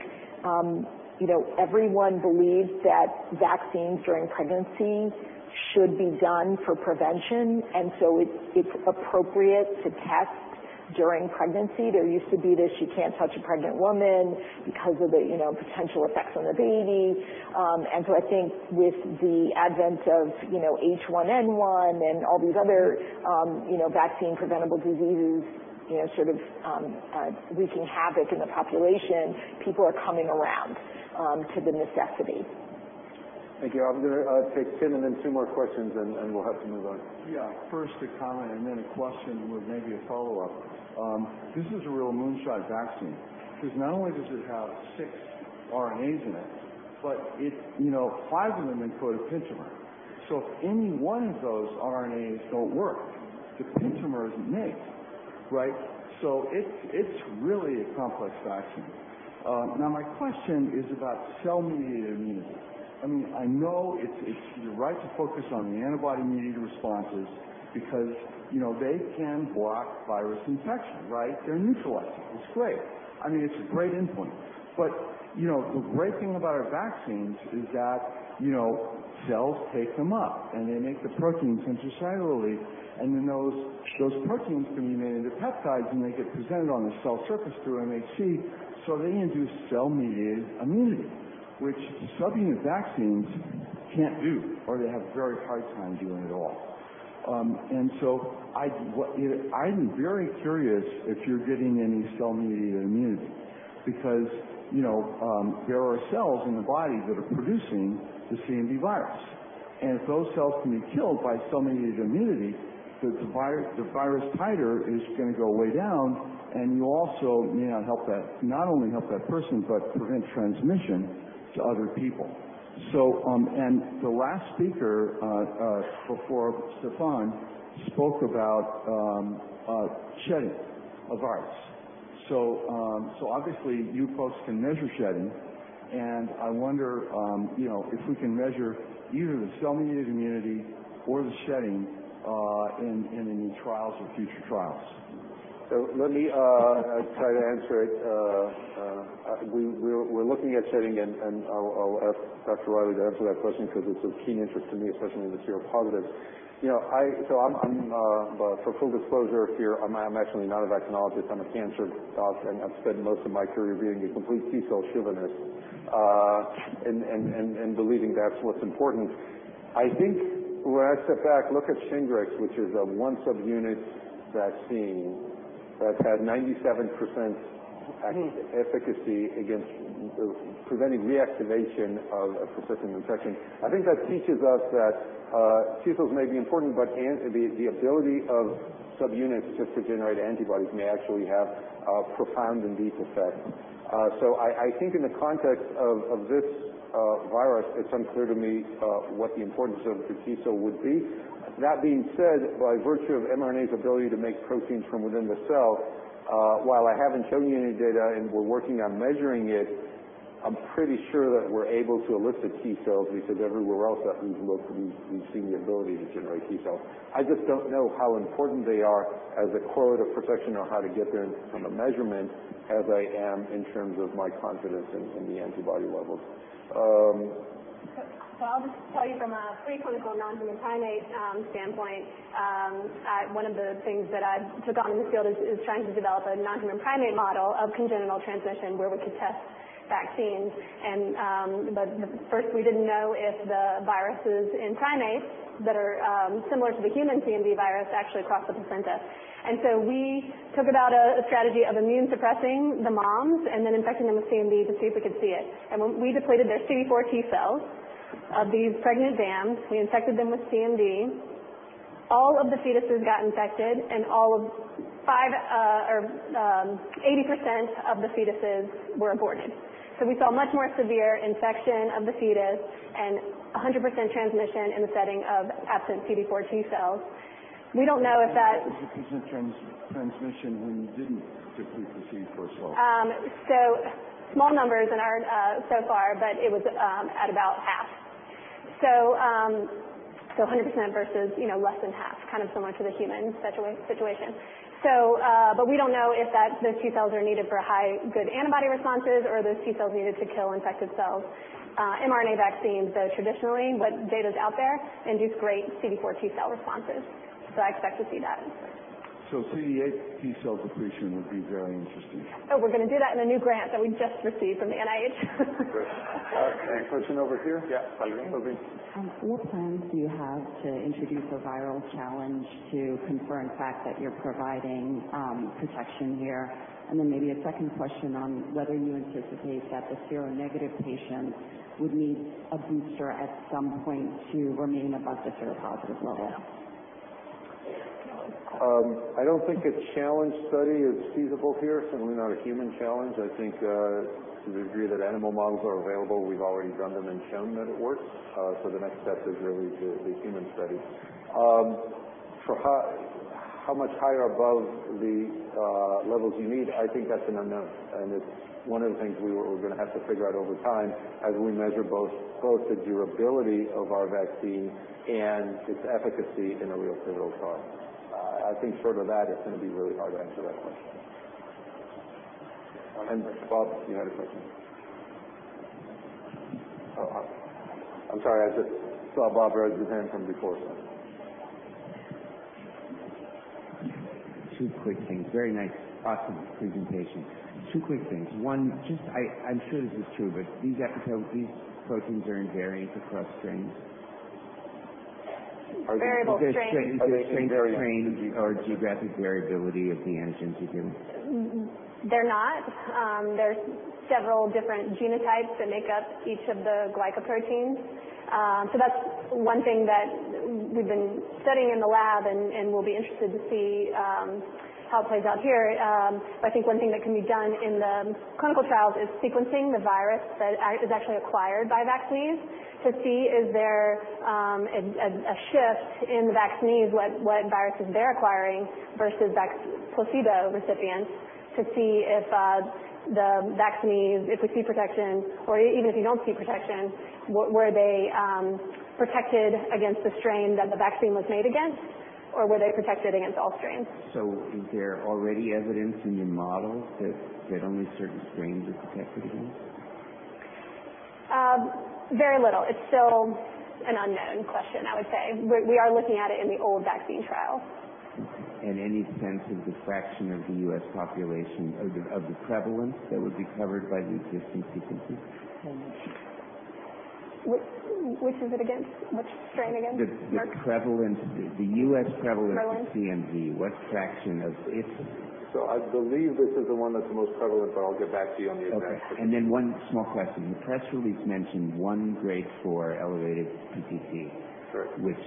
everyone believes that vaccines during pregnancy should be done for prevention. It's appropriate to test During pregnancy, there used to be this, you can't touch a pregnant woman because of the potential effects on the baby. I think with the advent of H1N1 and all these other vaccine-preventable diseases wreaking havoc in the population, people are coming around to the necessity. Thank you. I'm going to take Tim and then two more questions, and we'll have to move on. Yeah. First a comment, and then a question with maybe a follow-up. This is a real moonshot vaccine, because not only does it have six RNAs in it, but five of them encode a pentamer. If any one of those RNAs don't work, the pentamer isn't made, right? It's really a complex vaccine. Now, my question is about cell-mediated immunity. I know it's your right to focus on the antibody-mediated responses, because they can block virus infection, right? They're neutralizing. It's great. It's a great endpoint. The great thing about our vaccines is that cells take them up, and they make the proteins intracellularly, and then those proteins can be made into peptides, and they get presented on the cell surface through MHC. They induce cell-mediated immunity, which subunit vaccines can't do, or they have a very hard time doing at all. I'm very curious if you're getting any cell-mediated immunity, because there are cells in the body that are producing the CMV virus. If those cells can be killed by cell-mediated immunity, the virus titer is going to go way down, and you also may not only help that person but prevent transmission to other people. The last speaker before Stéphane spoke about shedding of virus. Obviously, you folks can measure shedding, and I wonder if we can measure either the cell-mediated immunity or the shedding in any trials or future trials. Let me try to answer it. We're looking at shedding, and I'll ask Dr. Riley to answer that question because it's of keen interest to me, especially in the seropositive. For full disclosure here, I'm actually not a vaccinologist. I'm a cancer doc, and I've spent most of my career being a complete T cell chauvinist and believing that's what's important. I think when I step back, look at SHINGRIX, which is a one subunit vaccine that's had 97% efficacy against preventing reactivation of persistent infection. I think that teaches us that T cells may be important, but the ability of subunits just to generate antibodies may actually have a profound and deep effect. I think in the context of this virus, it's unclear to me what the importance of the T cell would be. That being said, by virtue of mRNA's ability to make proteins from within the cell, while I haven't shown you any data and we're working on measuring it, I'm pretty sure that we're able to elicit T cells because everywhere else that we've looked, we've seen the ability to generate T cells. I just don't know how important they are as a correlate of protection or how to get there in terms of measurement as I am in terms of my confidence in the antibody levels. I'll just tell you from a preclinical non-human primate standpoint, one of the things that I've took on in this field is trying to develop a non-human primate model of congenital transmission where we could test vaccines. At first we didn't know if the viruses in primates that are similar to the human CMV virus actually cross the placenta. We took about a strategy of immune suppressing the moms and then infecting them with CMV to see if we could see it. When we depleted their CD4 T cells of these pregnant dams, we infected them with CMV. All of the fetuses got infected, and 80% of the fetuses were aborted. We saw much more severe infection of the fetus and 100% transmission in the setting of absent CD4 T cells. What was the % transmission when you didn't deplete the CD4 cells? Small numbers so far, but it was at about half. 100% versus less than half, kind of similar to the human situation. We don't know if those T cells are needed for high good antibody responses or those T cells are needed to kill infected cells. mRNA vaccines though traditionally, what data's out there, induce great CD4 T cell responses. I expect to see that. CD8 T cell depletion would be very interesting. Oh, we're going to do that in a new grant that we just received from the NIH. Great. Question over here. Yeah, Valerie. What plans do you have to introduce a viral challenge to confirm the fact that you're providing protection here? Maybe a second question on whether you anticipate that the seronegative patients would need a booster at some point to remain above the seropositive level? I don't think a challenge study is feasible here, certainly not a human challenge. I think to the degree that animal models are available, we've already done them and shown that it works. The next step is really the human study. For how much higher above the levels you need, I think that's an unknown, and it's one of the things we're going to have to figure out over time as we measure both the durability of our vaccine and its efficacy in a real clinical trial. I think short of that, it's going to be really hard to answer that question. Bob, you had a question. Oh, I'm sorry. I just saw Bob raise his hand from before. Two quick things. Very nice, awesome presentation. Two quick things. One, I'm sure this is true, but these proteins are invariant across strains. Variable strains. Is there strain to strain? Are they invariant? or geographic variability of the antigens you're giving? They're not. There's several different genotypes that make up each of the glycoproteins. That's one thing that we've been studying in the lab, and we'll be interested to see how it plays out here. I think one thing that can be done in the clinical trials is sequencing the virus that is actually acquired by vaccinees to see if there is a shift in the vaccinees, what viruses they're acquiring versus placebo recipients to see if the vaccinees, if we see protection or even if you don't see protection, were they protected against the strain that the vaccine was made against, or were they protected against all strains? Is there already evidence in your model that only certain strains are protected against? Very little. It's still an unknown question, I would say. We are looking at it in the old vaccine trials. Any sense of the fraction of the U.S. population, of the prevalence that would be covered by the existing sequences? Which is it again? Which strain again? The U.S. prevalence. Prevalence of CMV, what fraction of it? I believe this is the one that's the most prevalent, but I'll get back to you on the exact. Okay. One small question. The press release mentioned one Grade 4 elevated PCT. Sure. Which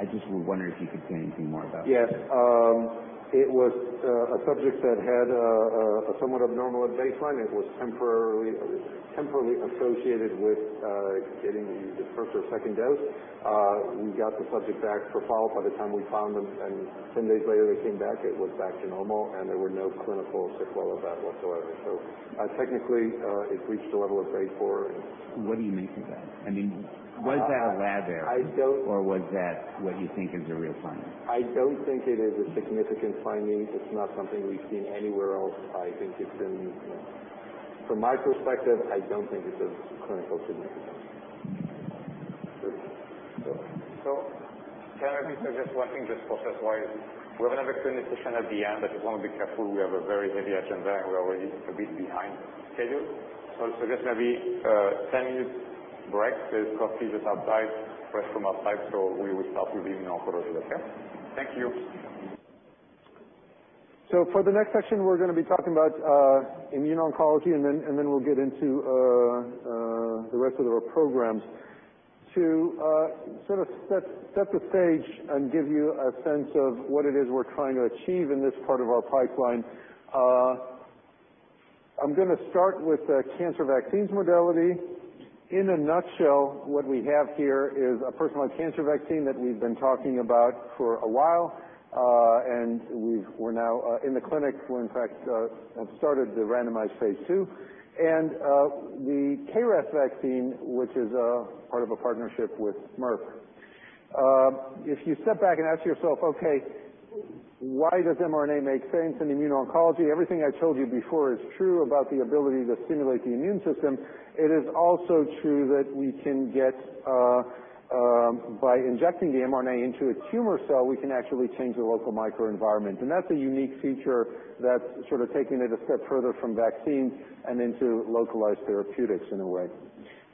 I just wonder if you could say anything more about that? Yes. It was a subject that had a somewhat abnormal at baseline. It was temporarily associated with getting the first or second dose. We got the subject back for follow-up by the time we found them, and 10 days later they came back, it was back to normal, and there were no clinical sequelae of that whatsoever. Technically, it reached the level of Grade 4. What do you make of that? Was that a lab error? I don't- Was that what you think is a real finding? I don't think it is a significant finding. It's not something we've seen anywhere else. From my perspective, I don't think it's of clinical significance. Great. So. Can I please suggest one thing, just process-wise? We're going to have a clinician at the end. I just want to be careful, we have a very heavy agenda, and we're already a bit behind schedule. Just maybe a 10-minute break. There's coffee just outside, fresh from outside. We will start within half an hour, okay? Thank you. For the next section, we're going to be talking about immuno-oncology, and then we'll get into the rest of our programs. To sort of set the stage and give you a sense of what it is we're trying to achieve in this part of our pipeline, I'm going to start with the cancer vaccines modality. In a nutshell, what we have here is a personalized cancer vaccine that we've been talking about for a while. We're now in the clinic. We'll, in fact, have started the randomized phase II and the KRAS vaccine, which is part of a partnership with Merck. If you step back and ask yourself, why does mRNA make sense in immuno-oncology? Everything I told you before is true about the ability to stimulate the immune system. It is also true that we can get, by injecting the mRNA into a tumor cell, we can actually change the local microenvironment. That's a unique feature that's sort of taking it a step further from vaccine and into localized therapeutics in a way.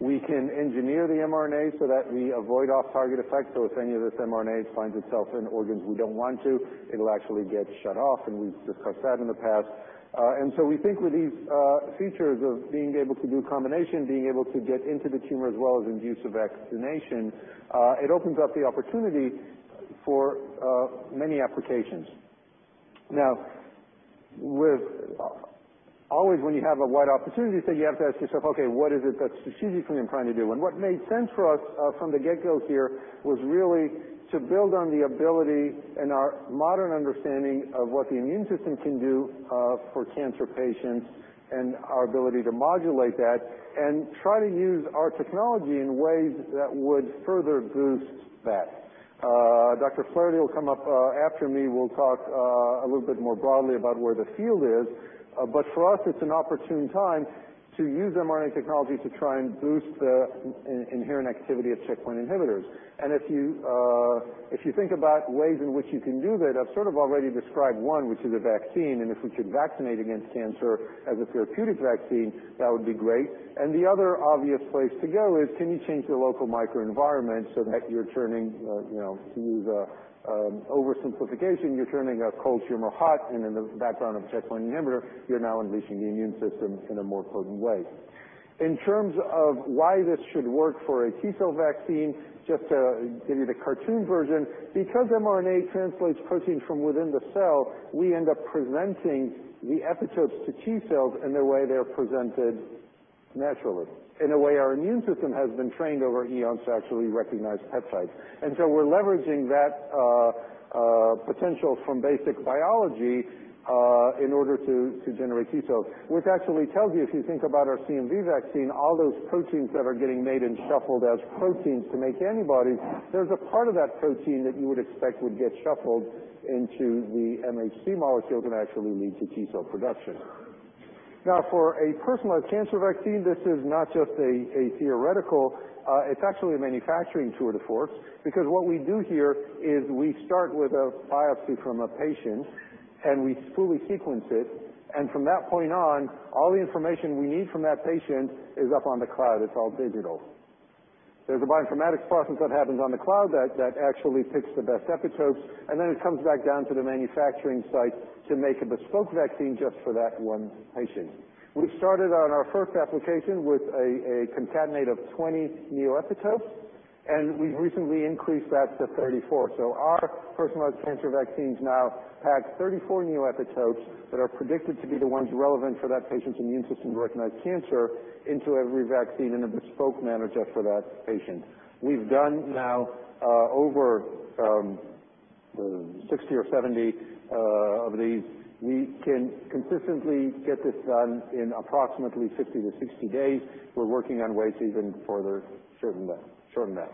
We can engineer the mRNA so that we avoid off-target effects. If any of this mRNA finds itself in organs we don't want to, it'll actually get shut off, and we've discussed that in the past. We think with these features of being able to do combination, being able to get into the tumor as well as induce a vaccination, it opens up the opportunity for many applications. Always when you have a wide opportunity set, you have to ask yourself, "Okay, what is it that strategically I'm trying to do?" What made sense for us from the get-go here was really to build on the ability and our modern understanding of what the immune system can do for cancer patients and our ability to modulate that and try to use our technology in ways that would further boost that. Dr. Flaherty will come up after me. We'll talk a little bit more broadly about where the field is. For us, it's an opportune time to use mRNA technology to try and boost the inherent activity of checkpoint inhibitors. If you think about ways in which you can do that, I've sort of already described one, which is a vaccine, and if we could vaccinate against cancer as a therapeutic vaccine, that would be great. The other obvious place to go is can you change the local microenvironment so that you're turning, to use an oversimplification, you're turning a cold tumor hot, and in the background of a checkpoint inhibitor, you're now unleashing the immune system in a more potent way. In terms of why this should work for a T-cell vaccine, just to give you the cartoon version, because mRNA translates protein from within the cell, we end up presenting the epitopes to T-cells in the way they're presented naturally. In a way, our immune system has been trained over eons to actually recognize peptides. We're leveraging that potential from basic biology in order to generate T-cells, which actually tells you, if you think about our CMV vaccine, all those proteins that are getting made and shuffled as proteins to make antibodies, there's a part of that protein that you would expect would get shuffled into the MHC molecule can actually lead to T-cell production. For a personalized cancer vaccine, this is not just theoretical. It's actually a manufacturing tour de force, because what we do here is we start with a biopsy from a patient, and we fully sequence it, and from that point on, all the information we need from that patient is up on the cloud. It's all digital. There's a bioinformatics process that happens on the cloud that actually picks the best epitopes, and then it comes back down to the manufacturing site to make a bespoke vaccine just for that one patient. We've started on our first application with a concatenative 20 neoepitopes, and we've recently increased that to 34. Our personalized cancer vaccines now pack 34 neoepitopes that are predicted to be the ones relevant for that patient's immune system to recognize cancer into every vaccine in a bespoke manner just for that patient. We've done now over 60 or 70 of these. We can consistently get this done in approximately 50 to 60 days. We're working on ways to even further shorten that.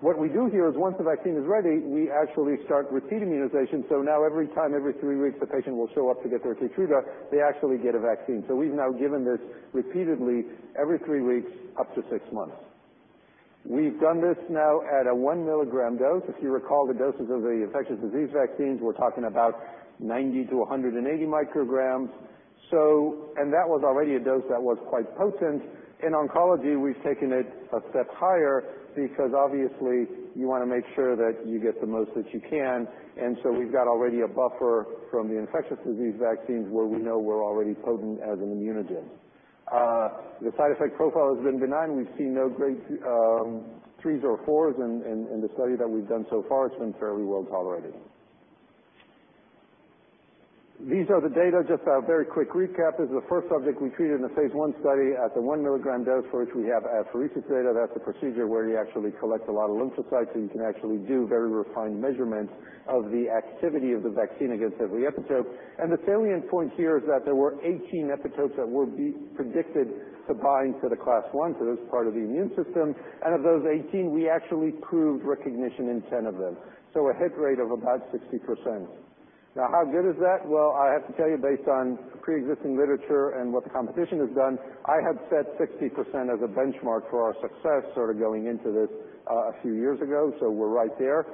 What we do here is once the vaccine is ready, we actually start repeat immunization. Now every time, every 3 weeks, the patient will show up to get their KEYTRUDA, they actually get a vaccine. We've now given this repeatedly every 3 weeks up to 6 months. We've done this now at a 1 milligram dose. If you recall the doses of the infectious disease vaccines, we're talking about 90-180 micrograms. That was already a dose that was quite potent. In oncology, we've taken it a step higher because obviously you want to make sure that you get the most that you can. We've got already a buffer from the infectious disease vaccines where we know we're already potent as an immunogen. The side effect profile has been benign. We've seen no great 3s or 4s in the study that we've done so far. It's been fairly well tolerated. These are the data, just a very quick recap. This is the first subject we treated in the phase I study at the 1 milligram dose for which we have apheresis data. That's a procedure where you actually collect a lot of lymphocytes, so you can actually do very refined measurements of the activity of the vaccine against every epitope. The salient point here is that there were 18 epitopes that were predicted to bind to the class 1. Those are part of the immune system. Of those 18, we actually proved recognition in 10 of them. A hit rate of about 60%. How good is that? Well, I have to tell you, based on preexisting literature and what the competition has done, I have set 60% as a benchmark for our success sort of going into this a few years ago. We're right there.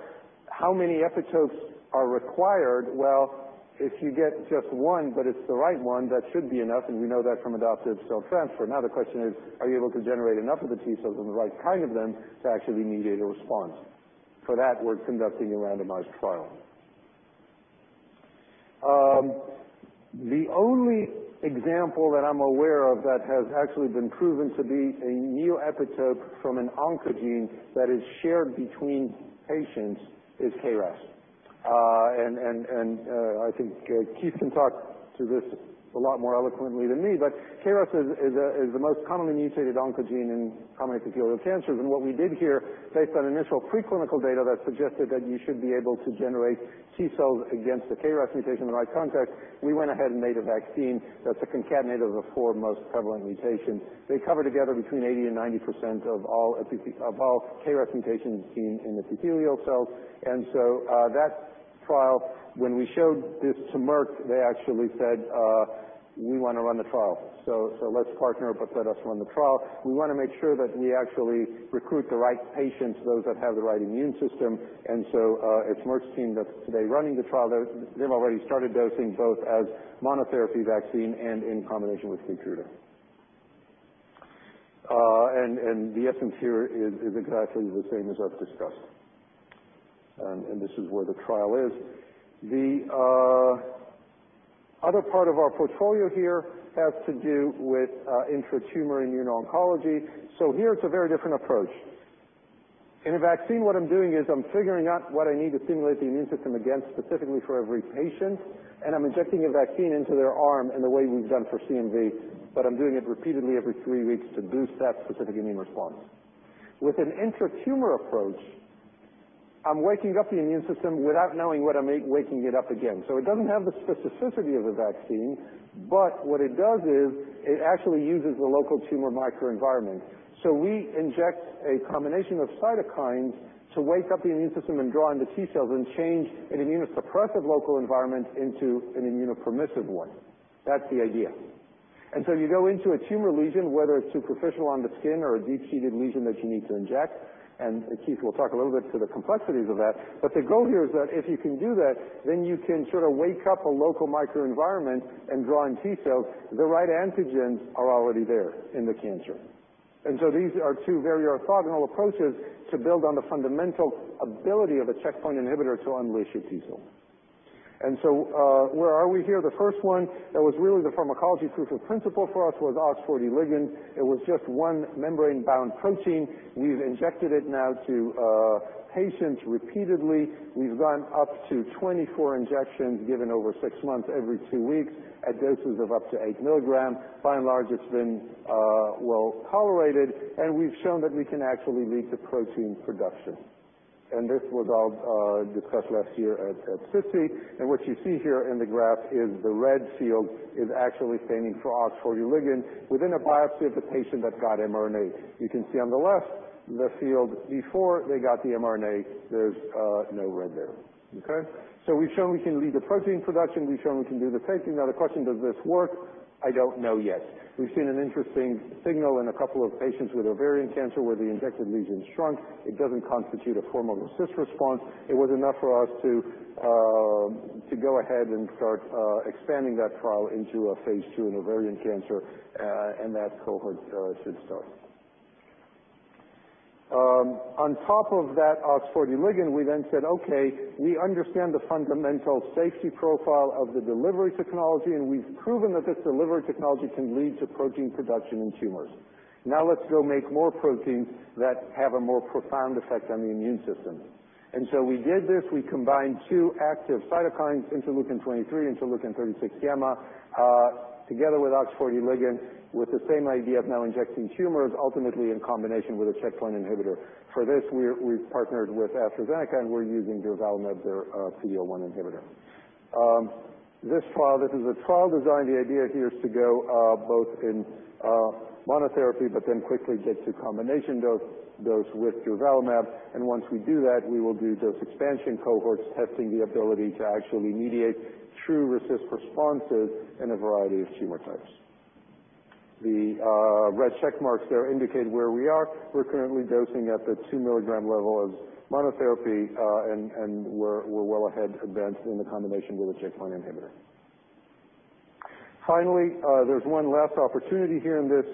How many epitopes are required? Well, if you get just one, but it's the right one, that should be enough, and we know that from adoptive cell transfer. The question is, are you able to generate enough of the T cells and the right kind of them to actually mediate a response? For that, we're conducting a randomized trial. The only example that I'm aware of that has actually been proven to be a neoepitope from an oncogene that is shared between patients is KRAS. I think Keith can talk to this a lot more eloquently than me, but KRAS is the most commonly mutated oncogene in common epithelial cancers. What we did here, based on initial preclinical data that suggested that you should be able to generate T cells against the KRAS mutation in the right context, we went ahead and made a vaccine that's a concatenative of the four most prevalent mutations. They cover together between 80% and 90% of all KRAS mutations seen in epithelial cells. That trial, when we showed this to Merck, they actually said, "We want to run the trial. Let's partner, but let us run the trial. We want to make sure that we actually recruit the right patients, those that have the right immune system." It's Merck's team that's today running the trial. They've already started dosing both as monotherapy vaccine and in combination with KEYTRUDA. The essence here is exactly the same as I've discussed. This is where the trial is. The other part of our portfolio here has to do with intratumor immuno-oncology. Here it's a very different approach. In a vaccine, what I'm doing is I'm figuring out what I need to stimulate the immune system against specifically for every patient, and I'm injecting a vaccine into their arm in the way we've done for CMV, but I'm doing it repeatedly every three weeks to boost that specific immune response. With an intratumor approach, I'm waking up the immune system without knowing what I'm waking it up against. It doesn't have the specificity of a vaccine, but what it does is it actually uses the local tumor microenvironment. We inject a combination of cytokines to wake up the immune system and draw in the T-cells and change an immunosuppressive local environment into an immunopermissive one. That's the idea. You go into a tumor lesion, whether it's superficial on the skin or a deep-seated lesion that you need to inject, Keith will talk a little bit to the complexities of that, but the goal here is that if you can do that, then you can sort of wake up a local microenvironment and draw in T cells. The right antigens are already there in the cancer. These are two very orthogonal approaches to build on the fundamental ability of a checkpoint inhibitor to unleash your T cells. Where are we here? The first one that was really the pharmacology proof of principle for us was OX40 ligand. It was just one membrane-bound protein. We've injected it now to patients repeatedly. We've gone up to 24 injections given over six months every two weeks at doses of up to eight milligrams. By and large, it's been well-tolerated. We've shown that we can actually lead the protein production. This was all discussed last year at SITC. What you see here in the graph is the red field is actually staining for OX40 ligand within a biopsy of a patient that got mRNA. You can see on the left the field before they got the mRNA. There's no red there. Okay. We've shown we can lead the protein production. We've shown we can do the tracking. The question, does this work? I don't know yet. We've seen an interesting signal in a couple of patients with ovarian cancer where the injected lesions shrunk. It doesn't constitute a formal RECIST response. It was enough for us to go ahead and start expanding that trial into a phase II in ovarian cancer. That cohort should start. On top of that OX40 ligand, we then said, "Okay, we understand the fundamental safety profile of the delivery technology, and we've proven that this delivery technology can lead to protein production in tumors." Let's go make more proteins that have a more profound effect on the immune system. We did this. We combined two active cytokines, interleukin-23, interleukin-36 gamma, together with OX40 ligand, with the same idea of now injecting tumors, ultimately in combination with a checkpoint inhibitor. For this, we've partnered with AstraZeneca, and we're using durvalumab, their PD-L1 inhibitor. This is a trial design. The idea here is to go both in monotherapy but then quickly get to combination dose with durvalumab, and once we do that, we will do dose expansion cohorts, testing the ability to actually mediate true resist responses in a variety of tumor types. The red check marks there indicate where we are. We're currently dosing at the 2-milligram level of monotherapy, and we're well ahead, advanced in the combination with a checkpoint inhibitor. There's one last opportunity here in this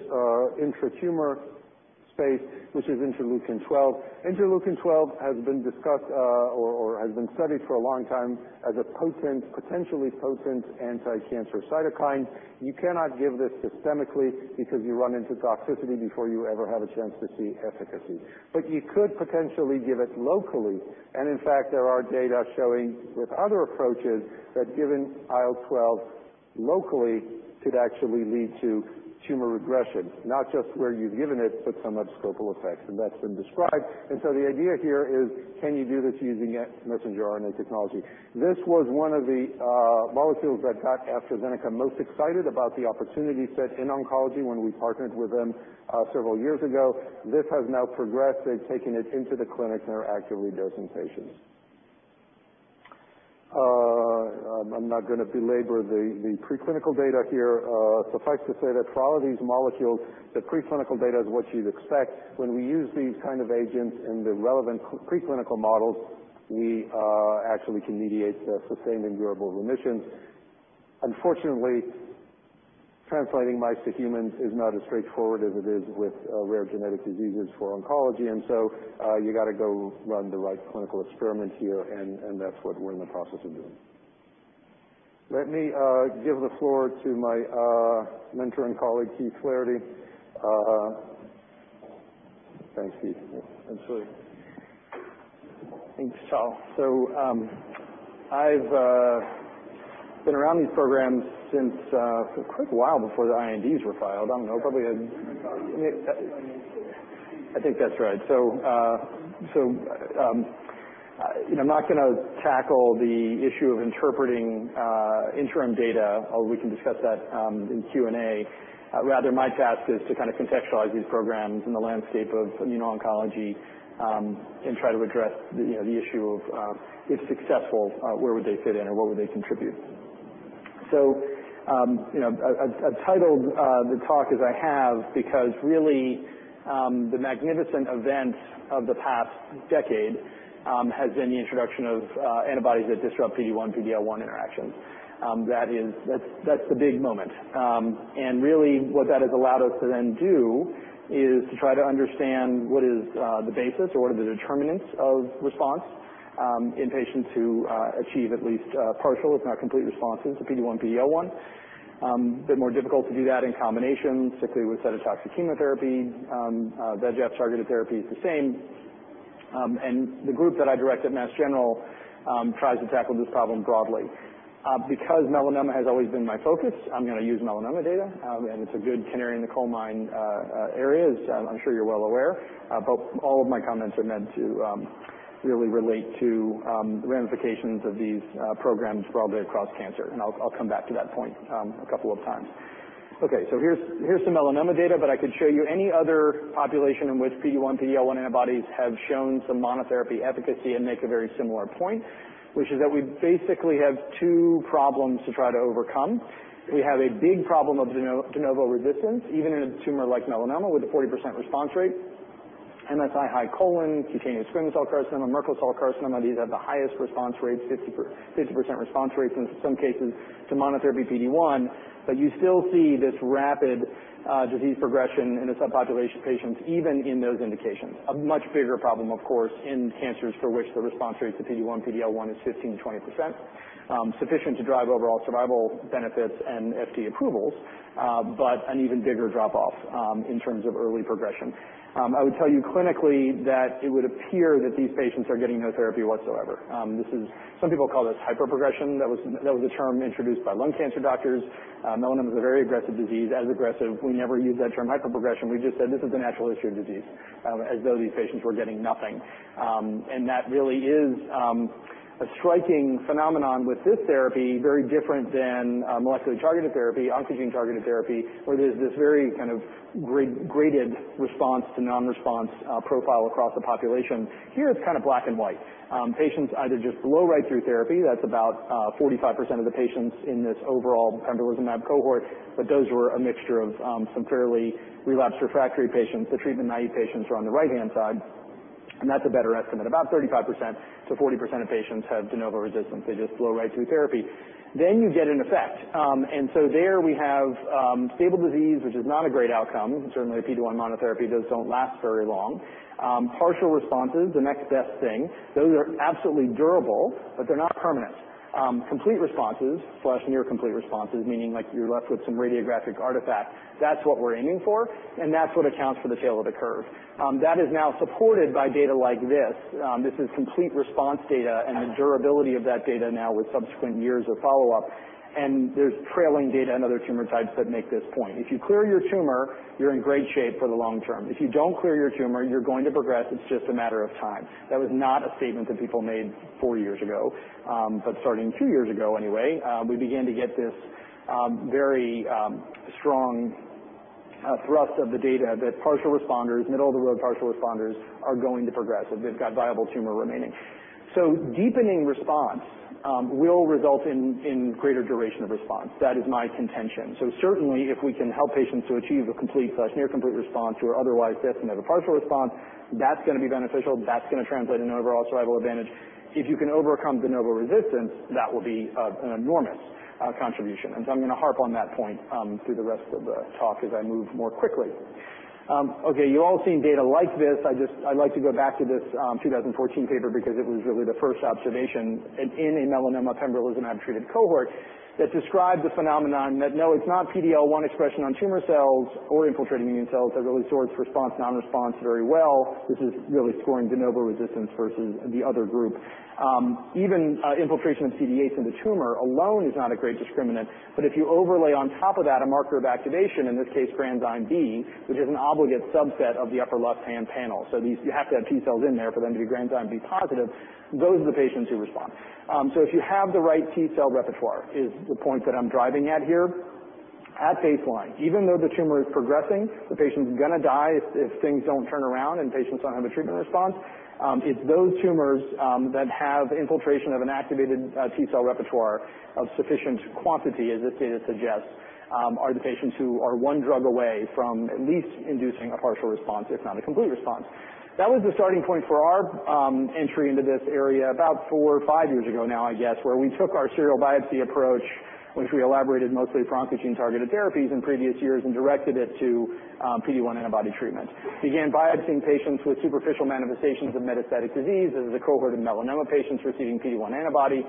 intra-tumor space, which is interleukin-12. Interleukin-12 has been discussed or has been studied for a long time as a potentially potent anti-cancer cytokine. You cannot give this systemically because you run into toxicity before you ever have a chance to see efficacy. You could potentially give it locally, and in fact, there are data showing with other approaches that giving IL-12 locally could actually lead to tumor regression, not just where you've given it, but some abscopal effects, and that's been described. The idea here is can you do this using messenger RNA technology? This was one of the molecules that got AstraZeneca most excited about the opportunity set in oncology when we partnered with them several years ago. This has now progressed. They've taken it into the clinic, and they're actively dosing patients. I'm not going to belabor the preclinical data here. Suffice to say that for all of these molecules, the preclinical data is what you'd expect. When we use these kind of agents in the relevant preclinical models, we actually can mediate a sustained and durable remission. Unfortunately, translating mice to humans is not as straightforward as it is with rare genetic diseases for oncology. You got to go run the right clinical experiments here, and that's what we're in the process of doing. Let me give the floor to my mentor and colleague, Keith Flaherty. Thanks, Keith. Thanks. Thanks, Tal. I've been around these programs since a quick while before the INDs were filed. I don't know, I think that's right. I'm not going to tackle the issue of interpreting interim data, or we can discuss that in Q&A. Rather, my task is to kind of contextualize these programs in the landscape of immuno-oncology and try to address the issue of if successful where would they fit in or what would they contribute. I've titled the talk as I have because really, the magnificent event of the past decade has been the introduction of antibodies that disrupt PD-1, PD-L1 interactions. That's the big moment. Really what that has allowed us to then do is to try to understand what is the basis or what are the determinants of response in patients who achieve at least partial, if not complete responses to PD-1, PD-L1. A bit more difficult to do that in combination, particularly with cytotoxic chemotherapy. VEGF-targeted therapy is the same. The group that I direct at Mass General tries to tackle this problem broadly. Because melanoma has always been my focus, I'm going to use melanoma data, and it's a good canary in the coal mine area, as I'm sure you're well aware. All of my comments are meant to really relate to ramifications of these programs broadly across cancer, and I'll come back to that point a couple of times. Here's some melanoma data, but I could show you any other population in which PD-1, PD-L1 antibodies have shown some monotherapy efficacy and make a very similar point, which is that we basically have two problems to try to overcome. We have a big problem of de novo resistance, even in a tumor like melanoma with a 40% response rate. MSI-high colon, cutaneous squamous cell carcinoma, Merkel cell carcinoma, these have the highest response rates, 50% response rates in some cases to monotherapy PD-1. You still see this rapid disease progression in a subpopulation of patients, even in those indications. A much bigger problem, of course, in cancers for which the response rates to PD-1, PD-L1 is 15%-20%, sufficient to drive overall survival benefits and FDA approvals but an even bigger drop-off in terms of early progression. I would tell you clinically that it would appear that these patients are getting no therapy whatsoever. Some people call this hyperprogression. That was a term introduced by lung cancer doctors. Melanoma is a very aggressive disease, as aggressive. We never used that term hyperprogression. We just said this is the natural history of disease as though these patients were getting nothing. That really is a striking phenomenon with this therapy, very different than molecularly targeted therapy, oncogene-targeted therapy, where there's this very graded response to non-response profile across the population. Here it's kind of black and white. Patients either just blow right through therapy. That's about 45% of the patients in this overall pembrolizumab cohort, but those were a mixture of some fairly relapsed refractory patients. The treatment-naive patients are on the right-hand side. That's a better estimate. About 35%-40% of patients have de novo resistance. They just blow right through therapy. You get an effect. There we have stable disease, which is not a great outcome. Certainly, PD-1 monotherapy just don't last very long. Partial responses, the next best thing. Those are absolutely durable, they're not permanent. Complete responses/near-complete responses, meaning you're left with some radiographic artifact. That's what we're aiming for, and that's what accounts for the tail of the curve. That is now supported by data like this. This is complete response data and the durability of that data now with subsequent years of follow-up, and there's trailing data and other tumor types that make this point. If you clear your tumor, you're in great shape for the long term. If you don't clear your tumor, you're going to progress, it's just a matter of time. That was not a statement that people made 4 years ago. Starting two years ago, anyway, we began to get this very strong thrust of the data that partial responders, middle-of-the-road partial responders are going to progress if they've got viable tumor remaining. Deepening response will result in greater duration of response. That is my contention. Certainly, if we can help patients to achieve a complete/near complete response who are otherwise destined at a partial response, that's going to be beneficial. That's going to translate in an overall survival advantage. If you can overcome de novo resistance, that will be an enormous contribution. I'm going to harp on that point through the rest of the talk as I move more quickly. Okay, you've all seen data like this. I'd like to go back to this 2014 paper because it was really the first observation in a melanoma pembrolizumab-treated cohort that described the phenomenon that no, it's not PD-L1 expression on tumor cells or infiltrating immune cells that really sorts response, non-response very well, which is really scoring de novo resistance versus the other group. Even infiltration of CD8 into tumor alone is not a great discriminant. If you overlay on top of that a marker of activation, in this case granzyme B, which is an obligate subset of the upper left-hand panel. You have to have T cells in there for them to be granzyme B positive. Those are the patients who respond. If you have the right T cell repertoire, is the point that I'm driving at here, at baseline, even though the tumor is progressing, the patient's going to die if things don't turn around and patients don't have a treatment response. It's those tumors that have infiltration of an activated T cell repertoire of sufficient quantity, as this data suggests, are the patients who are one drug away from at least inducing a partial response, if not a complete response. That was the starting point for our entry into this area about four or five years ago now, I guess, where we took our serial biopsy approach, which we elaborated mostly for oncogene-targeted therapies in previous years and directed it to PD-1 antibody treatment. We began biopsying patients with superficial manifestations of metastatic disease. This is a cohort of melanoma patients receiving PD-1 antibody.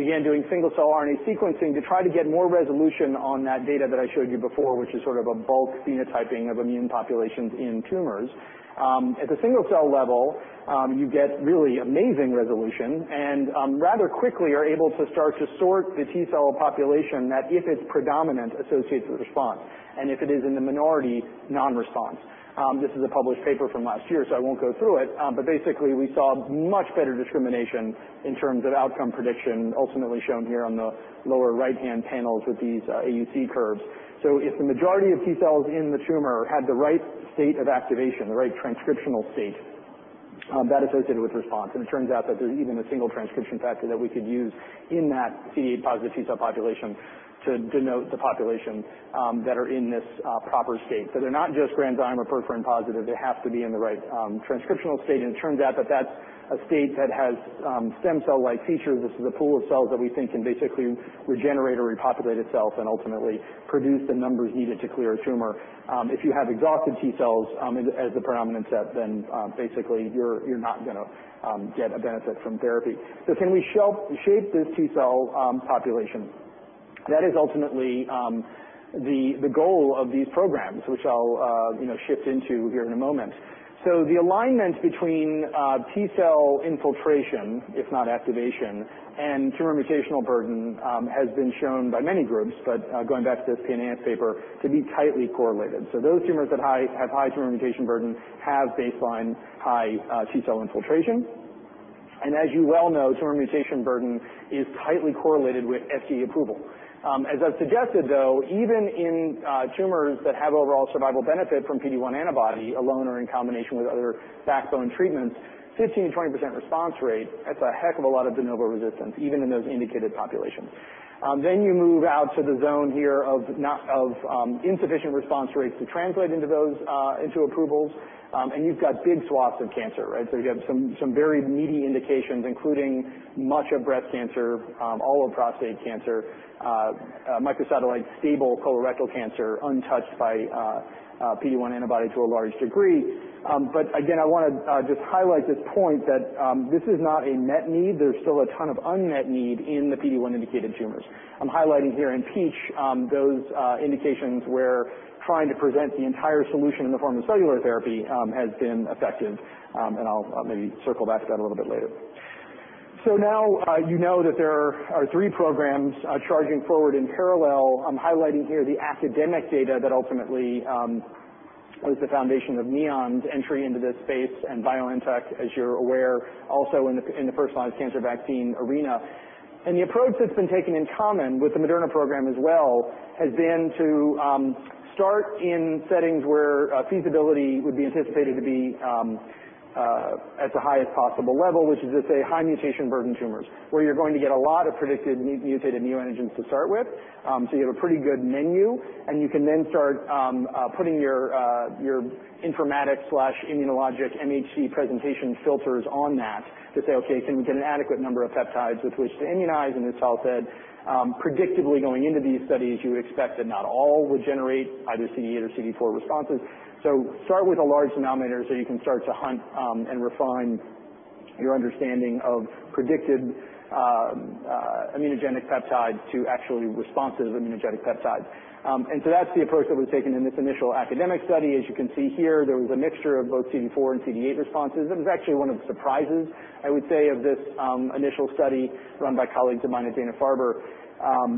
Began doing single-cell RNA sequencing to try to get more resolution on that data that I showed you before, which is a bulk phenotyping of immune populations in tumors. At the single-cell level, you get really amazing resolution and rather quickly are able to start to sort the T cell population that if it's predominant, associates with response, and if it is in the minority, non-response. This is a published paper from last year, so I won't go through it, but basically, we saw much better discrimination in terms of outcome prediction, ultimately shown here on the lower right-hand panels with these AUC curves. If the majority of T cells in the tumor had the right state of activation, the right transcriptional state, that associated with response. It turns out that there's even a single transcription factor that we could use in that CD8 positive T cell population to denote the population that are in this proper state. They're not just granzyme or perforin positive. They have to be in the right transcriptional state, and it turns out that that's a state that has stem cell-like features. This is a pool of cells that we think can basically regenerate or repopulate itself and ultimately produce the numbers needed to clear a tumor. If you have exhausted T cells as the predominant set, then basically you're not going to get a benefit from therapy. Can we shape this T cell population? That is ultimately the goal of these programs, which I'll shift into here in a moment. The alignment between T cell infiltration, if not activation, and tumor mutational burden has been shown by many groups, but going back to this PNAS paper, to be tightly correlated. Those tumors that have high tumor mutational burden have baseline high T cell infiltration. As you well know, tumor mutational burden is tightly correlated with FDA approval. As I've suggested, though, even in tumors that have overall survival benefit from PD-1 antibody, alone or in combination with other backbone treatments, 15%-20% response rate, that's a heck of a lot of de novo resistance, even in those indicated populations. You move out to the zone here of insufficient response rates to translate into approvals. You've got big swaths of cancer, right? You have some very meaty indications, including much of breast cancer, all of prostate cancer, microsatellite stable colorectal cancer untouched by PD-1 antibody to a large degree. Again, I want to just highlight this point that this is not a net need. There's still a ton of unmet need in the PD-1 indicated tumors. I'm highlighting here in peach those indications where trying to present the entire solution in the form of cellular therapy has been effective, and I'll maybe circle back to that a little bit later. Now you know that there are three programs charging forward in parallel. I'm highlighting here the academic data that ultimately was the foundation of Neon's entry into this space, and BioNTech, as you're aware, also in the first-line cancer vaccine arena. The approach that's been taken in common with the Moderna program as well, has been to start in settings where feasibility would be anticipated to be at the highest possible level, which is let's say high mutation burden tumors, where you're going to get a lot of predicted mutated neoantigens to start with. You have a pretty good menu, and you can then start putting your informatics/immunologic MHC presentation filters on that to say, okay, can we get an adequate number of peptides with which to immunize? As Sal said, predictably going into these studies, you expect that not all would generate either CD8 or CD4 responses. Start with a large denominator so you can start to hunt, and refine your understanding of predicted immunogenic peptides to actually responsive immunogenic peptides. That's the approach that was taken in this initial academic study. As you can see here, there was a mixture of both CD4 and CD8 responses. It was actually one of the surprises, I would say of this initial study run by colleagues of mine at Dana-Farber,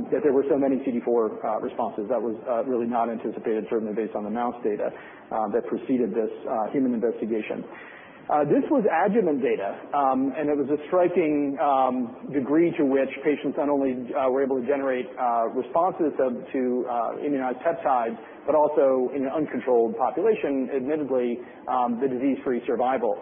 that there were so many CD4 responses. That was really not anticipated, certainly based on the mouse data that preceded this human investigation. This was adjuvant data. It was a striking degree to which patients not only were able to generate responses to immunized peptides, but also in an uncontrolled population, admittedly, the disease-free survival.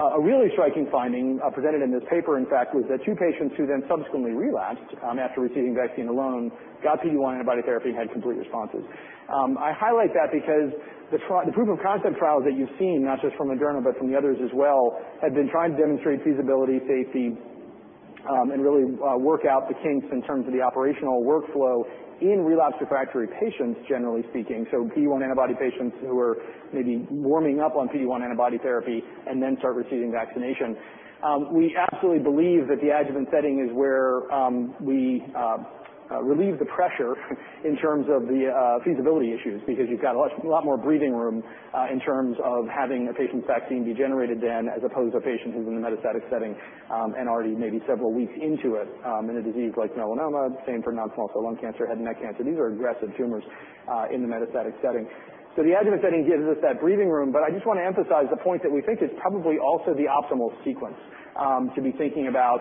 A really striking finding presented in this paper, in fact, was that two patients who then subsequently relapsed after receiving vaccine alone got PD-1 antibody therapy and had complete responses. I highlight that because the proof-of-concept trials that you've seen, not just from Moderna but from the others as well, have been trying to demonstrate feasibility, safety, and really work out the kinks in terms of the operational workflow in relapsed refractory patients, generally speaking. PD-1 antibody patients who are maybe warming up on PD-1 antibody therapy and then start receiving vaccination. We absolutely believe that the adjuvant setting is where we relieve the pressure in terms of the feasibility issues, because you've got a lot more breathing room in terms of having a patient's vaccine be generated then as opposed to a patient who's in the metastatic setting, and already maybe several weeks into it in a disease like melanoma, same for non-small cell lung cancer, head and neck cancer. These are aggressive tumors in the metastatic setting. The adjuvant setting gives us that breathing room. I just want to emphasize the point that we think is probably also the optimal sequence to be thinking about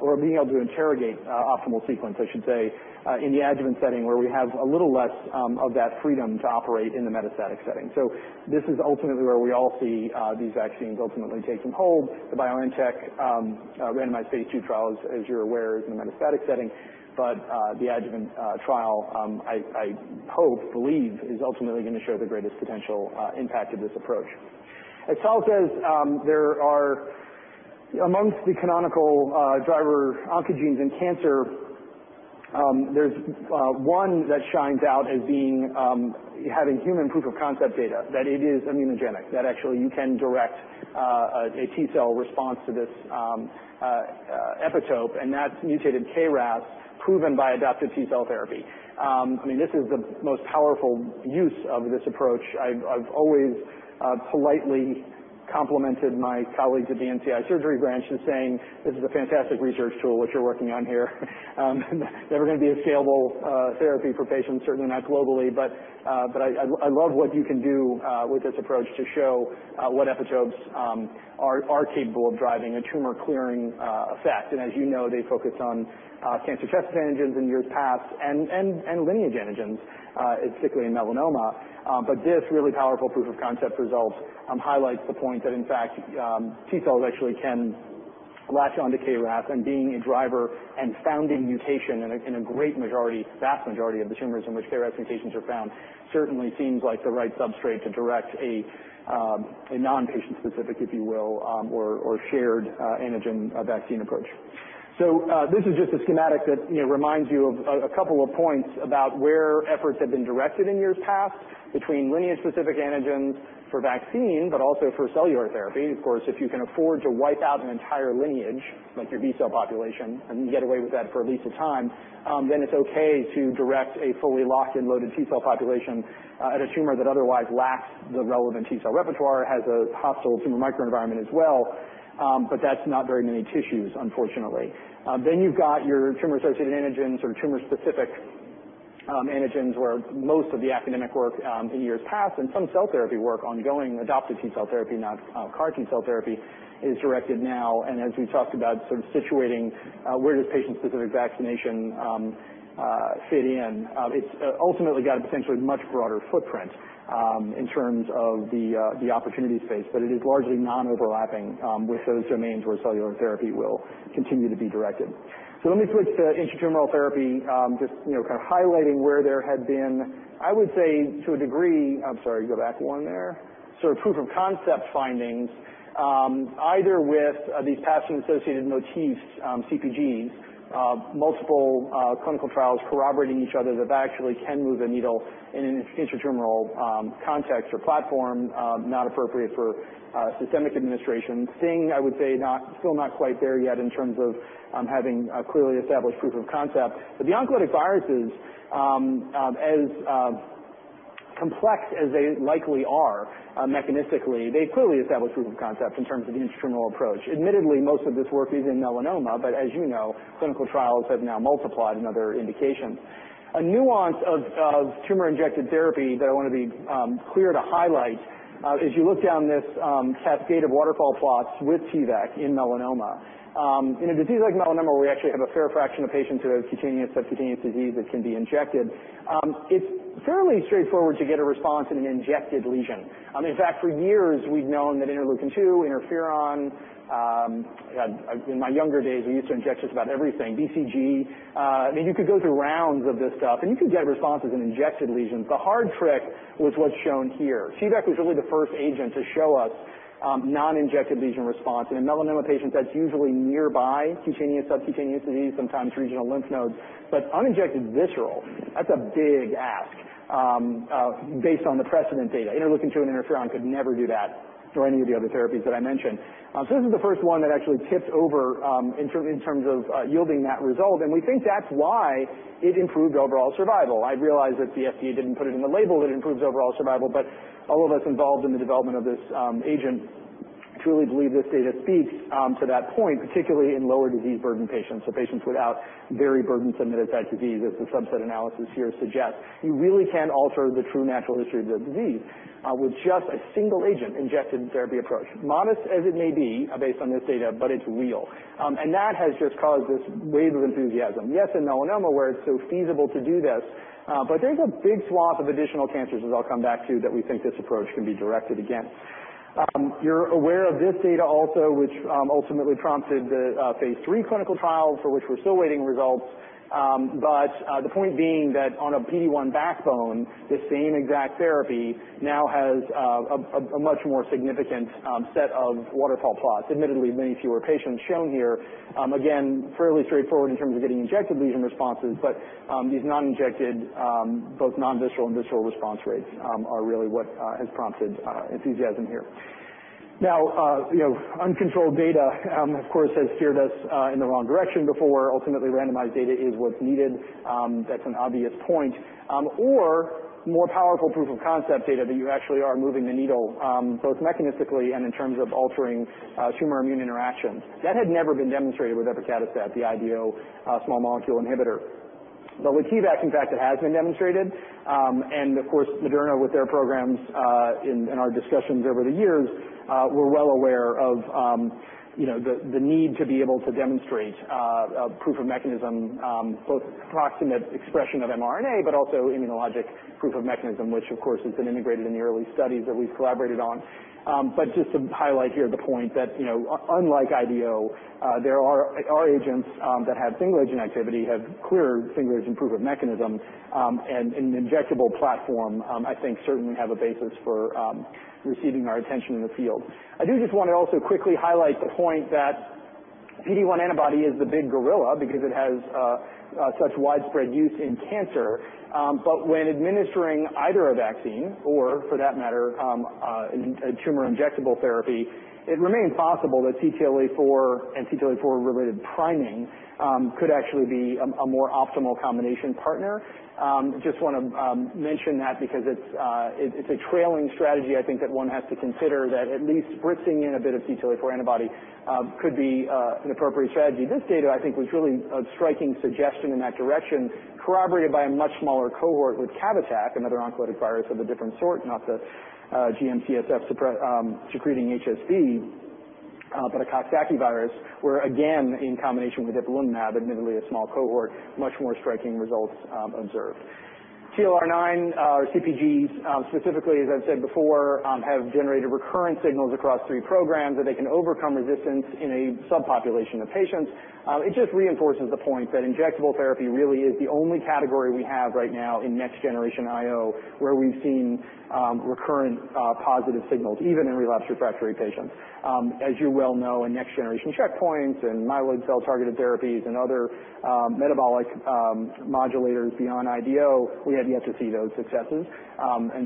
or being able to interrogate optimal sequence, I should say, in the adjuvant setting where we have a little less of that freedom to operate in the metastatic setting. This is ultimately where we all see these vaccines ultimately taking hold. The BioNTech randomized phase II trial, as you're aware, is in the metastatic setting, but the adjuvant trial, I hope, believe is ultimately going to show the greatest potential impact of this approach. As Tal says, amongst the canonical driver oncogenes in cancer, there's one that shines out as having human proof-of-concept data, that it is immunogenic, that actually you can direct a T cell response to this epitope, and that's mutated KRAS proven by adoptive T cell therapy. This is the most powerful use of this approach. I've always politely complimented my colleagues at the NCI Surgery Branch in saying, "This is a fantastic research tool, what you're working on here." Never going to be a scalable therapy for patients, certainly not globally, but I love what you can do with this approach to show what epitopes are capable of driving a tumor-clearing effect. As you know, they focused on cancer testis antigens in years past and lineage antigens, specifically in melanoma. This really powerful proof-of-concept results highlights the point that in fact, T cells actually can latch onto KRAS, and being a driver and founding mutation in a vast majority of the tumors in which KRAS mutations are found, certainly seems like the right substrate to direct a non-patient-specific, if you will, or shared antigen vaccine approach. This is just a schematic that reminds you of a couple of points about where efforts have been directed in years past between lineage-specific antigens for vaccine, but also for cellular therapy. Of course, if you can afford to wipe out an entire lineage, like your B cell population, and you can get away with that for at least a time, then it's okay to direct a fully locked and loaded T cell population at a tumor that otherwise lacks the relevant T cell repertoire, has a hostile tumor microenvironment as well, but that's not very many tissues, unfortunately. You've got your tumor-associated antigens or tumor-specific antigens where most of the academic work in years past and some cell therapy work ongoing, adoptive T cell therapy, not CAR T-cell therapy, is directed now. As we talked about situating where does patient-specific vaccination fit in? It's ultimately got a potentially much broader footprint in terms of the opportunity space, but it is largely non-overlapping with those domains where cellular therapy will continue to be directed. Let me switch to intra-tumoral therapy, just highlighting where there had been, I would say to a degree, I'm sorry, go back one there. Proof-of-concept findings, either with these pathogen-associated motifs, CpGs, multiple clinical trials corroborating each other that actually can move a needle in an intra-tumoral context or platform, not appropriate for systemic administration. Thing, I would say still not quite there yet in terms of having a clearly established proof of concept. The oncolytic viruses, as complex as they likely are mechanistically, they clearly establish proof of concept in terms of the intra-tumoral approach. Admittedly, most of this work is in melanoma. As you know, clinical trials have now multiplied in other indications. A nuance of tumor-injected therapy that I want to be clear to highlight as you look down this cascade of waterfall plots with T-VEC in melanoma. In a disease like melanoma, we actually have a fair fraction of patients who have cutaneous, subcutaneous disease that can be injected. It's fairly straightforward to get a response in an injected lesion. In fact, for years we've known that interleukin-2, interferon, in my younger days, we used to inject just about everything, BCG. You could go through rounds of this stuff, you could get responses in injected lesions. The hard trick was what's shown here. T-VEC was really the first agent to show us non-injected lesion response in a melanoma patient that's usually nearby cutaneous, subcutaneous disease, sometimes regional lymph nodes. Uninjected visceral, that's a big ask based on the precedent data. interleukin-2 and interferon could never do that or any of the other therapies that I mentioned. This is the first one that actually tipped over in terms of yielding that result, and we think that's why it improved overall survival. I realize that the FDA didn't put it in the label that it improves overall survival, but all of us involved in the development of this agent truly believe this data speaks to that point, particularly in lower disease burden patients. Patients without very burdensome metastatic disease, as the subset analysis here suggests. You really can alter the true natural history of the disease with just a single agent injected therapy approach. Modest as it may be based on this data, but it's real. That has just caused this wave of enthusiasm. Yes, in melanoma where it's so feasible to do this, but there's a big swath of additional cancers as I'll come back to that we think this approach can be directed again. You're aware of this data also, which ultimately prompted the phase III clinical trials for which we're still awaiting results. The point being that on a PD-1 backbone, this same exact therapy now has a much more significant set of waterfall plots. Admittedly, many fewer patients shown here. Again, fairly straightforward in terms of getting injected lesion responses, but these non-injected, both non-visceral and visceral response rates are really what has prompted enthusiasm here. Now, uncontrolled data, of course, has steered us in the wrong direction before. Ultimately randomized data is what's needed. That's an obvious point. More powerful proof of concept data that you actually are moving the needle both mechanistically and in terms of altering tumor immune interactions. That had never been demonstrated with epacadostat, the IDO small molecule inhibitor. With T-VEC, in fact, it has been demonstrated. Of course, Moderna with their programs in our discussions over the years, we're well aware of the need to be able to demonstrate a proof of mechanism, both proximate expression of mRNA, but also immunologic proof of mechanism, which of course, has been integrated in the early studies that we've collaborated on. Just to highlight here the point that unlike IDO, there are agents that have single-agent activity, have clear single-agent proof of mechanism, and an injectable platform, I think certainly have a basis for receiving our attention in the field. I do just want to also quickly highlight the point that PD-1 antibody is the big gorilla because it has such widespread use in cancer. When administering either a vaccine or for that matter, a tumor injectable therapy, it remains possible that CTLA-4 and CTLA-4 related priming could actually be a more optimal combination partner. Just want to mention that because it's a trailing strategy, I think that one has to consider that at least spritzing in a bit of CTLA-4 antibody could be an appropriate strategy. This data, I think, was really a striking suggestion in that direction, corroborated by a much smaller cohort with CAVATAK, another oncolytic virus of a different sort, not the GM-CSF secreting HSV, but a coxsackievirus, where again, in combination with ipilimumab, admittedly a small cohort, much more striking results observed. TLR9 or CpG specifically, as I've said before, have generated recurrent signals across three programs that they can overcome resistance in a subpopulation of patients. It just reinforces the point that injectable therapy really is the only category we have right now in next generation IO, where we've seen recurrent positive signals even in relapsed refractory patients. As you well know, in next generation checkpoints and myeloid cell targeted therapies and other metabolic modulators beyond IDO, we have yet to see those successes.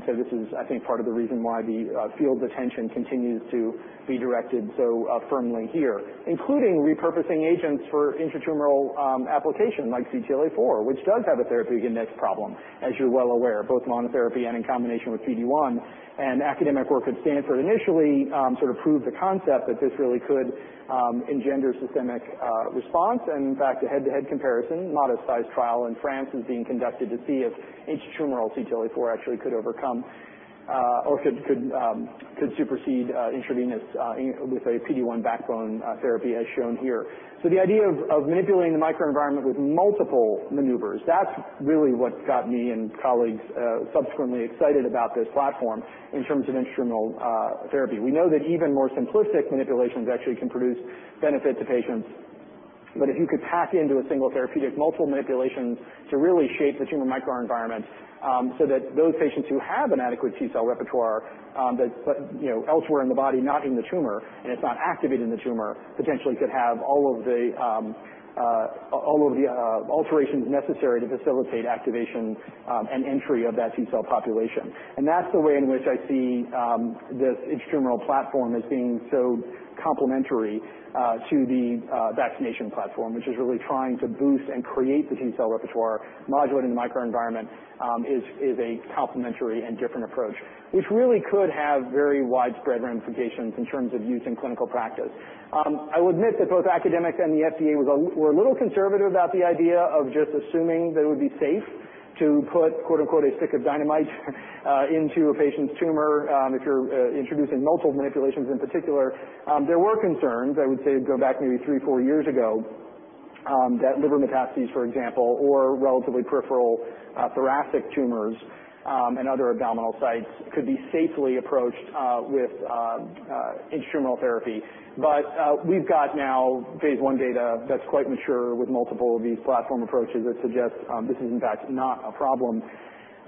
This is, I think, part of the reason why the field's attention continues to be directed so firmly here, including repurposing agents for intratumoral application like CTLA-4, which does have a therapeutic index problem, as you're well aware, both monotherapy and in combination with PD-1. Academic work at Stanford initially sort of proved the concept that this really could engender systemic response. In fact, a head-to-head comparison, modest-size trial in France is being conducted to see if intratumoral CTLA-4 actually could overcome or could supersede intravenous with a PD-1 backbone therapy as shown here. The idea of manipulating the microenvironment with multiple maneuvers, that's really what got me and colleagues subsequently excited about this platform in terms of intratumoral therapy. We know that even more simplistic manipulations actually can produce benefit to patients. If you could pack into a single therapeutic multiple manipulations to really shape the tumor microenvironment so that those patients who have an adequate T-cell repertoire that's elsewhere in the body, not in the tumor, and it's not activated in the tumor, potentially could have all of the alterations necessary to facilitate activation and entry of that T-cell population. That's the way in which I see this intratumoral platform as being so complementary to the vaccination platform, which is really trying to boost and create the T cell repertoire. Modulating the microenvironment is a complementary and different approach, which really could have very widespread ramifications in terms of use in clinical practice. I will admit that both academics and the FDA were a little conservative about the idea of just assuming that it would be safe to put "a stick of dynamite" into a patient's tumor, if you're introducing multiple manipulations in particular, there were concerns, I would say go back maybe three, four years ago, that liver metastases, for example, or relatively peripheral thoracic tumors and other abdominal sites could be safely approached with intratumoral therapy. We've got now phase I data that's quite mature with multiple of these platform approaches that suggest this is in fact not a problem.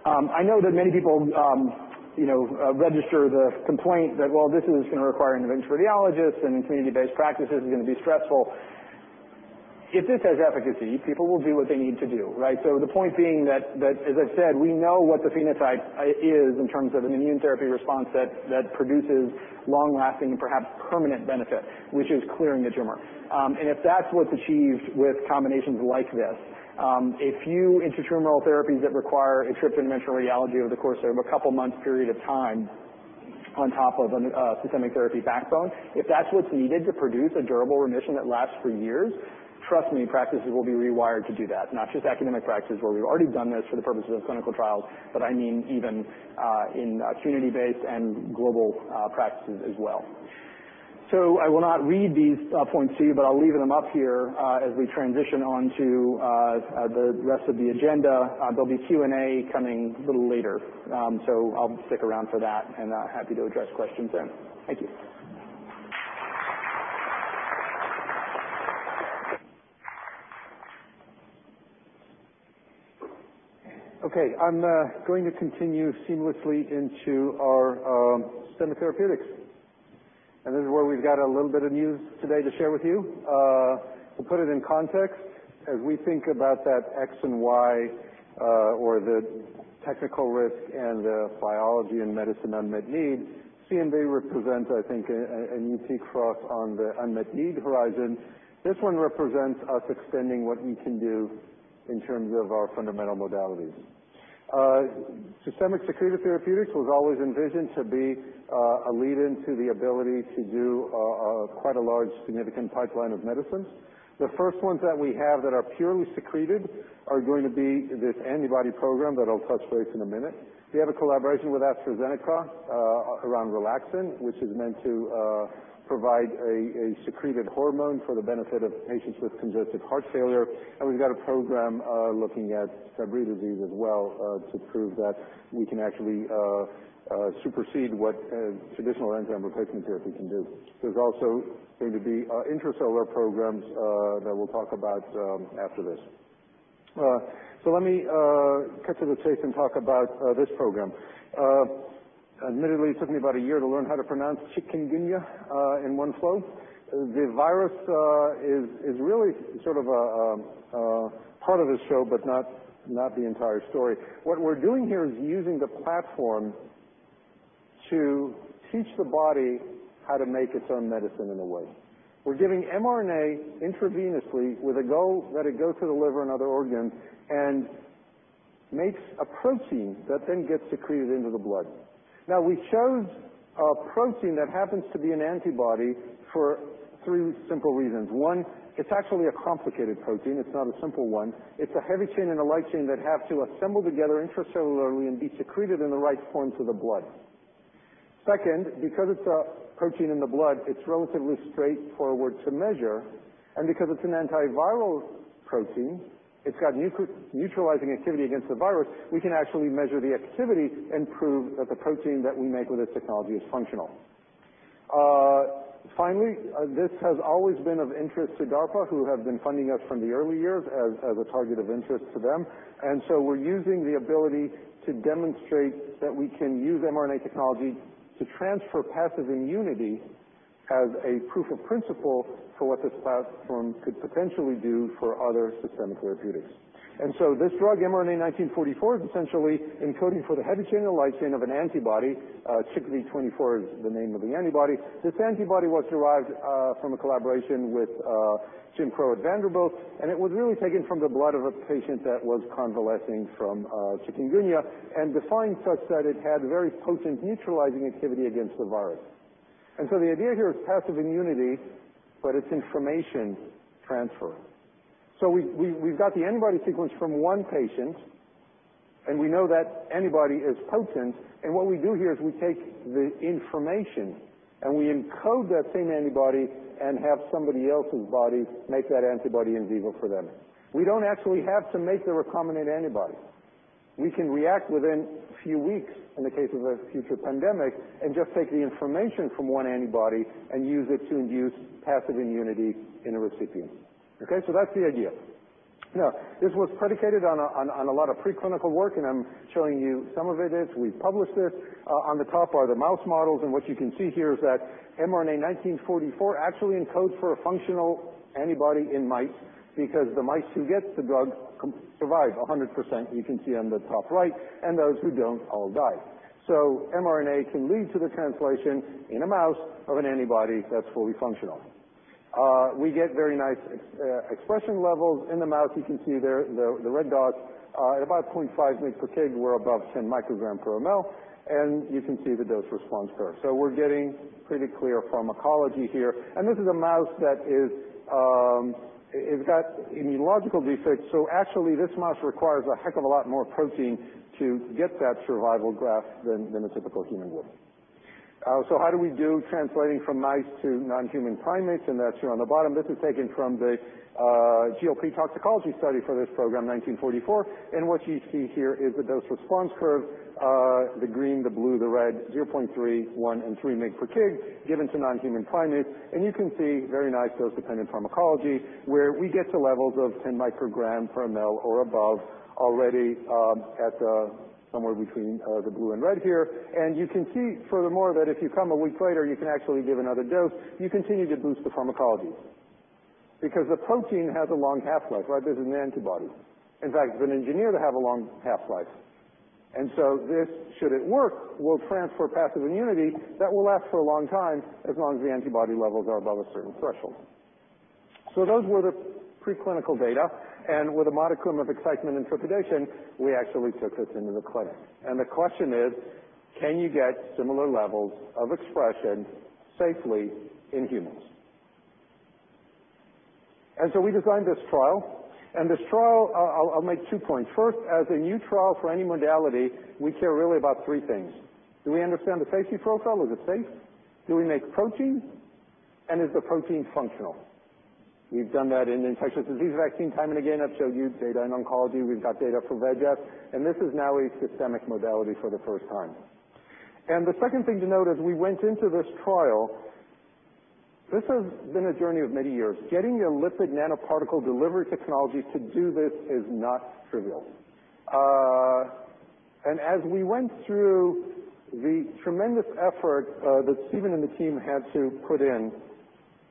I know that many people register the complaint that, well, this is going to require interventional radiologists and community-based practices, and it's going to be stressful. If this has efficacy, people will do what they need to do, right? The point being that, as I've said, we know what the phenotype is in terms of an immunotherapy response that produces long-lasting, perhaps permanent benefit, which is clearing the tumor. If that's what's achieved with combinations like this, a few intratumoral therapies that require a trip to interventional radiology over the course of a couple of months period of time on top of a systemic therapy backbone, if that's what's needed to produce a durable remission that lasts for years, trust me, practices will be rewired to do that, not just academic practices where we've already done this for the purposes of clinical trials, but I mean even in community-based and global practices as well. I will not read these points to you, but I'll leave them up here as we transition on to the rest of the agenda. There'll be Q&A coming a little later. I'll stick around for that and happy to address questions then. Thank you. Okay, I'm going to continue seamlessly into our systemic therapeutics. This is where we've got a little bit of news today to share with you. To put it in context, as we think about that X and Y or the technical risk and the biology and medicine unmet need, CMV represents, I think, a unique cross on the unmet need horizon. This one represents us extending what we can do in terms of our fundamental modalities. Systemic secreted therapeutics was always envisioned to be a lead-in to the ability to do quite a large significant pipeline of medicines. The first ones that we have that are purely secreted are going to be this antibody program that I'll touch base in a minute. We have a collaboration with AstraZeneca around Relaxin, which is meant to provide a secreted hormone for the benefit of patients with congestive heart failure. We've got a program looking at Fabry disease as well to prove that we can actually supersede what traditional enzyme replacement therapy can do. There's also going to be intracellular programs that we'll talk about after this. Let me cut to the chase and talk about this program. Admittedly, it took me about a year to learn how to pronounce chikungunya in one flow. The virus is really sort of a part of the show, but not the entire story. What we're doing here is using the platform to teach the body how to make its own medicine in a way. We're giving mRNA intravenously with a goal, let it go to the liver and other organs, and makes a protein that then gets secreted into the blood. We chose a protein that happens to be an antibody for three simple reasons. One, it's actually a complicated protein, it's not a simple one. It's a heavy chain and a light chain that have to assemble together intracellularly and be secreted in the right forms of the blood. Second, because it's a protein in the blood, it's relatively straightforward to measure, and because it's an antiviral protein, it's got neutralizing activity against the virus, we can actually measure the activity and prove that the protein that we make with this technology is functional. Finally, this has always been of interest to DARPA, who have been funding us from the early years as a target of interest to them. We're using the ability to demonstrate that we can use mRNA technology to transfer passive immunity as a proof of principle for what this platform could potentially do for other systemic therapeutics. This drug, mRNA-1944, is essentially encoding for the heavy chain or light chain of an antibody. CHKV-24 is the name of the antibody. This antibody was derived from a collaboration with Jim Crowe at Vanderbilt, and it was really taken from the blood of a patient that was convalescing from chikungunya and defined such that it had very potent neutralizing activity against the virus. The idea here is passive immunity, but it's information transfer. We've got the antibody sequence from one patient, and we know that antibody is potent. What we do here is we take the information and we encode that same antibody and have somebody else's body make that antibody in vivo for them. We don't actually have to make the recombinant antibody. We can react within a few weeks in the case of a future pandemic and just take the information from one antibody and use it to induce passive immunity in a recipient. Okay? That's the idea. This was predicated on a lot of preclinical work, and I'm showing you some of it. We've published this. On the top are the mouse models, and what you can see here is that mRNA-1944 actually encodes for a functional antibody in mice because the mice who gets the drug survive 100%, you can see on the top right, and those who don't all die. mRNA can lead to the translation in a mouse of an antibody that's fully functional. We get very nice expression levels in the mouse. You can see there the red dots at about 0.5 mg per kg were above 10 micrograms per mL, and you can see the dose response curve. We're getting pretty clear pharmacology here, and this is a mouse that it's got immunological defects, so actually, this mouse requires a heck of a lot more protein to get that survival graph than a typical human would. How do we do translating from mice to non-human primates? That's here on the bottom. This is taken from the GLP toxicology study for this program, 1944. What you see here is the dose response curve, the green, the blue, the red, 0.3, one, and three mg per kg given to non-human primates. You can see very nice dose-dependent pharmacology where we get to levels of 10 micrograms per mL or above already at somewhere between the blue and red here. You can see, furthermore, that if you come a week later, you can actually give another dose. You continue to boost the pharmacology because the protein has a long half-life. There's an antibody, in fact, been engineered to have a long half-life. This, should it work, will transfer passive immunity that will last for a long time, as long as the antibody levels are above a certain threshold. Those were the pre-clinical data, and with a modicum of excitement and trepidation, we actually took this into the clinic. The question is, can you get similar levels of expression safely in humans? We designed this trial, and this trial, I'll make two points. First, as a new trial for any modality, we care really about three things. Do we understand the safety profile? Is it safe? Do we make protein? Is the protein functional? We've done that in infectious disease vaccine time and again. I've showed you data in oncology. We've got data for VEGF, and this is now a systemic modality for the first time. The second thing to note as we went into this trial, this has been a journey of many years. Getting a lipid nanoparticle delivery technology to do this is not trivial. As we went through the tremendous effort that Stephen and the team had to put in,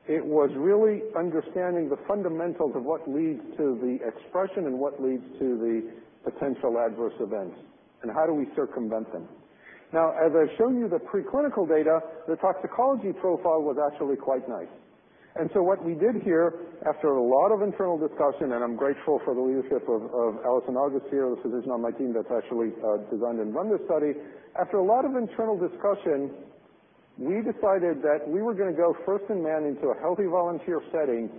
it was really understanding the fundamentals of what leads to the expression and what leads to the potential adverse events, and how do we circumvent them. Now, as I've shown you, the pre-clinical data, the toxicology profile was actually quite nice. What we did here, after a lot of internal discussion, and I'm grateful for the leadership of Allison August here, the physician on my team that's actually designed and run this study. After a lot of internal discussion, we decided that we were going to go first in man into a healthy volunteer setting.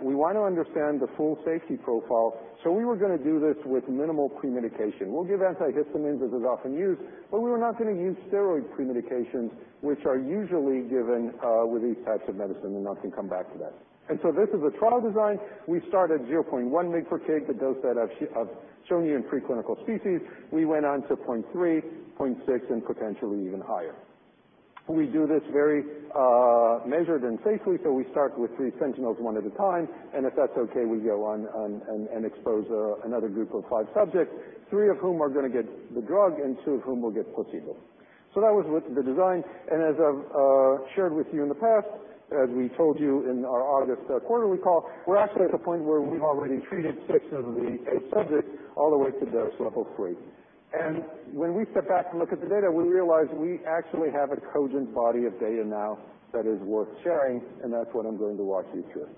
We want to understand the full safety profile. We were going to do this with minimal pre-medication. We'll give antihistamines, as is often used, but we were not going to use steroid pre-medications, which are usually given with these types of medicine. I can come back to that. This is a trial design. We start at 0.1 mg per kg, the dose that I've shown you in pre-clinical species. We went on to 0.3, 0.6, and potentially even higher. We do this very measured and safely. We start with three sentinels, one at a time, and if that's okay, we go on and expose another group of five subjects, three of whom are going to get the drug and two of whom will get placebo. That was with the design. As I've shared with you in the past, as we told you in our August quarterly call, we're actually at the point where we've already treated six of the eight subjects all the way to dose level 3. When we step back to look at the data, we realize we actually have a cogent body of data now that is worth sharing, and that's what I'm going to walk you through.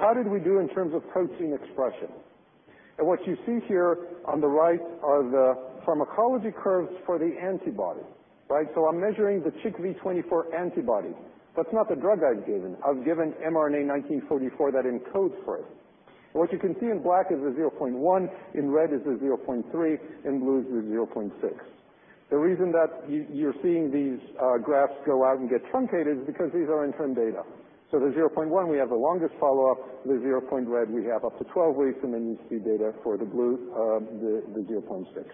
How did we do in terms of protein expression? What you see here on the right are the pharmacology curves for the antibody. I'm measuring the CHIKV-24 antibody. That's not the drug I've given. I've given mRNA-1944 that encodes for it. What you can see in black is the 0.1, in red is the 0.3, in blue is the 0.6. The reason that you're seeing these graphs go out and get truncated is because these are interim data. The 0.1, we have the longest follow-up, the 0.3, we have up to 12 weeks, you see data for the blue, the 0.6.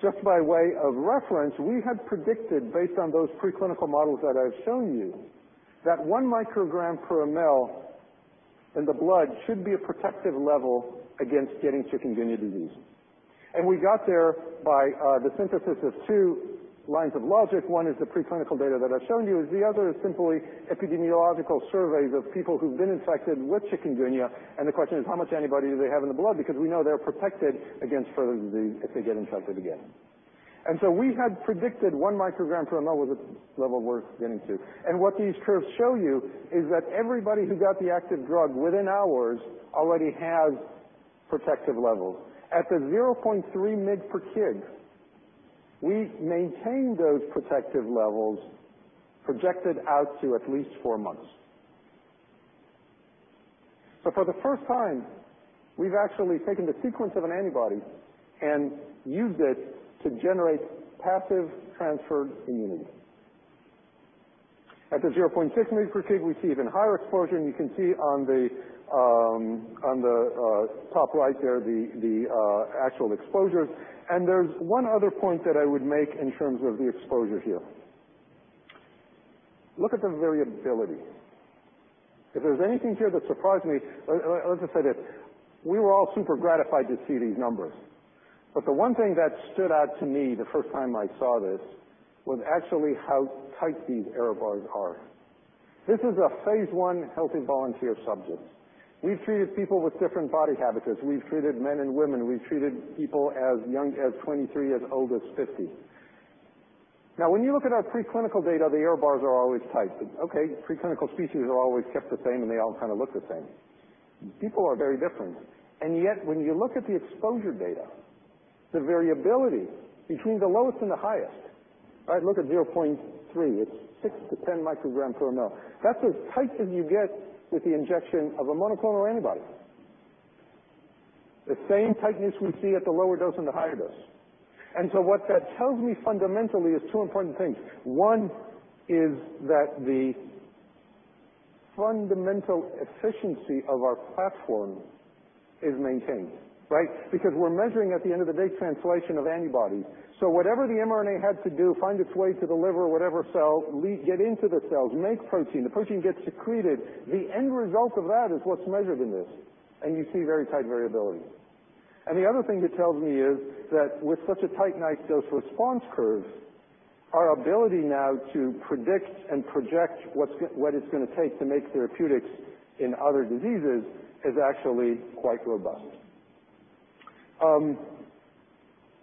Just by way of reference, we had predicted, based on those pre-clinical models that I've shown you, that one microgram per mL in the blood should be a protective level against getting chikungunya disease. We got there by the synthesis of two lines of logic. One is the pre-clinical data that I've shown you. The other is simply epidemiological surveys of people who've been infected with chikungunya. The question is, how much antibody do they have in the blood? We know they're protected against further disease if they get infected again. We had predicted one microgram per mL was a level worth getting to. What these curves show you is that everybody who got the active drug within hours already has protective levels. At the 0.3 mg per kg, we maintain those protective levels projected out to at least four months. For the first time, we've actually taken the sequence of an antibody and used it to generate passive transferred immunity. At the 0.6 mg per kg, we see even higher exposure, and you can see on the top right there the actual exposures. There's one other point that I would make in terms of the exposure here. Look at the variability. If there's anything here that surprised me, let me just say this, we were all super gratified to see these numbers, but the one thing that stood out to me the first time I saw this was actually how tight these error bars are. This is a phase I healthy volunteer subject. We've treated people with different body habitus. We've treated men and women. We've treated people as young as 23, as old as 50. When you look at our pre-clinical data, the error bars are always tight. Okay, pre-clinical species are always kept the same, and they all kind of look the same. People are very different. When you look at the exposure data, the variability between the lowest and the highest, look at 0.3. It's six to 10 micrograms per mL. That's as tight as you get with the injection of a monoclonal antibody. The same tightness we see at the lower dose and the higher dose. What that tells me fundamentally is two important things. One is that the fundamental efficiency of our platform is maintained. Because we're measuring, at the end of the day, translation of antibodies. Whatever the mRNA had to do, find its way to the liver, whatever cell, get into the cells, make protein, the protein gets secreted. The end result of that is what's measured in this, and you see very tight variability. The other thing it tells me is that with such a tight nice dose response curve, our ability now to predict and project what it's going to take to make therapeutics in other diseases is actually quite robust.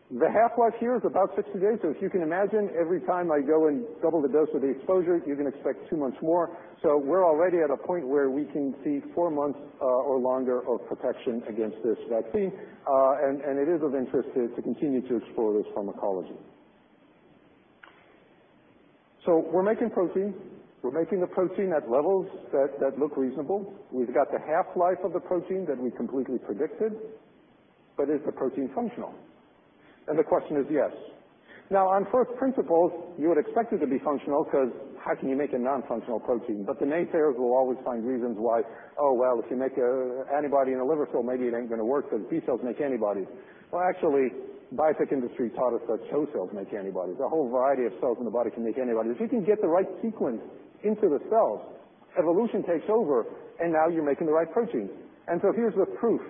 The half-life here is about 60 days, so if you can imagine, every time I go and double the dose of the exposure, you can expect 2 months more. We're already at a point where we can see 4 months or longer of protection against this vaccine. It is of interest to continue to explore this pharmacology. We're making protein. We're making the protein at levels that look reasonable. We've got the half-life of the protein that we completely predicted, but is the protein functional? The question is, yes. Now on first principles, you would expect it to be functional because how can you make a non-functional protein? The naysayers will always find reasons why, "Oh, well, if you make an antibody in a liver cell, maybe it ain't going to work because B cells make antibodies." Well, actually, biotech industry taught us that cells make antibodies. A whole variety of cells in the body can make antibodies. If you can get the right sequence into the cells, evolution takes over and now you're making the right protein. Here's the proof.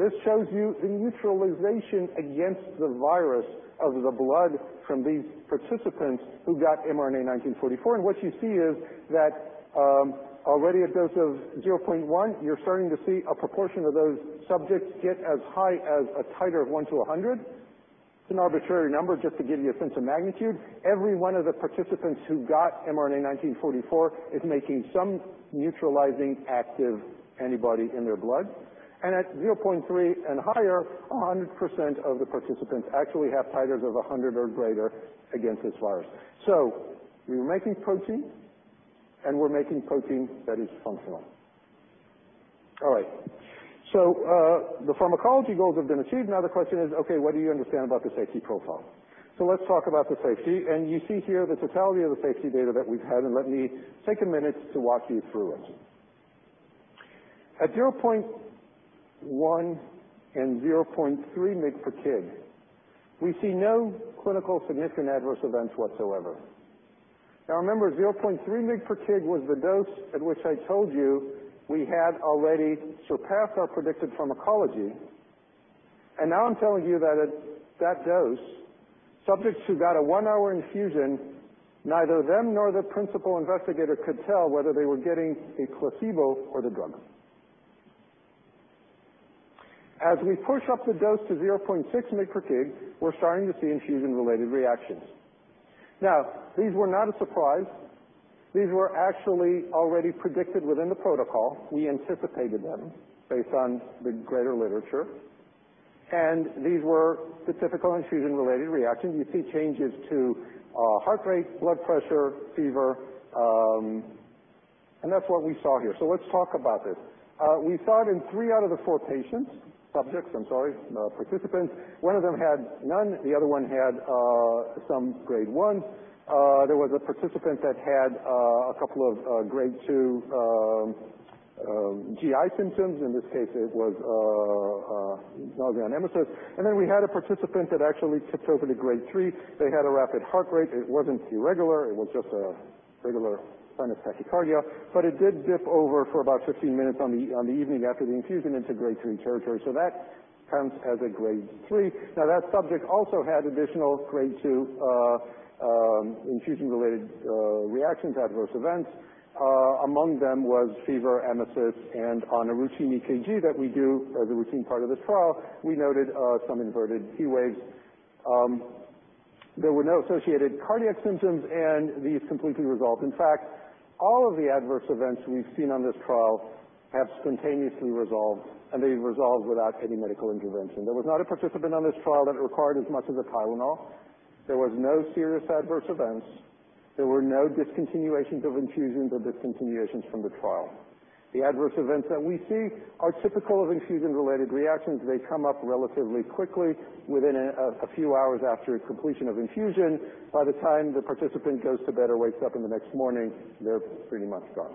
This shows you the neutralization against the virus of the blood from these participants who got mRNA-1944. What you see is that, already at dose of 0.1, you're starting to see a proportion of those subjects get as high as a titer of 1 to 100. It's an arbitrary number just to give you a sense of magnitude. Every one of the participants who got mRNA-1944 is making some neutralizing active antibody in their blood. At 0.3 and higher, 100% of the participants actually have titers of 100 or greater against this virus. We're making protein, and we're making protein that is functional. All right. The pharmacology goals have been achieved. Now the question is, okay, what do you understand about the safety profile? Let's talk about the safety. You see here the totality of the safety data that we've had, and let me take a minute to walk you through it. At 0.1 and 0.3 mg per kg, we see no clinical significant adverse events whatsoever. Now remember, 0.3 mg per kg was the dose at which I told you we had already surpassed our predicted pharmacology. Now I'm telling you that at that dose, subjects who got a one-hour infusion, neither them nor the principal investigator could tell whether they were getting a placebo or the drug. As we push up the dose to 0.6 mg per kg, we're starting to see infusion-related reactions. Now, these were not a surprise. These were actually already predicted within the protocol. We anticipated them based on the greater literature. These were the typical infusion-related reactions. You see changes to heart rate, blood pressure, fever, and that's what we saw here. Let's talk about this. We saw it in three out of the four patients, subjects, I'm sorry, participants. One of them had none, the other one had some grade 1. There was a participant that had a couple of grade 2 GI symptoms. In this case, it was nausea and emesis. We had a participant that actually tipped over to grade 3. They had a rapid heart rate. It wasn't irregular. It was just a regular sinus tachycardia. It did dip over for about 15 minutes on the evening after the infusion into grade 3 territory. That counts as a grade 3. That subject also had additional grade 2 infusion-related reactions, adverse events. Among them was fever, emesis, and on a routine EKG that we do as a routine part of this trial, we noted some inverted P waves. There were no associated cardiac symptoms, and these completely resolved. In fact, all of the adverse events we've seen on this trial have spontaneously resolved, and they resolved without any medical intervention. There was not a participant on this trial that required as much as a TYLENOL. There was no serious adverse events. There were no discontinuations of infusions or discontinuations from the trial. The adverse events that we see are typical of infusion-related reactions. They come up relatively quickly within a few hours after completion of infusion. By the time the participant goes to bed or wakes up in the next morning, they're pretty much gone.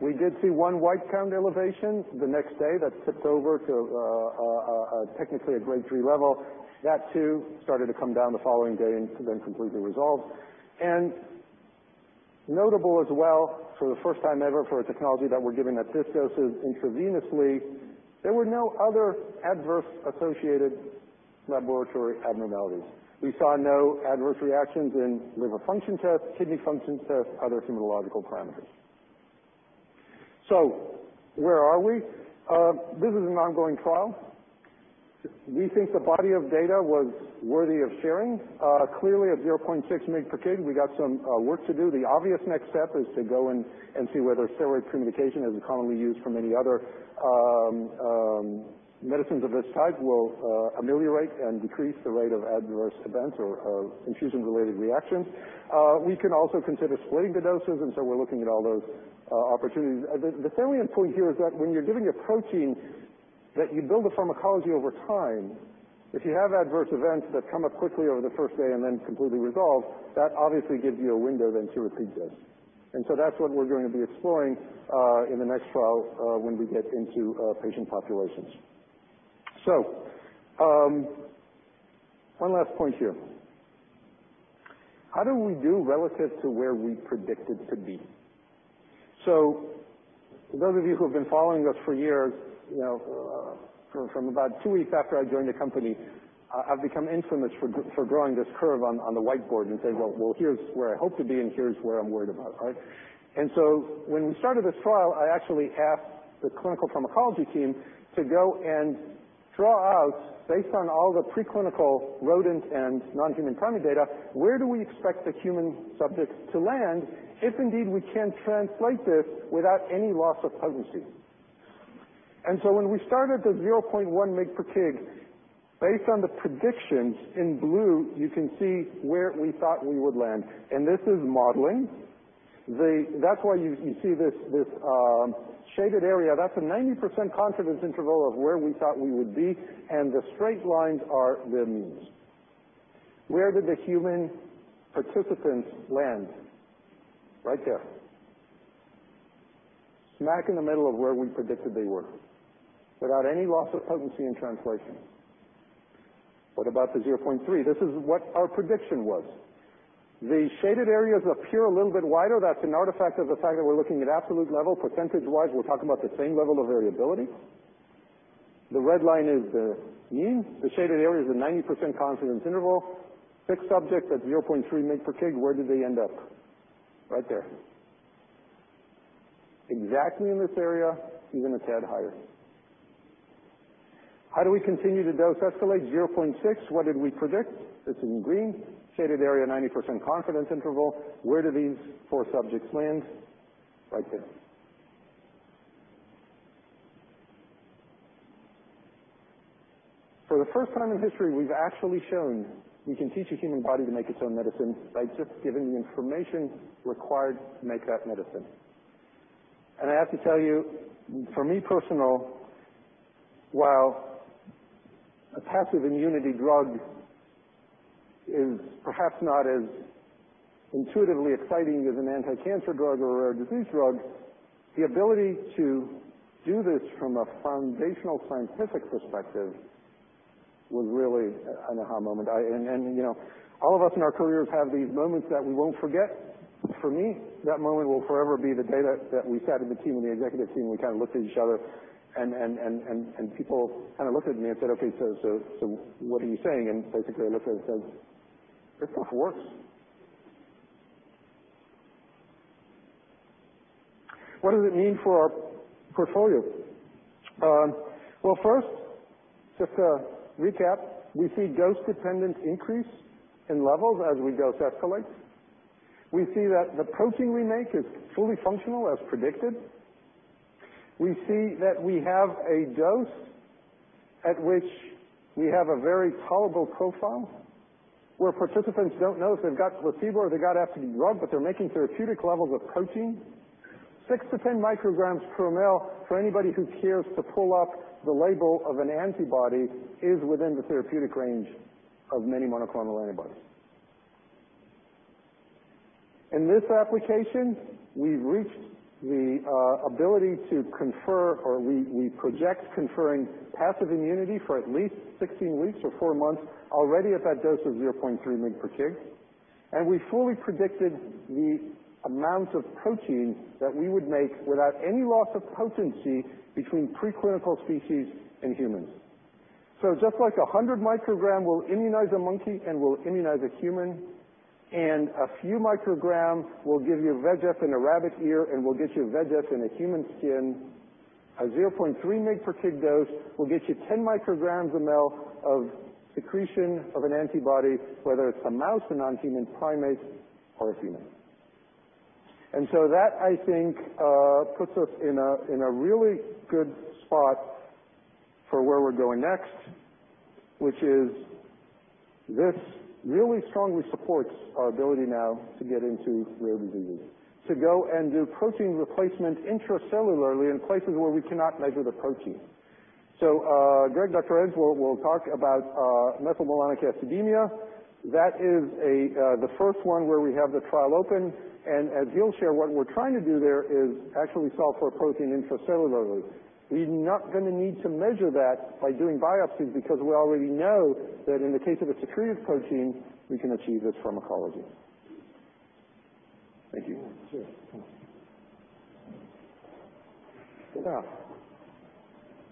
We did see one white count elevation the next day that tipped over to technically a grade 3 level. That too started to come down the following day and then completely resolved. Notable as well, for the first time ever for a technology that we're giving at this dosage intravenously, there were no other adverse associated laboratory abnormalities. We saw no adverse reactions in liver function tests, kidney function tests, other hematological parameters. Where are we? This is an ongoing trial. We think the body of data was worthy of sharing. Clearly at 0.6 mg per kg, we got some work to do. The obvious next step is to go and see whether steroid pre-medication, as we commonly use for many other medicines of this type, will ameliorate and decrease the rate of adverse events or infusion-related reactions. We can also consider splitting the doses. We're looking at all those opportunities. The salient point here is that when you're giving a protein that you build the pharmacology over time. If you have adverse events that come up quickly over the first day and then completely resolve, that obviously gives you a window then to repeat this. That's what we're going to be exploring in the next trial when we get into patient populations. One last point here. How do we do relative to where we predicted to be? For those of you who have been following us for years, from about two weeks after I joined the company, I've become infamous for drawing this curve on the whiteboard and saying, "Well, here's where I hope to be and here's where I'm worried about." Right? When we started this trial, I actually asked the clinical pharmacology team to go and draw out, based on all the pre-clinical rodent and non-human primate data, where do we expect the human subjects to land if indeed we can translate this without any loss of potency. When we started the 0.1 mg per kg, based on the predictions in blue, you can see where we thought we would land. This is modeling. That's why you see this shaded area. That's a 90% confidence interval of where we thought we would be, and the straight lines are the means. Where did the human participants land? Right there. Smack in the middle of where we predicted they were, without any loss of potency in translation. What about the 0.3? This is what our prediction was. The shaded areas appear a little bit wider. That's an artifact of the fact that we're looking at absolute level. Percentage-wise, we're talking about the same level of variability. The red line is the mean. The shaded area is a 90% confidence interval. Six subjects at 0.3 mg per kg. Where did they end up? Right there. Exactly in this area, even a tad higher. How do we continue to dose escalate 0.6? What did we predict? It's in green, shaded area 90% confidence interval. Where do these four subjects land? Right there. For the first time in history, we've actually shown we can teach a human body to make its own medicine by just giving the information required to make that medicine. I have to tell you, for me personal, while a passive immunity drug is perhaps not as intuitively exciting as an anti-cancer drug or a rare disease drug, the ability to do this from a foundational scientific perspective was really an aha moment. All of us in our careers have these moments that we won't forget. For me, that moment will forever be the day that we sat in the team, in the executive team, we looked at each other, people looked at me and said, "Okay, what are you saying?" Basically, I looked at it and said, "This stuff works." What does it mean for our portfolio? Well, first, just to recap, we see dose dependence increase in levels as we dose escalate. We see that the protein we make is fully functional as predicted. We see that we have a dose at which we have a very tolerable profile where participants don't know if they've got placebo or they've got active drug, but they're making therapeutic levels of protein. 6-10 micrograms per ml, for anybody who cares to pull up the label of an antibody, is within the therapeutic range of many monoclonal antibodies. In this application, we've reached the ability to confer, or we project conferring passive immunity for at least 16 weeks or 4 months already at that dose of 0.3 mg per kg. We fully predicted the amount of protein that we would make without any loss of potency between pre-clinical species and humans. Just like 100 micrograms will immunize a monkey and will immunize a human, and a few micrograms will give you VEGF in a rabbit ear and will get you VEGF in a human skin, a 0.3 mg per kg dose will get you 10 micrograms a ml of secretion of an antibody, whether it's a mouse, a non-human primate, or a human. That, I think, puts us in a really good spot for where we're going next, which is this really strongly supports our ability now to get into rare diseases, to go and do protein replacement intracellularly in places where we cannot measure the protein. Greg, Dr. Enns will talk about methylmalonic acidemia. That is the first one where we have the trial open, and as he'll share, what we're trying to do there is actually solve for a protein intracellularly. We're not going to need to measure that by doing biopsies because we already know that in the case of a secreted protein, we can achieve this pharmacology. Thank you. Sure. Sit down.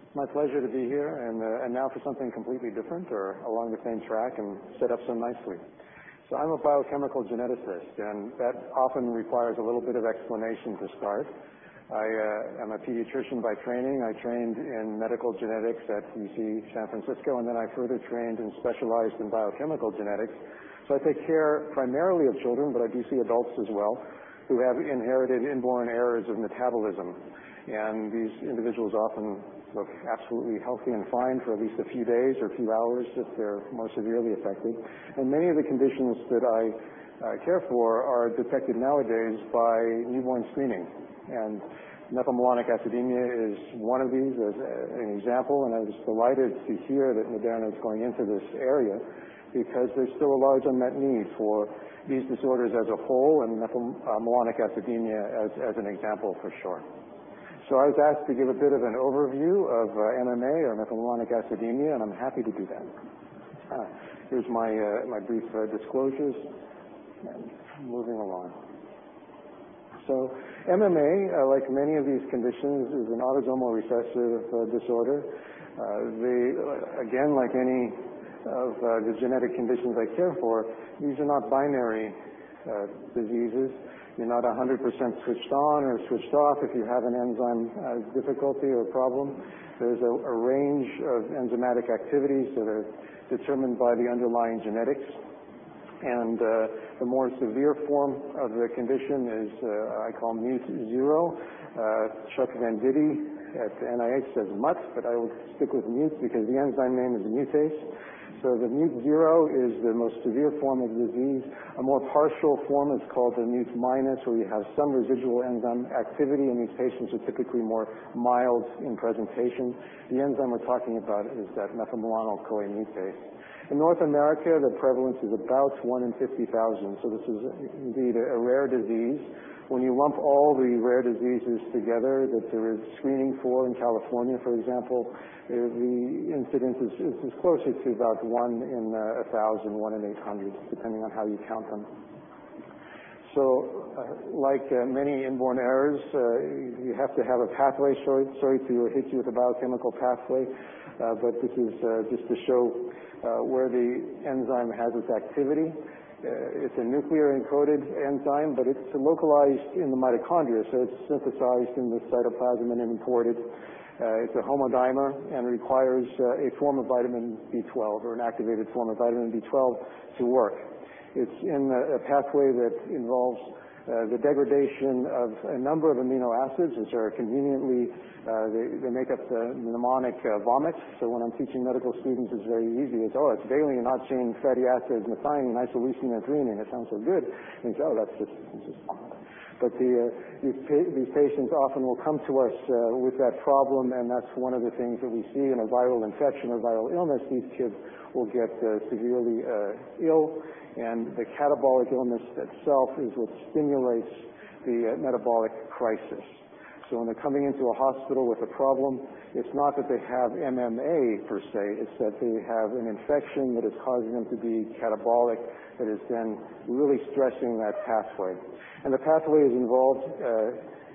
It's my pleasure to be here. Now for something completely different or along the same track and set up so nicely. I'm a biochemical geneticist, and that often requires a little bit of explanation to start. I am a pediatrician by training. I trained in medical genetics at UC San Francisco, then I further trained and specialized in biochemical genetics. I take care primarily of children, but I do see adults as well who have inherited inborn errors of metabolism. These individuals often look absolutely healthy and fine for at least a few days or a few hours if they're more severely affected. Many of the conditions that I care for are detected nowadays by newborn screening. Methylmalonic acidemia is one of these as an example, I was delighted to hear that Moderna is going into this area because there's still a large unmet need for these disorders as a whole and methylmalonic acidemia as an example, for sure. I was asked to give a bit of an overview of MMA or methylmalonic acidemia, I'm happy to do that. Here's my brief disclosures, moving along. MMA, like many of these conditions, is an autosomal recessive disorder. Like any of the genetic conditions I care for, these are not binary diseases. You're not 100% switched on or switched off if you have an enzyme difficulty or problem. There's a range of enzymatic activities that are determined by the underlying genetics. The more severe form of the condition is, I call mut0. Chuck Venditti at the NIH says mut, but I will stick with mut because the enzyme name is mutase. The mut0 is the most severe form of the disease. A more partial form is called the mut-, where you have some residual enzyme activity, and these patients are typically more mild in presentation. The enzyme we're talking about is that methylmalonyl-CoA mutase. In North America, the prevalence is about one in 50,000, so this is indeed a rare disease. When you lump all the rare diseases together that there is screening for in California, for example, the incidence is closer to about one in 1,000, one in 800, depending on how you count them. Like many inborn errors, you have to have a pathway. Sorry to hit you with a biochemical pathway, this is just to show where the enzyme has its activity. It's a nuclear-encoded enzyme, but it's localized in the mitochondria. It's synthesized in the cytoplasm and imported. It's a homodimer and requires a form of vitamin B12 or an activated form of vitamin B12 to work. It's in a pathway that involves the degradation of a number of amino acids, which conveniently make up the mnemonic VOMIT. When I'm teaching medical students, it's very easy. It's valine, isoleucine, fatty acids, methionine, isoleucine, and threonine. It sounds so good. You think, "Oh, that's just VOMIT." These patients often will come to us with that problem, and that's one of the things that we see in a viral infection or viral illness. These kids will get severely ill, and the catabolic illness itself is what stimulates the metabolic crisis. When they're coming into a hospital with a problem, it's not that they have MMA per se. It's that they have an infection that is causing them to be catabolic that is then really stressing that pathway. The pathway is involved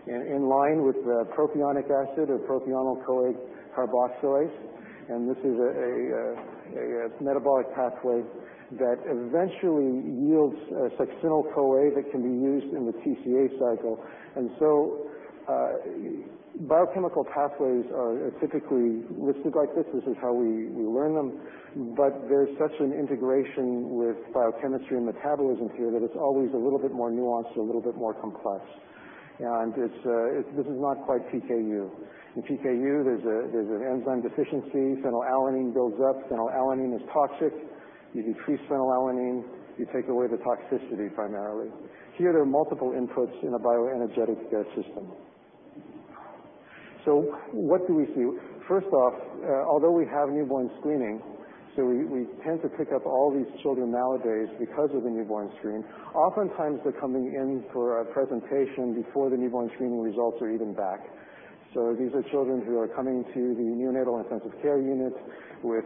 in line with the propionic acid or propionyl-CoA carboxylase, and this is a metabolic pathway that eventually yields succinyl-CoA that can be used in the TCA cycle. Biochemical pathways are typically listed like this. This is how we learn them. There's such an integration with biochemistry and metabolism here that it's always a little bit more nuanced or a little bit more complex. This is not quite PKU. In PKU, there's an enzyme deficiency. Phenylalanine builds up. Phenylalanine is toxic. You decrease phenylalanine, you take away the toxicity primarily. Here there are multiple inputs in a bioenergetic system. What do we see? First off, although we have newborn screening, we tend to pick up all these children nowadays because of the newborn screen. Oftentimes they're coming in for a presentation before the newborn screening results are even back. These are children who are coming to the neonatal intensive care units with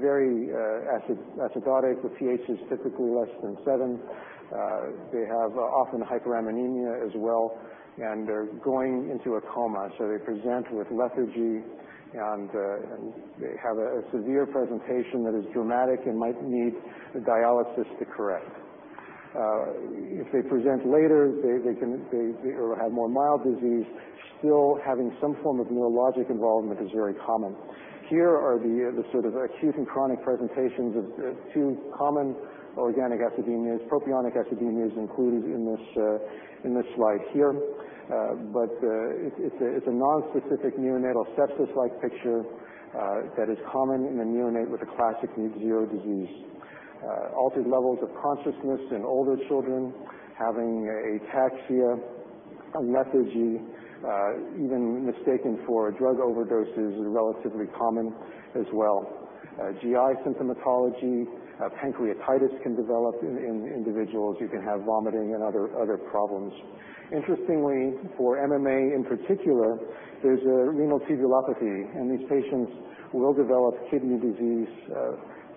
very acidotic, the pH is typically less than 7. They have often hyperammonemia as well, and they're going into a coma. They present with lethargy, and they have a severe presentation that is dramatic and might need dialysis to correct. If they present later, they will have more mild disease. Still, having some form of neurologic involvement is very common. Here are the sort of acute and chronic presentations of two common organic acidemias. Propionic acidemia is included in this slide here. It's a nonspecific neonatal sepsis-like picture that is common in the neonate with a classic mut0 disease. Altered levels of consciousness in older children, having ataxia, lethargy, even mistaken for drug overdoses is relatively common as well. GI symptomatology, pancreatitis can develop in individuals. You can have vomiting and other problems. Interestingly, for MMA in particular, there's a renal tubulopathy, and these patients will develop kidney disease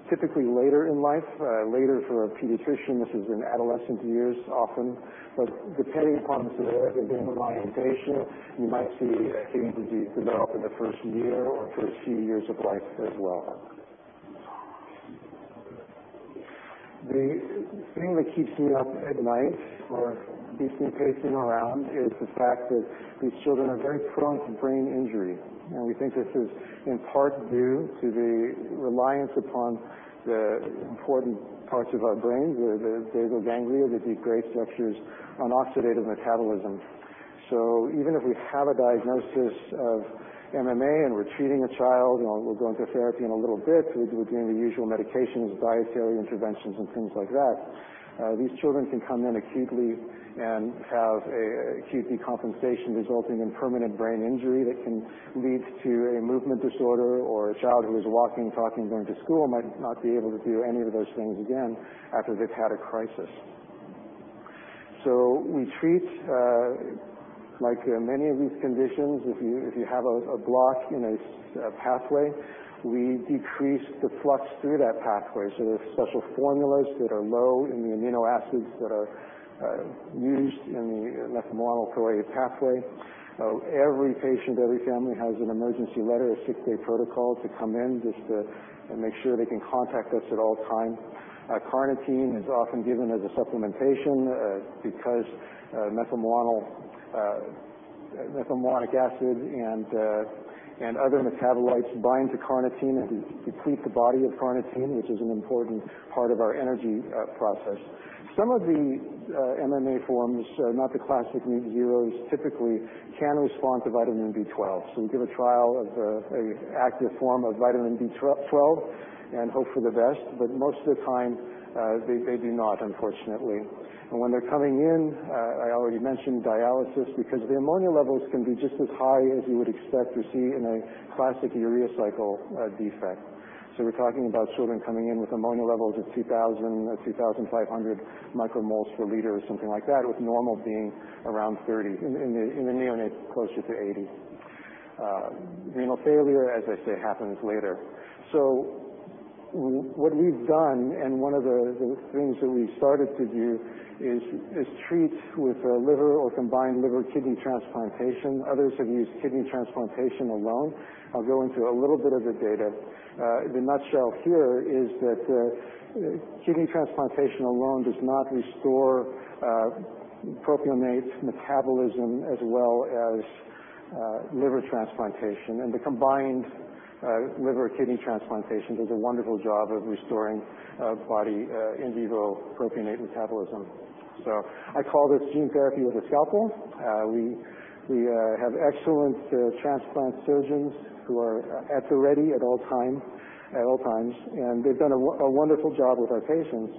typically later in life. Later for a pediatrician, this is in adolescent years often, but depending upon the severity of the presentation, you might see kidney disease develop in the first year or first few years of life as well. The thing that keeps me up at night or keeps me pacing around is the fact that these children are very prone to brain injury. We think this is in part due to the reliance upon the important parts of our brain, the basal ganglia, the deep gray structures on oxidative metabolism. Even if we have a diagnosis of MMA and we're treating a child, we'll go into therapy in a little bit. We're doing the usual medications, dietary interventions, and things like that. These children can come in acutely and have acute decompensation resulting in permanent brain injury that can lead to a movement disorder, or a child who was walking, talking, going to school might not be able to do any of those things again after they've had a crisis. We treat, like many of these conditions, if you have a block in a pathway, we decrease the flux through that pathway. There's special formulas that are low in the amino acids that are used in the methylmalonic pathway. Every patient, every family has an emergency letter, a sick day protocol to come in just to make sure they can contact us at all time. Carnitine is often given as a supplementation, because methylmalonic acid and other metabolites bind to carnitine and deplete the body of carnitine, which is an important part of our energy process. Some of the MMA forms, not the classic mut0, typically can respond to vitamin B12. We give a trial of an active form of vitamin B12 and hope for the best, most of the time, they do not, unfortunately. When they're coming in, I already mentioned dialysis, because the ammonia levels can be just as high as you would expect to see in a classic urea cycle defect. We're talking about children coming in with ammonia levels of 2,000 or 2,500 micromoles per liter or something like that, with normal being around 30. In the neonate, closer to 80. Renal failure, as I say, happens later. What we've done, and one of the things that we've started to do, is treat with a liver or combined liver-kidney transplantation. Others have used kidney transplantation alone. I'll go into a little bit of the data. The nutshell here is that kidney transplantation alone does not restore propionate metabolism as well as liver transplantation, and the combined liver-kidney transplantation does a wonderful job of restoring body in vivo propionate metabolism. I call this gene therapy with a scalpel. We have excellent transplant surgeons who are at the ready at all times, and they've done a wonderful job with our patients.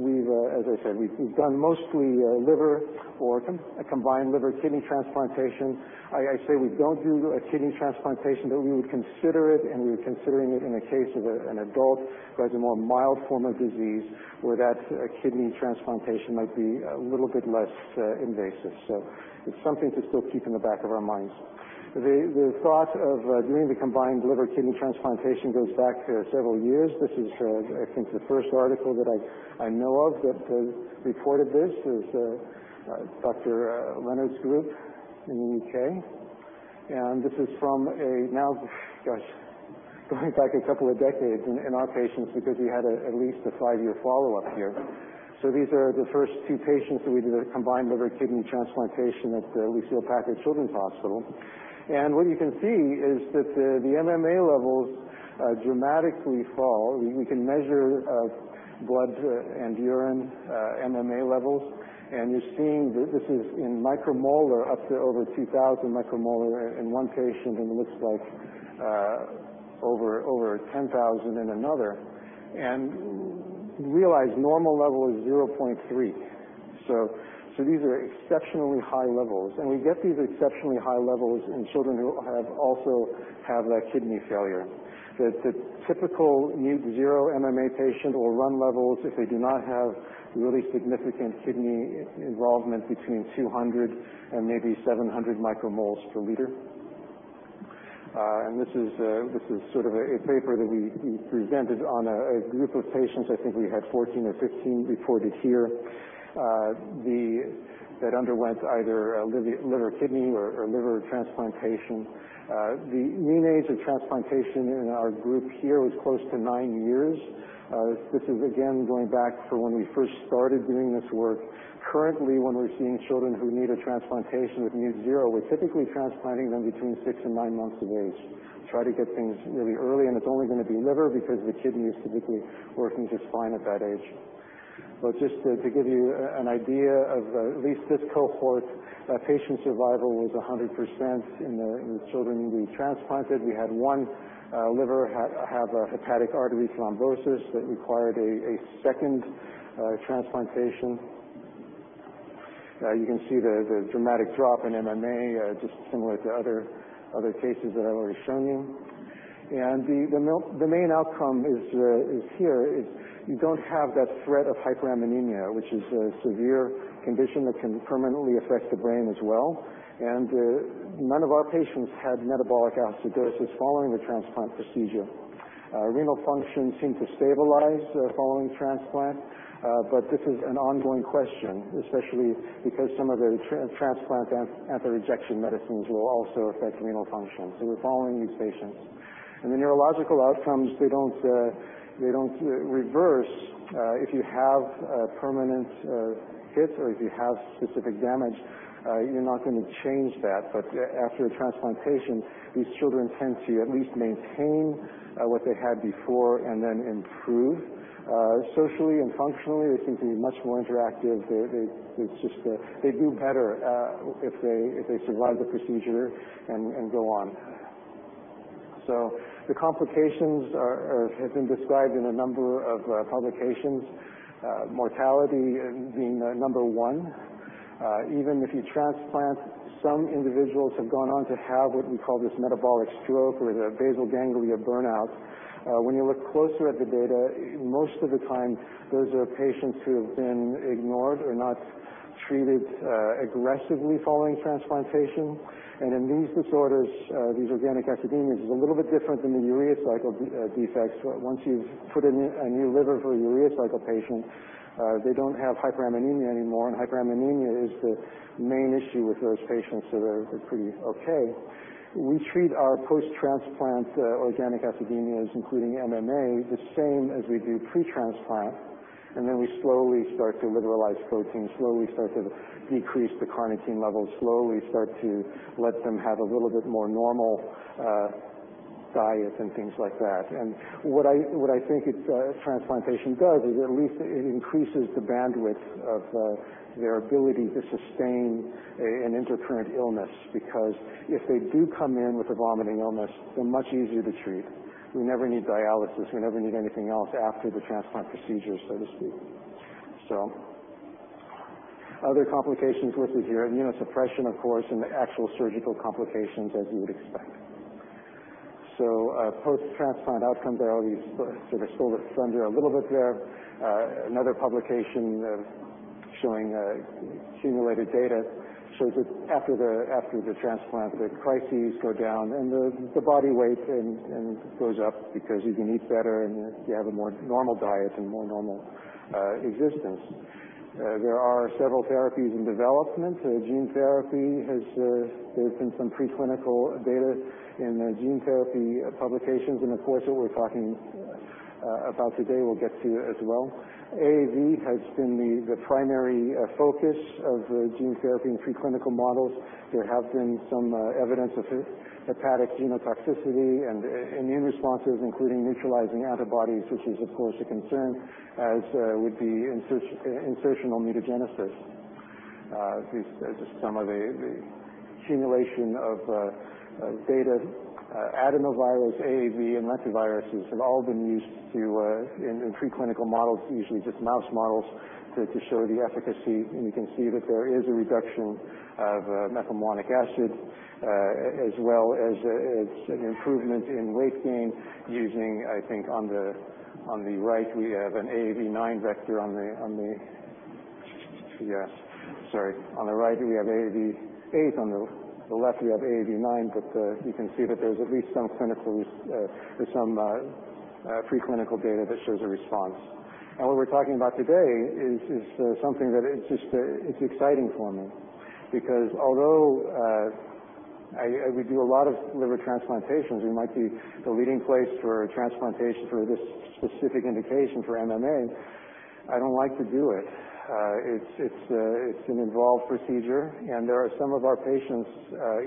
As I said, we've done mostly liver or a combined liver-kidney transplantation. I say we don't do a kidney transplantation, though we would consider it, and we're considering it in a case of an adult who has a more mild form of disease where that kidney transplantation might be a little bit less invasive. It's something to still keep in the back of our minds. The thought of doing the combined liver-kidney transplantation goes back several years. This is, I think, the first article that I know of that reported this. It's Dr. Leonard's group in the U.K., and this is from a now, gosh, going back a couple of decades in our patients because we had at least a five-year follow-up here. These are the first two patients that we did a combined liver-kidney transplantation at Lucile Packard Children's Hospital. What you can see is that the MMA levels dramatically fall. We can measure blood and urine MMA levels, and you're seeing this is in micromolar, up to over 2,000 micromolar in one patient, and it looks like over 10,000 in another. Realize normal level is 0.3. These are exceptionally high levels. We get these exceptionally high levels in children who also have that kidney failure. The typical mut0 MMA patient will run levels, if they do not have really significant kidney involvement, between 200 and maybe 700 micromoles per liter. This is a paper that we presented on a group of patients, I think we had 14 or 15 reported here, that underwent either liver-kidney or liver transplantation. The mean age of transplantation in our group here was close to nine years. This is, again, going back to when we first started doing this work. Currently, when we're seeing children who need a transplantation with mut0, we're typically transplanting them between six and nine months of age. Try to get things really early, and it's only going to be liver because the kidney is typically working just fine at that age. Just to give you an idea of at least this cohort, patient survival was 100% in the children we transplanted. We had one liver have a hepatic artery thrombosis that required a second transplantation. You can see the dramatic drop in MMA, just similar to other cases that I've already shown you. The main outcome here is you don't have that threat of hyperammonemia, which is a severe condition that can permanently affect the brain as well. None of our patients had metabolic acidosis following the transplant procedure. Renal function seemed to stabilize following transplant, but this is an ongoing question, especially because some of the transplant anti-rejection medicines will also affect renal function. We're following these patients. The neurological outcomes, they don't reverse. If you have permanent hits or if you have specific damage, you're not going to change that. After the transplantation, these children tend to at least maintain what they had before and then improve. Socially and functionally, they seem to be much more interactive. They do better if they survive the procedure and go on. The complications have been described in a number of publications, mortality being number 1. Even if you transplant, some individuals have gone on to have what we call this metabolic stroke or the basal ganglia burnout. When you look closer at the data, most of the time, those are patients who have been ignored or not treated aggressively following transplantation. In these disorders, these organic acidemias, it's a little bit different than the urea cycle defects. Once you've put in a new liver for a urea cycle patient, they don't have hyperammonemia anymore, and hyperammonemia is the main issue with those patients, so they're pretty okay. We treat our post-transplant organic acidemias, including MMA, the same as we do pre-transplant, and then we slowly start to liberalize protein, slowly start to decrease the carnitine levels, slowly start to let them have a little bit more normal diet and things like that. What I think transplantation does is at least it increases the bandwidth of their ability to sustain an intercurrent illness, because if they do come in with a vomiting illness, they're much easier to treat. We never need dialysis. We never need anything else after the transplant procedure, so to speak. Other complications listed here, immunosuppression, of course, and the actual surgical complications as you would expect. Post-transplant outcomes are always sort of still slender a little bit there. Another publication showing accumulated data shows that after the transplant, their crises go down, and the body weight goes up because you can eat better and you have a more normal diet and more normal existence. There are several therapies in development. gene therapy, there's been some pre-clinical data in gene therapy publications. Of course, what we're talking about today, we'll get to as well. AAV has been the primary focus of gene therapy in pre-clinical models. There have been some evidence of hepatic genotoxicity and immune responses, including neutralizing antibodies, which is, of course, a concern, as would be insertional mutagenesis. These are just some of the accumulation of data. Adenovirus, AAV, and lentiviruses have all been used in pre-clinical models, usually just mouse models, to show the efficacy. You can see that there is a reduction of methylmalonic acid as well as an improvement in weight gain using, I think, on the right, we have an AAV9 vector. Yeah. Sorry. On the right here, we have AAV8. On the left, we have AAV9. You can see that there is at least some pre-clinical data that shows a response. What we're talking about today is something that it's exciting for me because although we do a lot of liver transplantations, we might be the leading place for transplantation for this specific indication for MMA, I don't like to do it. It's an involved procedure, and there are some of our patients,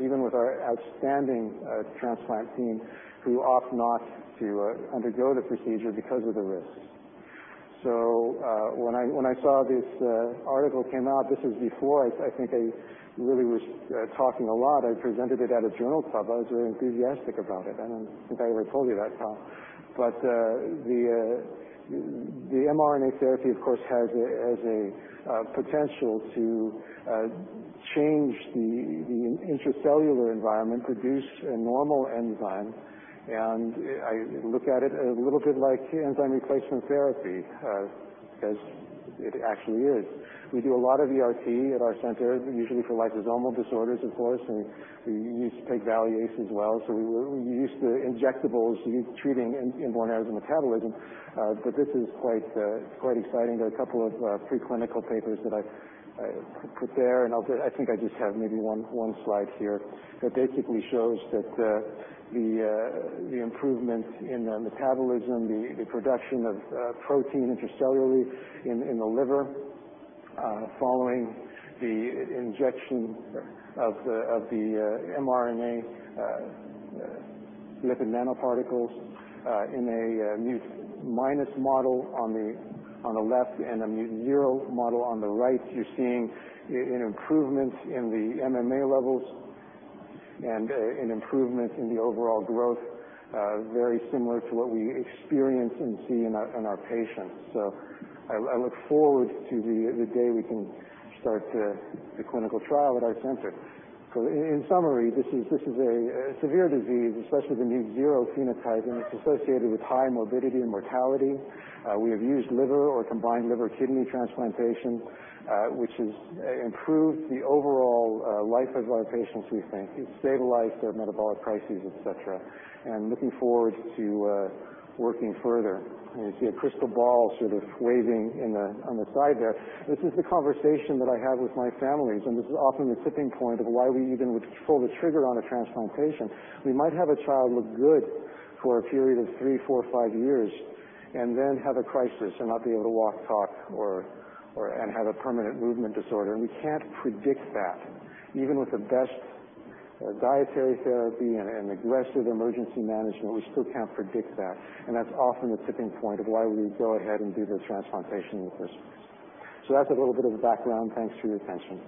even with our outstanding transplant team, who opt not to undergo the procedure because of the risks. When I saw this article came out, this was before, I think I really was talking a lot. I presented it at a journal club. I was very enthusiastic about it. I don't think I ever told you that, Tom. The mRNA therapy, of course, has a potential to change the intracellular environment, produce a normal enzyme. I look at it a little bit like enzyme replacement therapy as it actually is. We do a lot of ERT at our center, usually for lysosomal disorders, of course, and we used to take valuations well. We used the injectables treating inborn error of metabolism. This is quite exciting. There are a couple of preclinical papers that I put there, and I think I just have maybe one slide here that basically shows that the improvements in the metabolism, the production of protein intracellularly in the liver following the injection of the mRNA lipid nanoparticles in a mut- minus model on the left and a mut0 model on the right. You're seeing an improvement in the MMA levels and an improvement in the overall growth, very similar to what we experience and see in our patients. I look forward to the day we can start the clinical trial at our center. In summary, this is a severe disease, especially the mut0 phenotype, and it's associated with high morbidity and mortality. We have used liver or combined liver-kidney transplantation which has improved the overall life of our patients, we think. It stabilized their metabolic crises, et cetera. I'm looking forward to working further. You see a crystal ball sort of waving on the side there. This is the conversation that I have with my families, and this is often the tipping point of why we even would pull the trigger on a transplantation. We might have a child look good for a period of three, four, five years, and then have a crisis and not be able to walk, talk, and have a permanent movement disorder. We can't predict that. Even with the best dietary therapy and aggressive emergency management, we still can't predict that. That's often the tipping point of why we go ahead and do the transplantation in the first place. That's a little bit of the background. Thanks for your attention.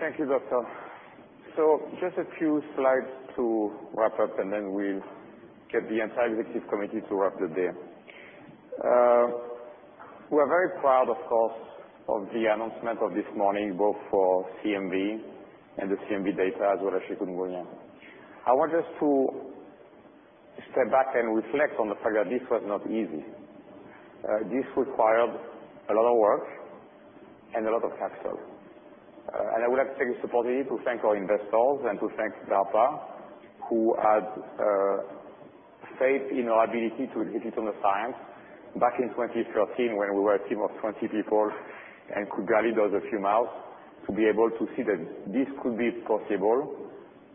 Thank you, doctor. Just a few slides to wrap up, and then we'll get the entire executive committee to wrap it there. We're very proud, of course, of the announcement of this morning, both for CMV and the CMV data, as well as chikungunya. I want us to step back and reflect on the fact that this was not easy. This required a lot of work and a lot of capital. I would like to take this opportunity to thank our investors and to thank DARPA, who had faith in our ability to hit it on the science back in 2013 when we were a team of 20 people and could barely dose a few mouse, to be able to see that this could be possible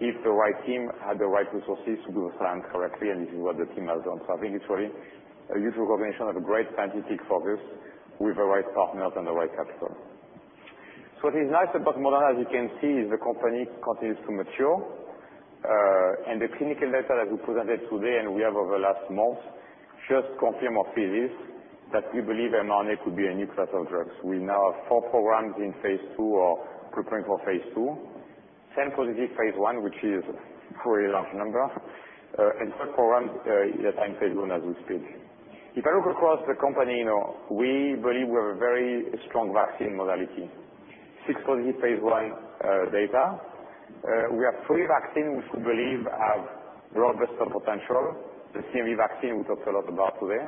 if the right team had the right resources to do the science correctly, and this is what the team has done. I think it's really a useful combination of a great scientific focus with the right partners and the right capital. What is nice about Moderna, as you can see, is the company continues to mature. The clinical data that we presented today and we have over the last month just confirm our thesis that we believe mRNA could be a new class of drugs. We now have 4 programs in phase II or preparing for phase II. 10 positive phase I, which is a very large number. Third program is at phase I as we speak. If I look across the company, we believe we have a very strong vaccine modality. 6 positive phase I data. We have 3 vaccines which we believe have blockbuster potential. The CMV vaccine, we talked a lot about today.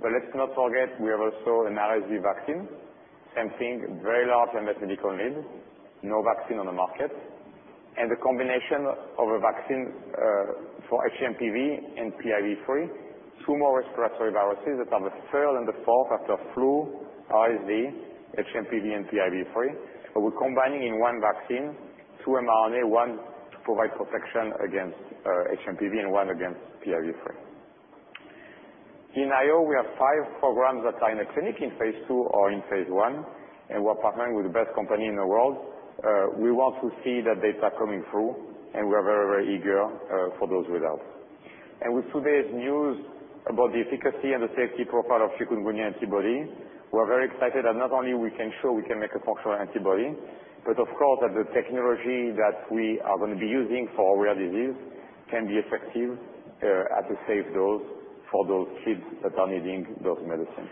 Let's not forget, we have also an RSV vaccine. Same thing, very large unmet medical need, no vaccine on the market. The combination of a vaccine for hMPV and PIV3, two more respiratory viruses that are the third and the fourth after flu, RSV, hMPV, and PIV3. We're combining in one vaccine, two mRNA, one to provide protection against hMPV and one against PIV3. In IO, we have five programs that are in a clinic in phase II or in phase I, and we're partnering with the best company in the world. We want to see that data coming through, and we're very, very eager for those readouts. With today's news about the efficacy and the safety profile of chikungunya antibody, we're very excited that not only we can show we can make a functional antibody, but of course, that the technology that we are going to be using for rare disease can be effective at a safe dose for those kids that are needing those medicines.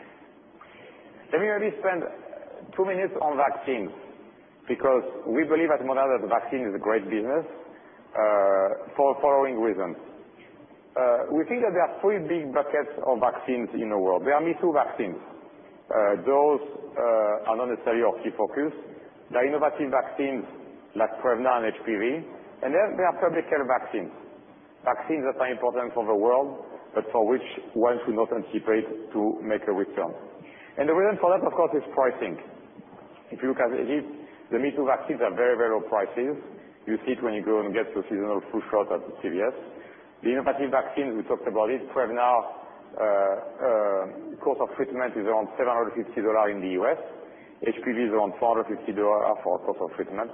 Let me really spend two minutes on vaccines, because we believe at Moderna that vaccine is a great business for following reasons. We think that there are three big buckets of vaccines in the world. There are me-too vaccines. Those are not necessarily our key focus. There are innovative vaccines like Prevnar and HPV, then there are public health vaccines that are important for the world, but for which one should not anticipate to make a return. The reason for that, of course, is pricing. You look at it, the me-too vaccines are very low prices. You see it when you go and get the seasonal flu shot at CVS. Innovative vaccines, we talked about it, Prevnar cost of treatment is around $750 in the U.S. HPV is around $450 for a cost of treatment.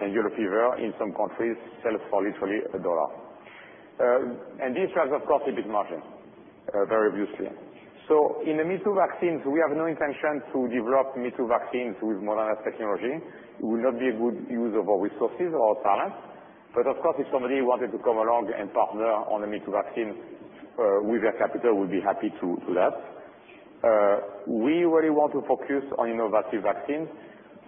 Yellow fever in some countries sell for literally $1. This has, of course, a big margin, very obviously. In the me-too vaccines, we have no intention to develop me-too vaccines with Moderna's technology. It would not be a good use of our resources or talent. Of course, if somebody wanted to come along and partner on a me-too vaccine with their capital, we'd be happy to do that. We really want to focus on innovative vaccines.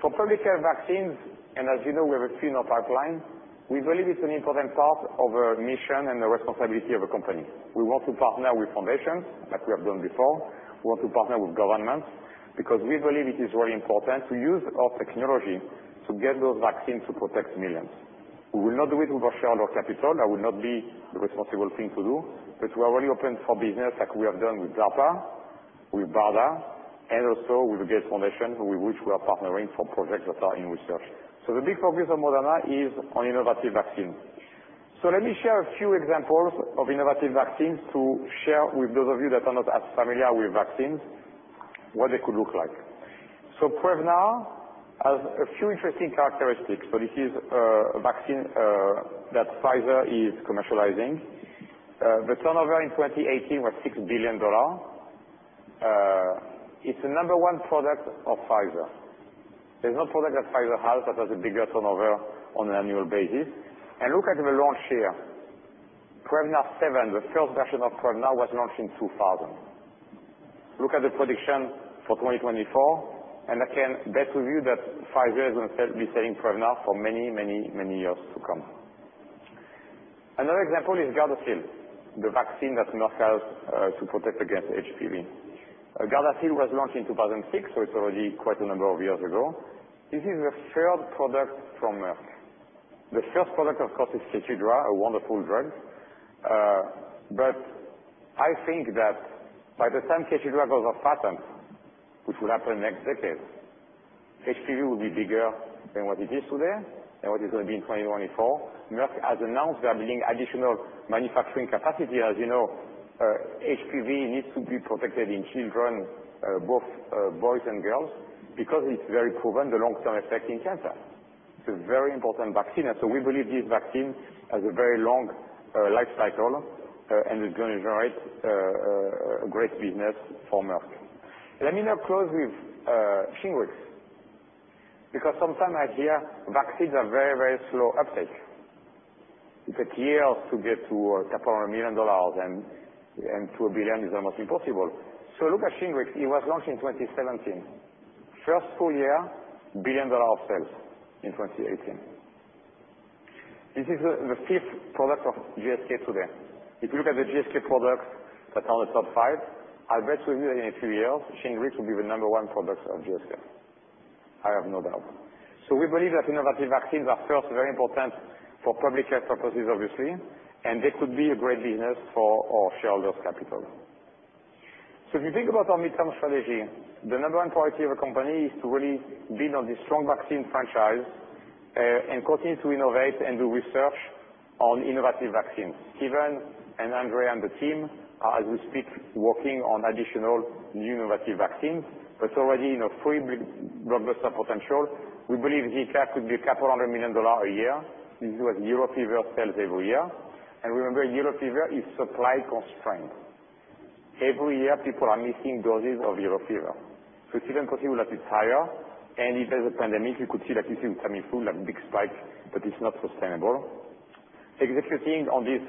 For public health vaccines, as you know, we have a thinner pipeline, we believe it's an important part of our mission and the responsibility of a company. We want to partner with foundations like we have done before. We want to partner with governments because we believe it is very important to use our technology to get those vaccines to protect millions. We will not do it with our shareholder capital. That would not be the responsible thing to do. We are really open for business like we have done with DARPA, with BARDA, and also with the Gates Foundation, with which we are partnering for projects that are in research. The big focus of Moderna is on innovative vaccines. Let me share a few examples of innovative vaccines to share with those of you that are not as familiar with vaccines, what they could look like. Prevnar has a few interesting characteristics. This is a vaccine that Pfizer is commercializing. The turnover in 2018 was $6 billion. It's the number one product of Pfizer. There's no product that Pfizer has that has a bigger turnover on an annual basis. Look at the launch year. Prevnar seven, the first version of Prevnar, was launched in 2000. Look at the prediction for 2024, I can bet with you that Pfizer is going to be selling Prevnar for many, many, many years to come. Another example is Gardasil, the vaccine that Merck has to protect against HPV. Gardasil was launched in 2006, it's already quite a number of years ago. This is the third product from Merck. The first product, of course, is KEYTRUDA, a wonderful drug. I think that by the time KEYTRUDA goes off patent, which will happen next decade, HPV will be bigger than what it is today and what it's going to be in 2024. Merck has announced they are building additional manufacturing capacity. As you know, HPV needs to be protected in children, both boys and girls, because it's very proven the long-term effect in cancer. It's a very important vaccine. We believe this vaccine has a very long life cycle, and it's going to generate a great business for Merck. Let me now close with SHINGRIX, because sometimes I hear vaccines are very slow uptake. It takes years to get to a couple of $100 million and to $1 billion is almost impossible. Look at SHINGRIX. It was launched in 2017. First full year, $1 billion of sales in 2018. This is the fifth product of GSK to date. If you look at the GSK products that are on the top five, I'll bet with you that in a few years, SHINGRIX will be the number one product of GSK. I have no doubt. We believe that innovative vaccines are first very important for public health purposes, obviously, and they could be a great business for our shareholders' capital. If you think about our midterm strategy, the number one priority of a company is to really build on this strong vaccine franchise, and continue to innovate and do research on innovative vaccines. Stephen and Andre and the team are, as we speak, working on additional new innovative vaccines, but already in a three big blockbuster potential. We believe the cap could be a couple hundred million dollar a year. This is what yellow fever sells every year. Remember, yellow fever is supply constrained. Every year, people are missing doses of yellow fever. It's even possible that it's higher. If there's a pandemic, you could see that it will come in full like big spike, but it's not sustainable. Executing on this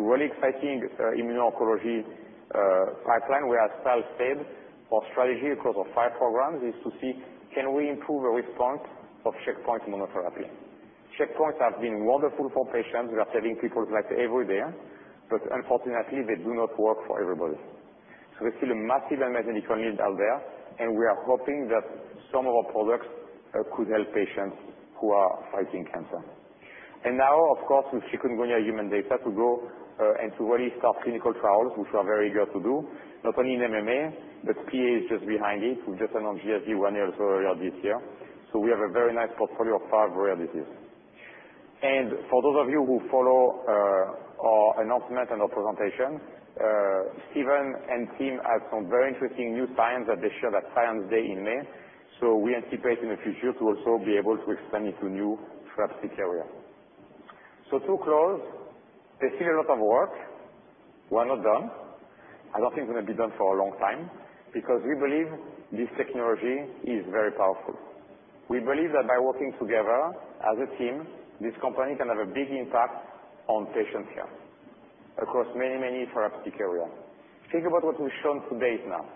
really exciting immuno-oncology pipeline, where as Tal said, our strategy across our five programs is to see can we improve the response of checkpoint monotherapy. Checkpoints have been wonderful for patients. We are saving people's lives every day, but unfortunately, they do not work for everybody. There's still a massive medical need out there, and we are hoping that some of our products could help patients who are fighting cancer. Now, of course, with chikungunya human data to go and to really start clinical trials, which we are very eager to do, not only in MMA, but PA is just behind it. We've just announced GSD1a earlier this year. We have a very nice portfolio of five rarities. For those of you who follow our announcement and our presentation, Stephen and team have some very interesting new science that they showed at Science Day in May. We anticipate in the future to also be able to expand into new therapeutic area. To close, there's still a lot of work. We're not done, and nothing's going to be done for a long time because we believe this technology is very powerful. We believe that by working together as a team, this company can have a big impact on patient care across many therapeutic area. Think about what we've shown to date now.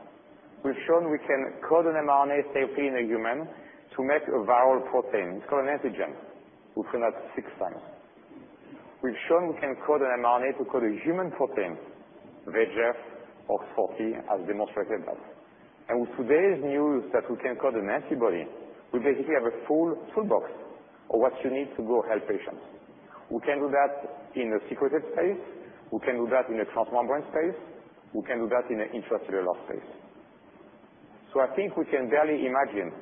We've shown we can code an mRNA safely in a human to make a viral protein. It's called an antigen. We've done that six times. We've shown we can code an mRNA to code a human protein, VEGF or 4-1BB as demonstrated by. With today's news that we can code an antibody, we basically have a full toolbox of what you need to go help patients. We can do that in a secreted space. We can do that in a transmembrane space. We can do that in an intracellular space. I think we can barely imagine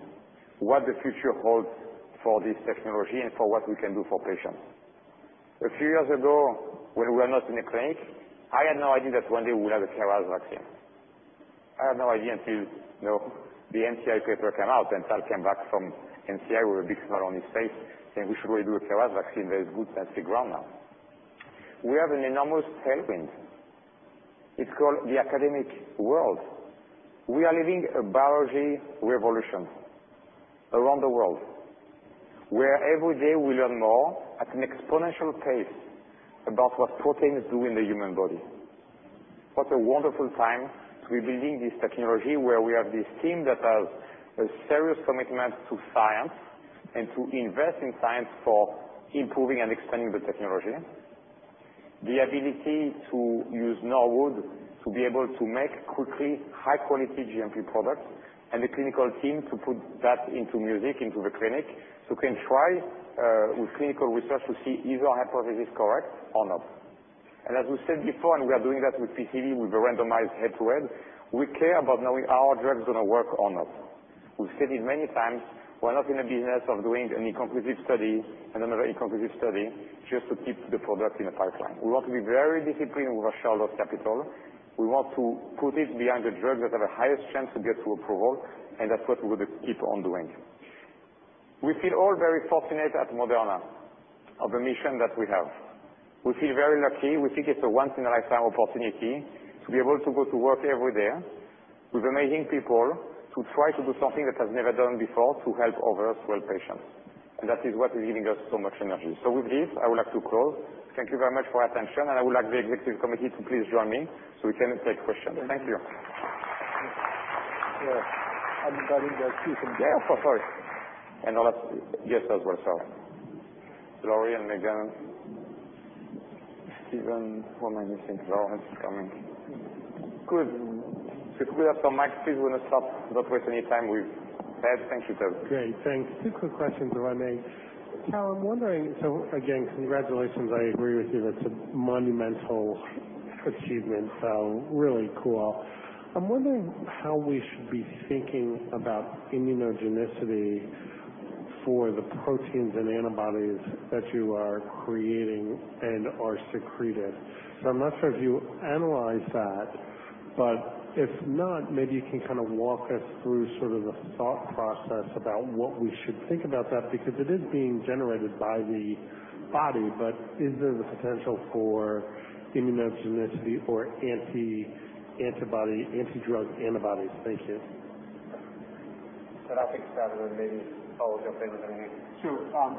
what the future holds for this technology and for what we can do for patients. A few years ago, when we were not in a clinic, I had no idea that one day we would have a KRAS vaccine. I had no idea until the NCI paper came out, and Tal came back from NCI with a big smile on his face, saying we should really do a KRAS vaccine. There's good scientific ground now. We have an enormous tailwind. It's called the academic world. We are living a biology revolution around the world, where every day we learn more at an exponential pace about what proteins do in the human body. What a wonderful time to be building this technology where we have this team that has a serious commitment to science and to invest in science for improving and extending the technology. The ability to use Norwood to be able to make quickly high-quality GMP products, and the clinical team to put that into music, into the clinic, so we can try with clinical research to see is our hypothesis correct or not. As we said before, and we are doing that with PCV, with the randomized head-to-head, we care about knowing are our drugs going to work or not. We've said it many times, we're not in a business of doing any conclusive study and another inconclusive study just to keep the product in a pipeline. We want to be very disciplined with our shareholders' capital. We want to put it behind the drugs that have a highest chance to get to approval. That's what we will keep on doing. We feel all very fortunate at Moderna of the mission that we have. We feel very lucky. We think it's a once in a lifetime opportunity to be able to go to work every day with amazing people to try to do something that has never done before to help others, to help patients. That is what is giving us so much energy. With this, I would like to close. Thank you very much for attention, and I would like the executive committee to please join me so we can take questions. Thank you. I believe there are two from there. Yeah. For sorry. The last Yes, as well. Laurie and Megan, Stephen, what am I missing? Oh, it's coming. Good. Since we have some mics, Keith, we're going to start, not waste any time we have. Thank you, Ted. Great, thanks. Two quick questions, if I may. Tal, I'm wondering, again, congratulations. I agree with you, that's a monumental achievement, really cool. I'm wondering how we should be thinking about immunogenicity for the proteins and antibodies that you are creating and are secreted. I'm not sure if you analyzed that, if not, maybe you can walk us through the thought process about what we should think about that, because it is being generated by the body, is there the potential for immunogenicity or anti-drug antibodies? Thank you. I'll take a stab at it, and maybe follow it up with anything.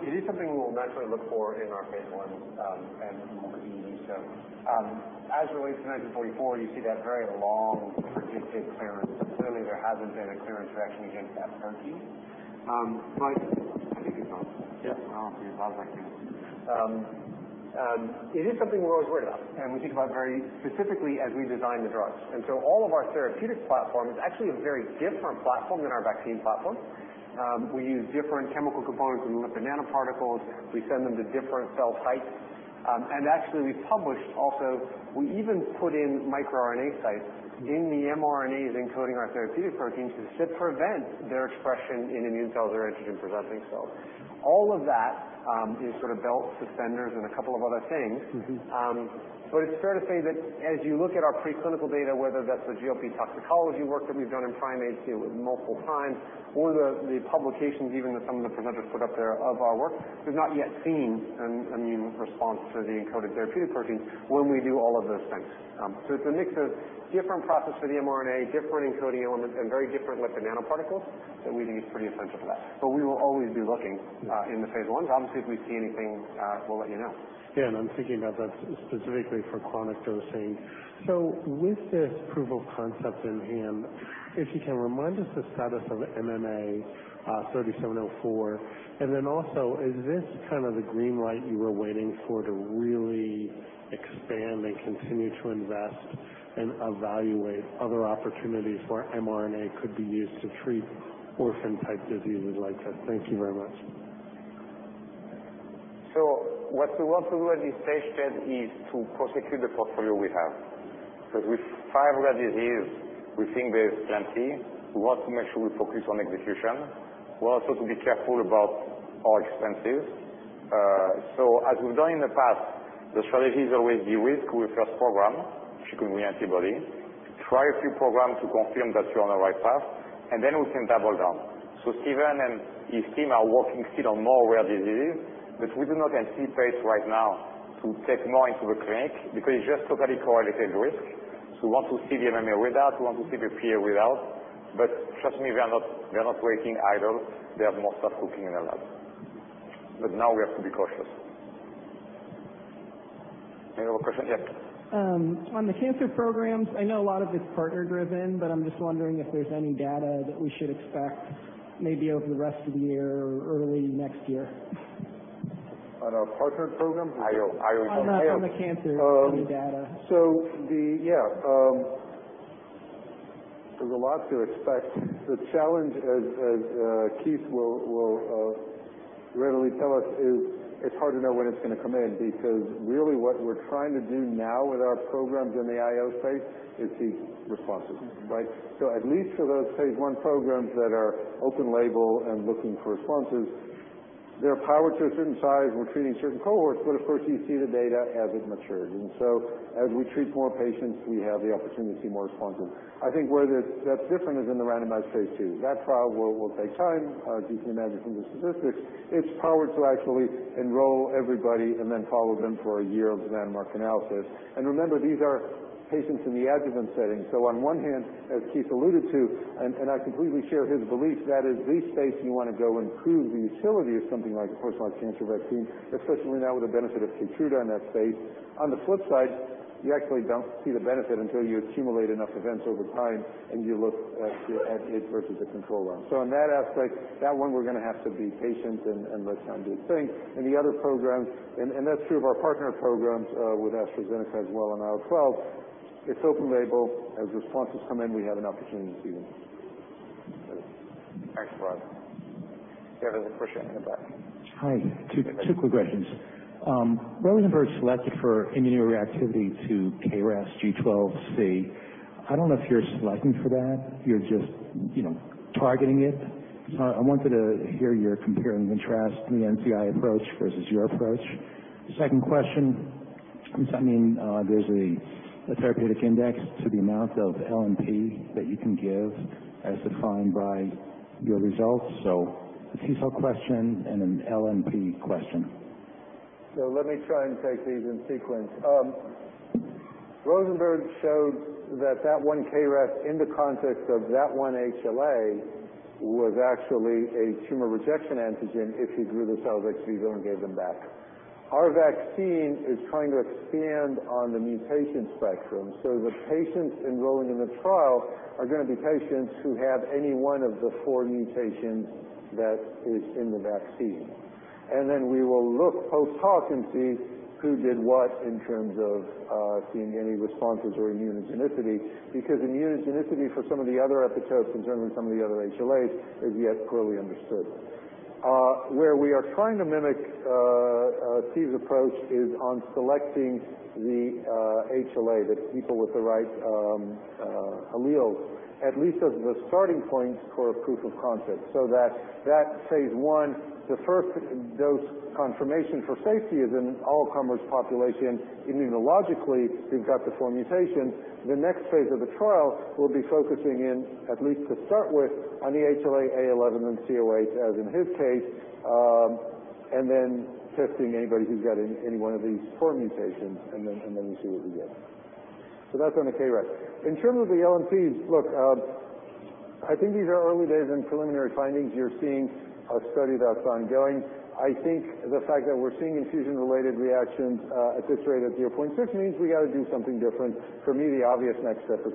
It is something we'll naturally look for in our phase I and over in use. As relates to mRNA-1944, you see that very long predicted clearance. Certainly, there hasn't been a clearance reaction against that protein. I think it's on. Yeah. I don't see it. I was like, "Damn it. It is something we're always worried about, and we think about very specifically as we design the drugs. All of our therapeutic platform is actually a very different platform than our vaccine platform. We use different chemical components. We look at nanoparticles. We send them to different cell sites. Actually, we published also, we even put in microRNA sites in the mRNAs encoding our therapeutic proteins to prevent their expression in immune cells or antigen-presenting cells. All of that is belt, suspenders, and a couple of other things. It's fair to say that as you look at our preclinical data, whether that's the GLP toxicology work that we've done in primates multiple times, or the publications even that some of the presenters put up there of our work, we've not yet seen an immune response to the encoded therapeutic proteins when we do all of those things. It's a mix of different process for the mRNA, different encoding elements, and very different lipid nanoparticles that we think is pretty essential for that. We will always be looking in the phase Is. Obviously, if we see anything, we'll let you know. Yeah, I'm thinking about that specifically for chronic dosing. With this proof of concept in hand, if you can remind us the status of mRNA-3704, then also, is this the green light you were waiting for to really expand and continue to invest and evaluate other opportunities where mRNA could be used to treat orphan-type diseases like this? Thank you very much. What we want to do at this stage, Ted, is to prosecute the portfolio we have. With 500 diseases, we think there's plenty. We want to make sure we focus on execution. We want also to be careful about our expenses. As we've done in the past, the strategy has always de-risk with first program, which can be antibody, try a few programs to confirm that you're on the right path, and then we can double down. Stephen and his team are working still on more rare diseases, but we do not anticipate right now to take more into the clinic because it's just totally correlated risk. We want to see the MMA readout, we want to see the PA readout. Trust me, they are not working idle. They have more stuff cooking in the lab. Now we have to be cautious. Any more questions? Yeah. On the cancer programs, I know a lot of it's partner-driven, but I'm just wondering if there's any data that we should expect maybe over the rest of the year or early next year. On our partner program? IO. On the cancer, any data? There's a lot to expect. The challenge, as Keith will readily tell us, is it's hard to know when it's going to come in because really what we're trying to do now with our programs in the IO space is see responses, right? At least for those phase I programs that are open label and looking for responses, their power to a certain size, we're treating certain cohorts, but of course you see the data as it matures. As we treat more patients, we have the opportunity to see more responses. I think where that's different is in the randomized phase II. That trial will take time, as you can imagine from the statistics. It's powered to actually enroll everybody and then follow them for a year of landmark analysis. Remember, these are patients in the adjuvant setting. On one hand, as Keith alluded to, and I completely share his belief, that is the space you want to go improve the utility of something like a personalized cancer vaccine, especially now with the benefit of KEYTRUDA in that space. On the flip side, you actually don't see the benefit until you accumulate enough events over time and you look at it versus a control arm. In that aspect, that one we're going to have to be patient and let time do its thing. The other programs, and that's true of our partner programs with AstraZeneca as well on IL-12, it's open label. As responses come in, we have an opportunity to see them. Thanks, Rod. Yeah, there's a question in the back. Hi. Two quick questions. Rosenberg selected for immunoreactivity to KRAS G12C. I don't know if you're selecting for that, you're just targeting it. I wanted to hear your compare and contrast the NCI approach versus your approach. Second question is, there's a therapeutic index to the amount of LNP that you can give as defined by your results. A T cell question and an LNP question. Let me try and take these in sequence. Rosenberg showed that that one KRAS in the context of that one HLA was actually a tumor rejection antigen if you grew the cells ex vivo and gave them back. Our vaccine is trying to expand on the mutation spectrum, the patients enrolling in this trial are going to be patients who have any one of the four mutations that is in the vaccine. Then we will look post-hoc and see who did what in terms of seeing any responses or immunogenicity, because immunogenicity for some of the other epitopes concerned with some of the other HLAs is yet poorly understood. Where we are trying to mimic Steve's approach is on selecting the HLA, the people with the right alleles, at least as the starting point for a proof of concept. That phase I, the first dose confirmation for safety is in an all-comers population. Immunologically, who've got the four mutations. The next phase of the trial will be focusing in, at least to start with, on the HLA-A11 and C08, as in his case, and then testing anybody who's got any one of these four mutations, and then we see what we get. That's on the KRAS. In terms of the LNPs, look, I think these are early days and preliminary findings. You're seeing a study that's ongoing. I think the fact that we're seeing infusion-related reactions at this rate of 0.6 means we got to do something different. For me, the obvious next step is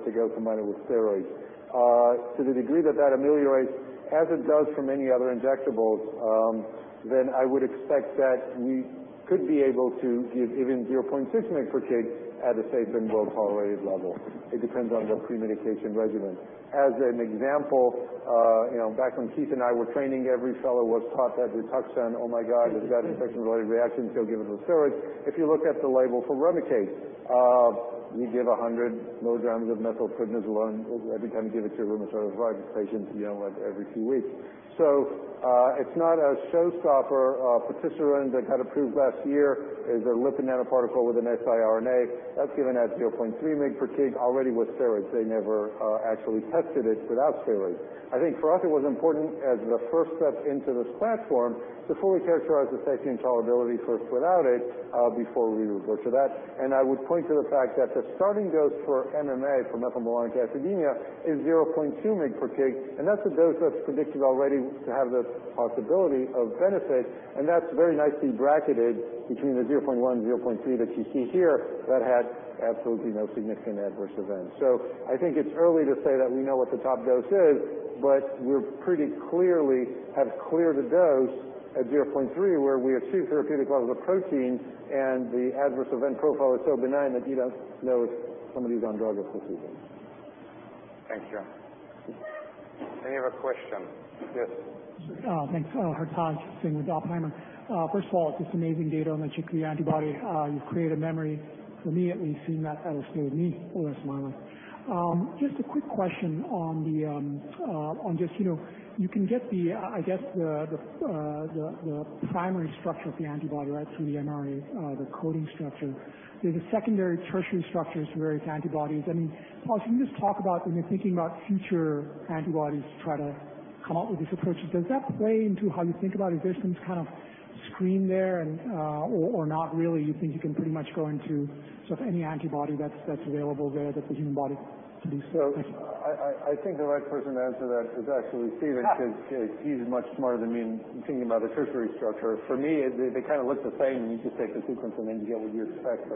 to go to minor with steroids. To the degree that that ameliorates, as it does for many other injectables, I would expect that we could be able to give even 0.6 mg per kg at a safe and well-tolerated level. It depends on the pre-medication regimen. As an example, back when Keith and I were training, every fellow was taught that with RITUXAN, oh my God, if you've got infusion-related reactions, you'll give them steroids. If you look at the label for Remicade, we give 100 milligrams of methylprednisolone every time you give it to a rheumatoid arthritis patient, every two weeks. It's not a showstopper. patisiran, that got approved last year, is a lipid nanoparticle with an siRNA. That's given at 0.3 mg per kg already with steroids. They never actually tested it without steroids. I think for us, it was important as the first step into this platform, before we characterize the safety and tolerability first without it, before we resort to that. I would point to the fact that the starting dose for MMA, for methylmalonic acidemia, is 0.2 mg per kg, and that's a dose that's predicted already to have the possibility of benefit. That's very nicely bracketed between the 0.1, 0.3 that you see here that had absolutely no significant adverse events. I think it's early to say that we know what the top dose is, but we pretty clearly have cleared a dose at 0.3, where we achieve therapeutic levels of protein and the adverse event profile is so benign that you don't notice somebody's on drug as procedure. Thank you. Any other question? Yes. Thanks. Hartog, first of all, it's this amazing data on the antibody. You've created a memory for me at least, seeing that title slide with me, always smiling. Just a quick question on you can get, I guess, the primary structure of the antibody right from the mRNA, the coding structure. There's a secondary, tertiary structure to various antibodies. Can you just talk about when you're thinking about future antibodies to try to come up with these approaches, does that play into how you think about existence kind of screen there or not really? You think you can pretty much go into any antibody that's available there that the human body can do so? I think the right person to answer that is actually Stephen, because he's much smarter than me in thinking about the tertiary structure. For me, they kind of look the same. You just take the sequence and then you get what you expect.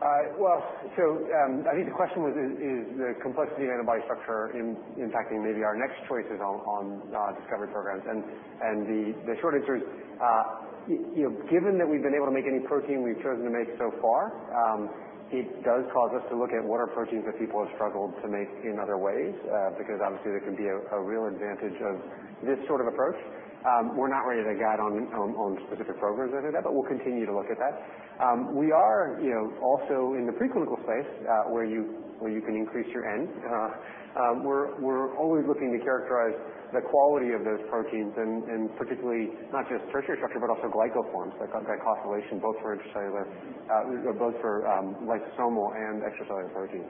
I think the question was, is the complexity of antibody structure impacting maybe our next choices on discovery programs? The short answer is, given that we've been able to make any protein we've chosen to make so far, it does cause us to look at what are proteins that people have struggled to make in other ways because obviously there can be a real advantage of this sort of approach. We're not ready to guide on specific programs under that, we'll continue to look at that. We are also in the preclinical space where you can increase your N. We're always looking to characterize the quality of those proteins and particularly not just tertiary structure, but also glycoforms, that glycosylation both for lysosomal and extracellular proteins.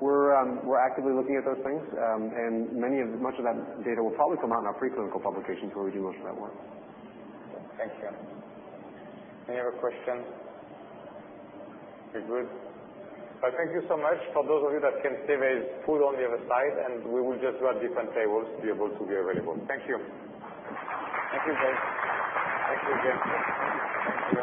We're actively looking at those things, and much of that data will probably come out in our preclinical publications where we do much of that work. Thank you. Any other questions? You're good? Thank you so much. For those of you that can stay, there is food on the other side, and we will just go at different tables to be able to be available. Thank you. Thank you, guys. Thank you again.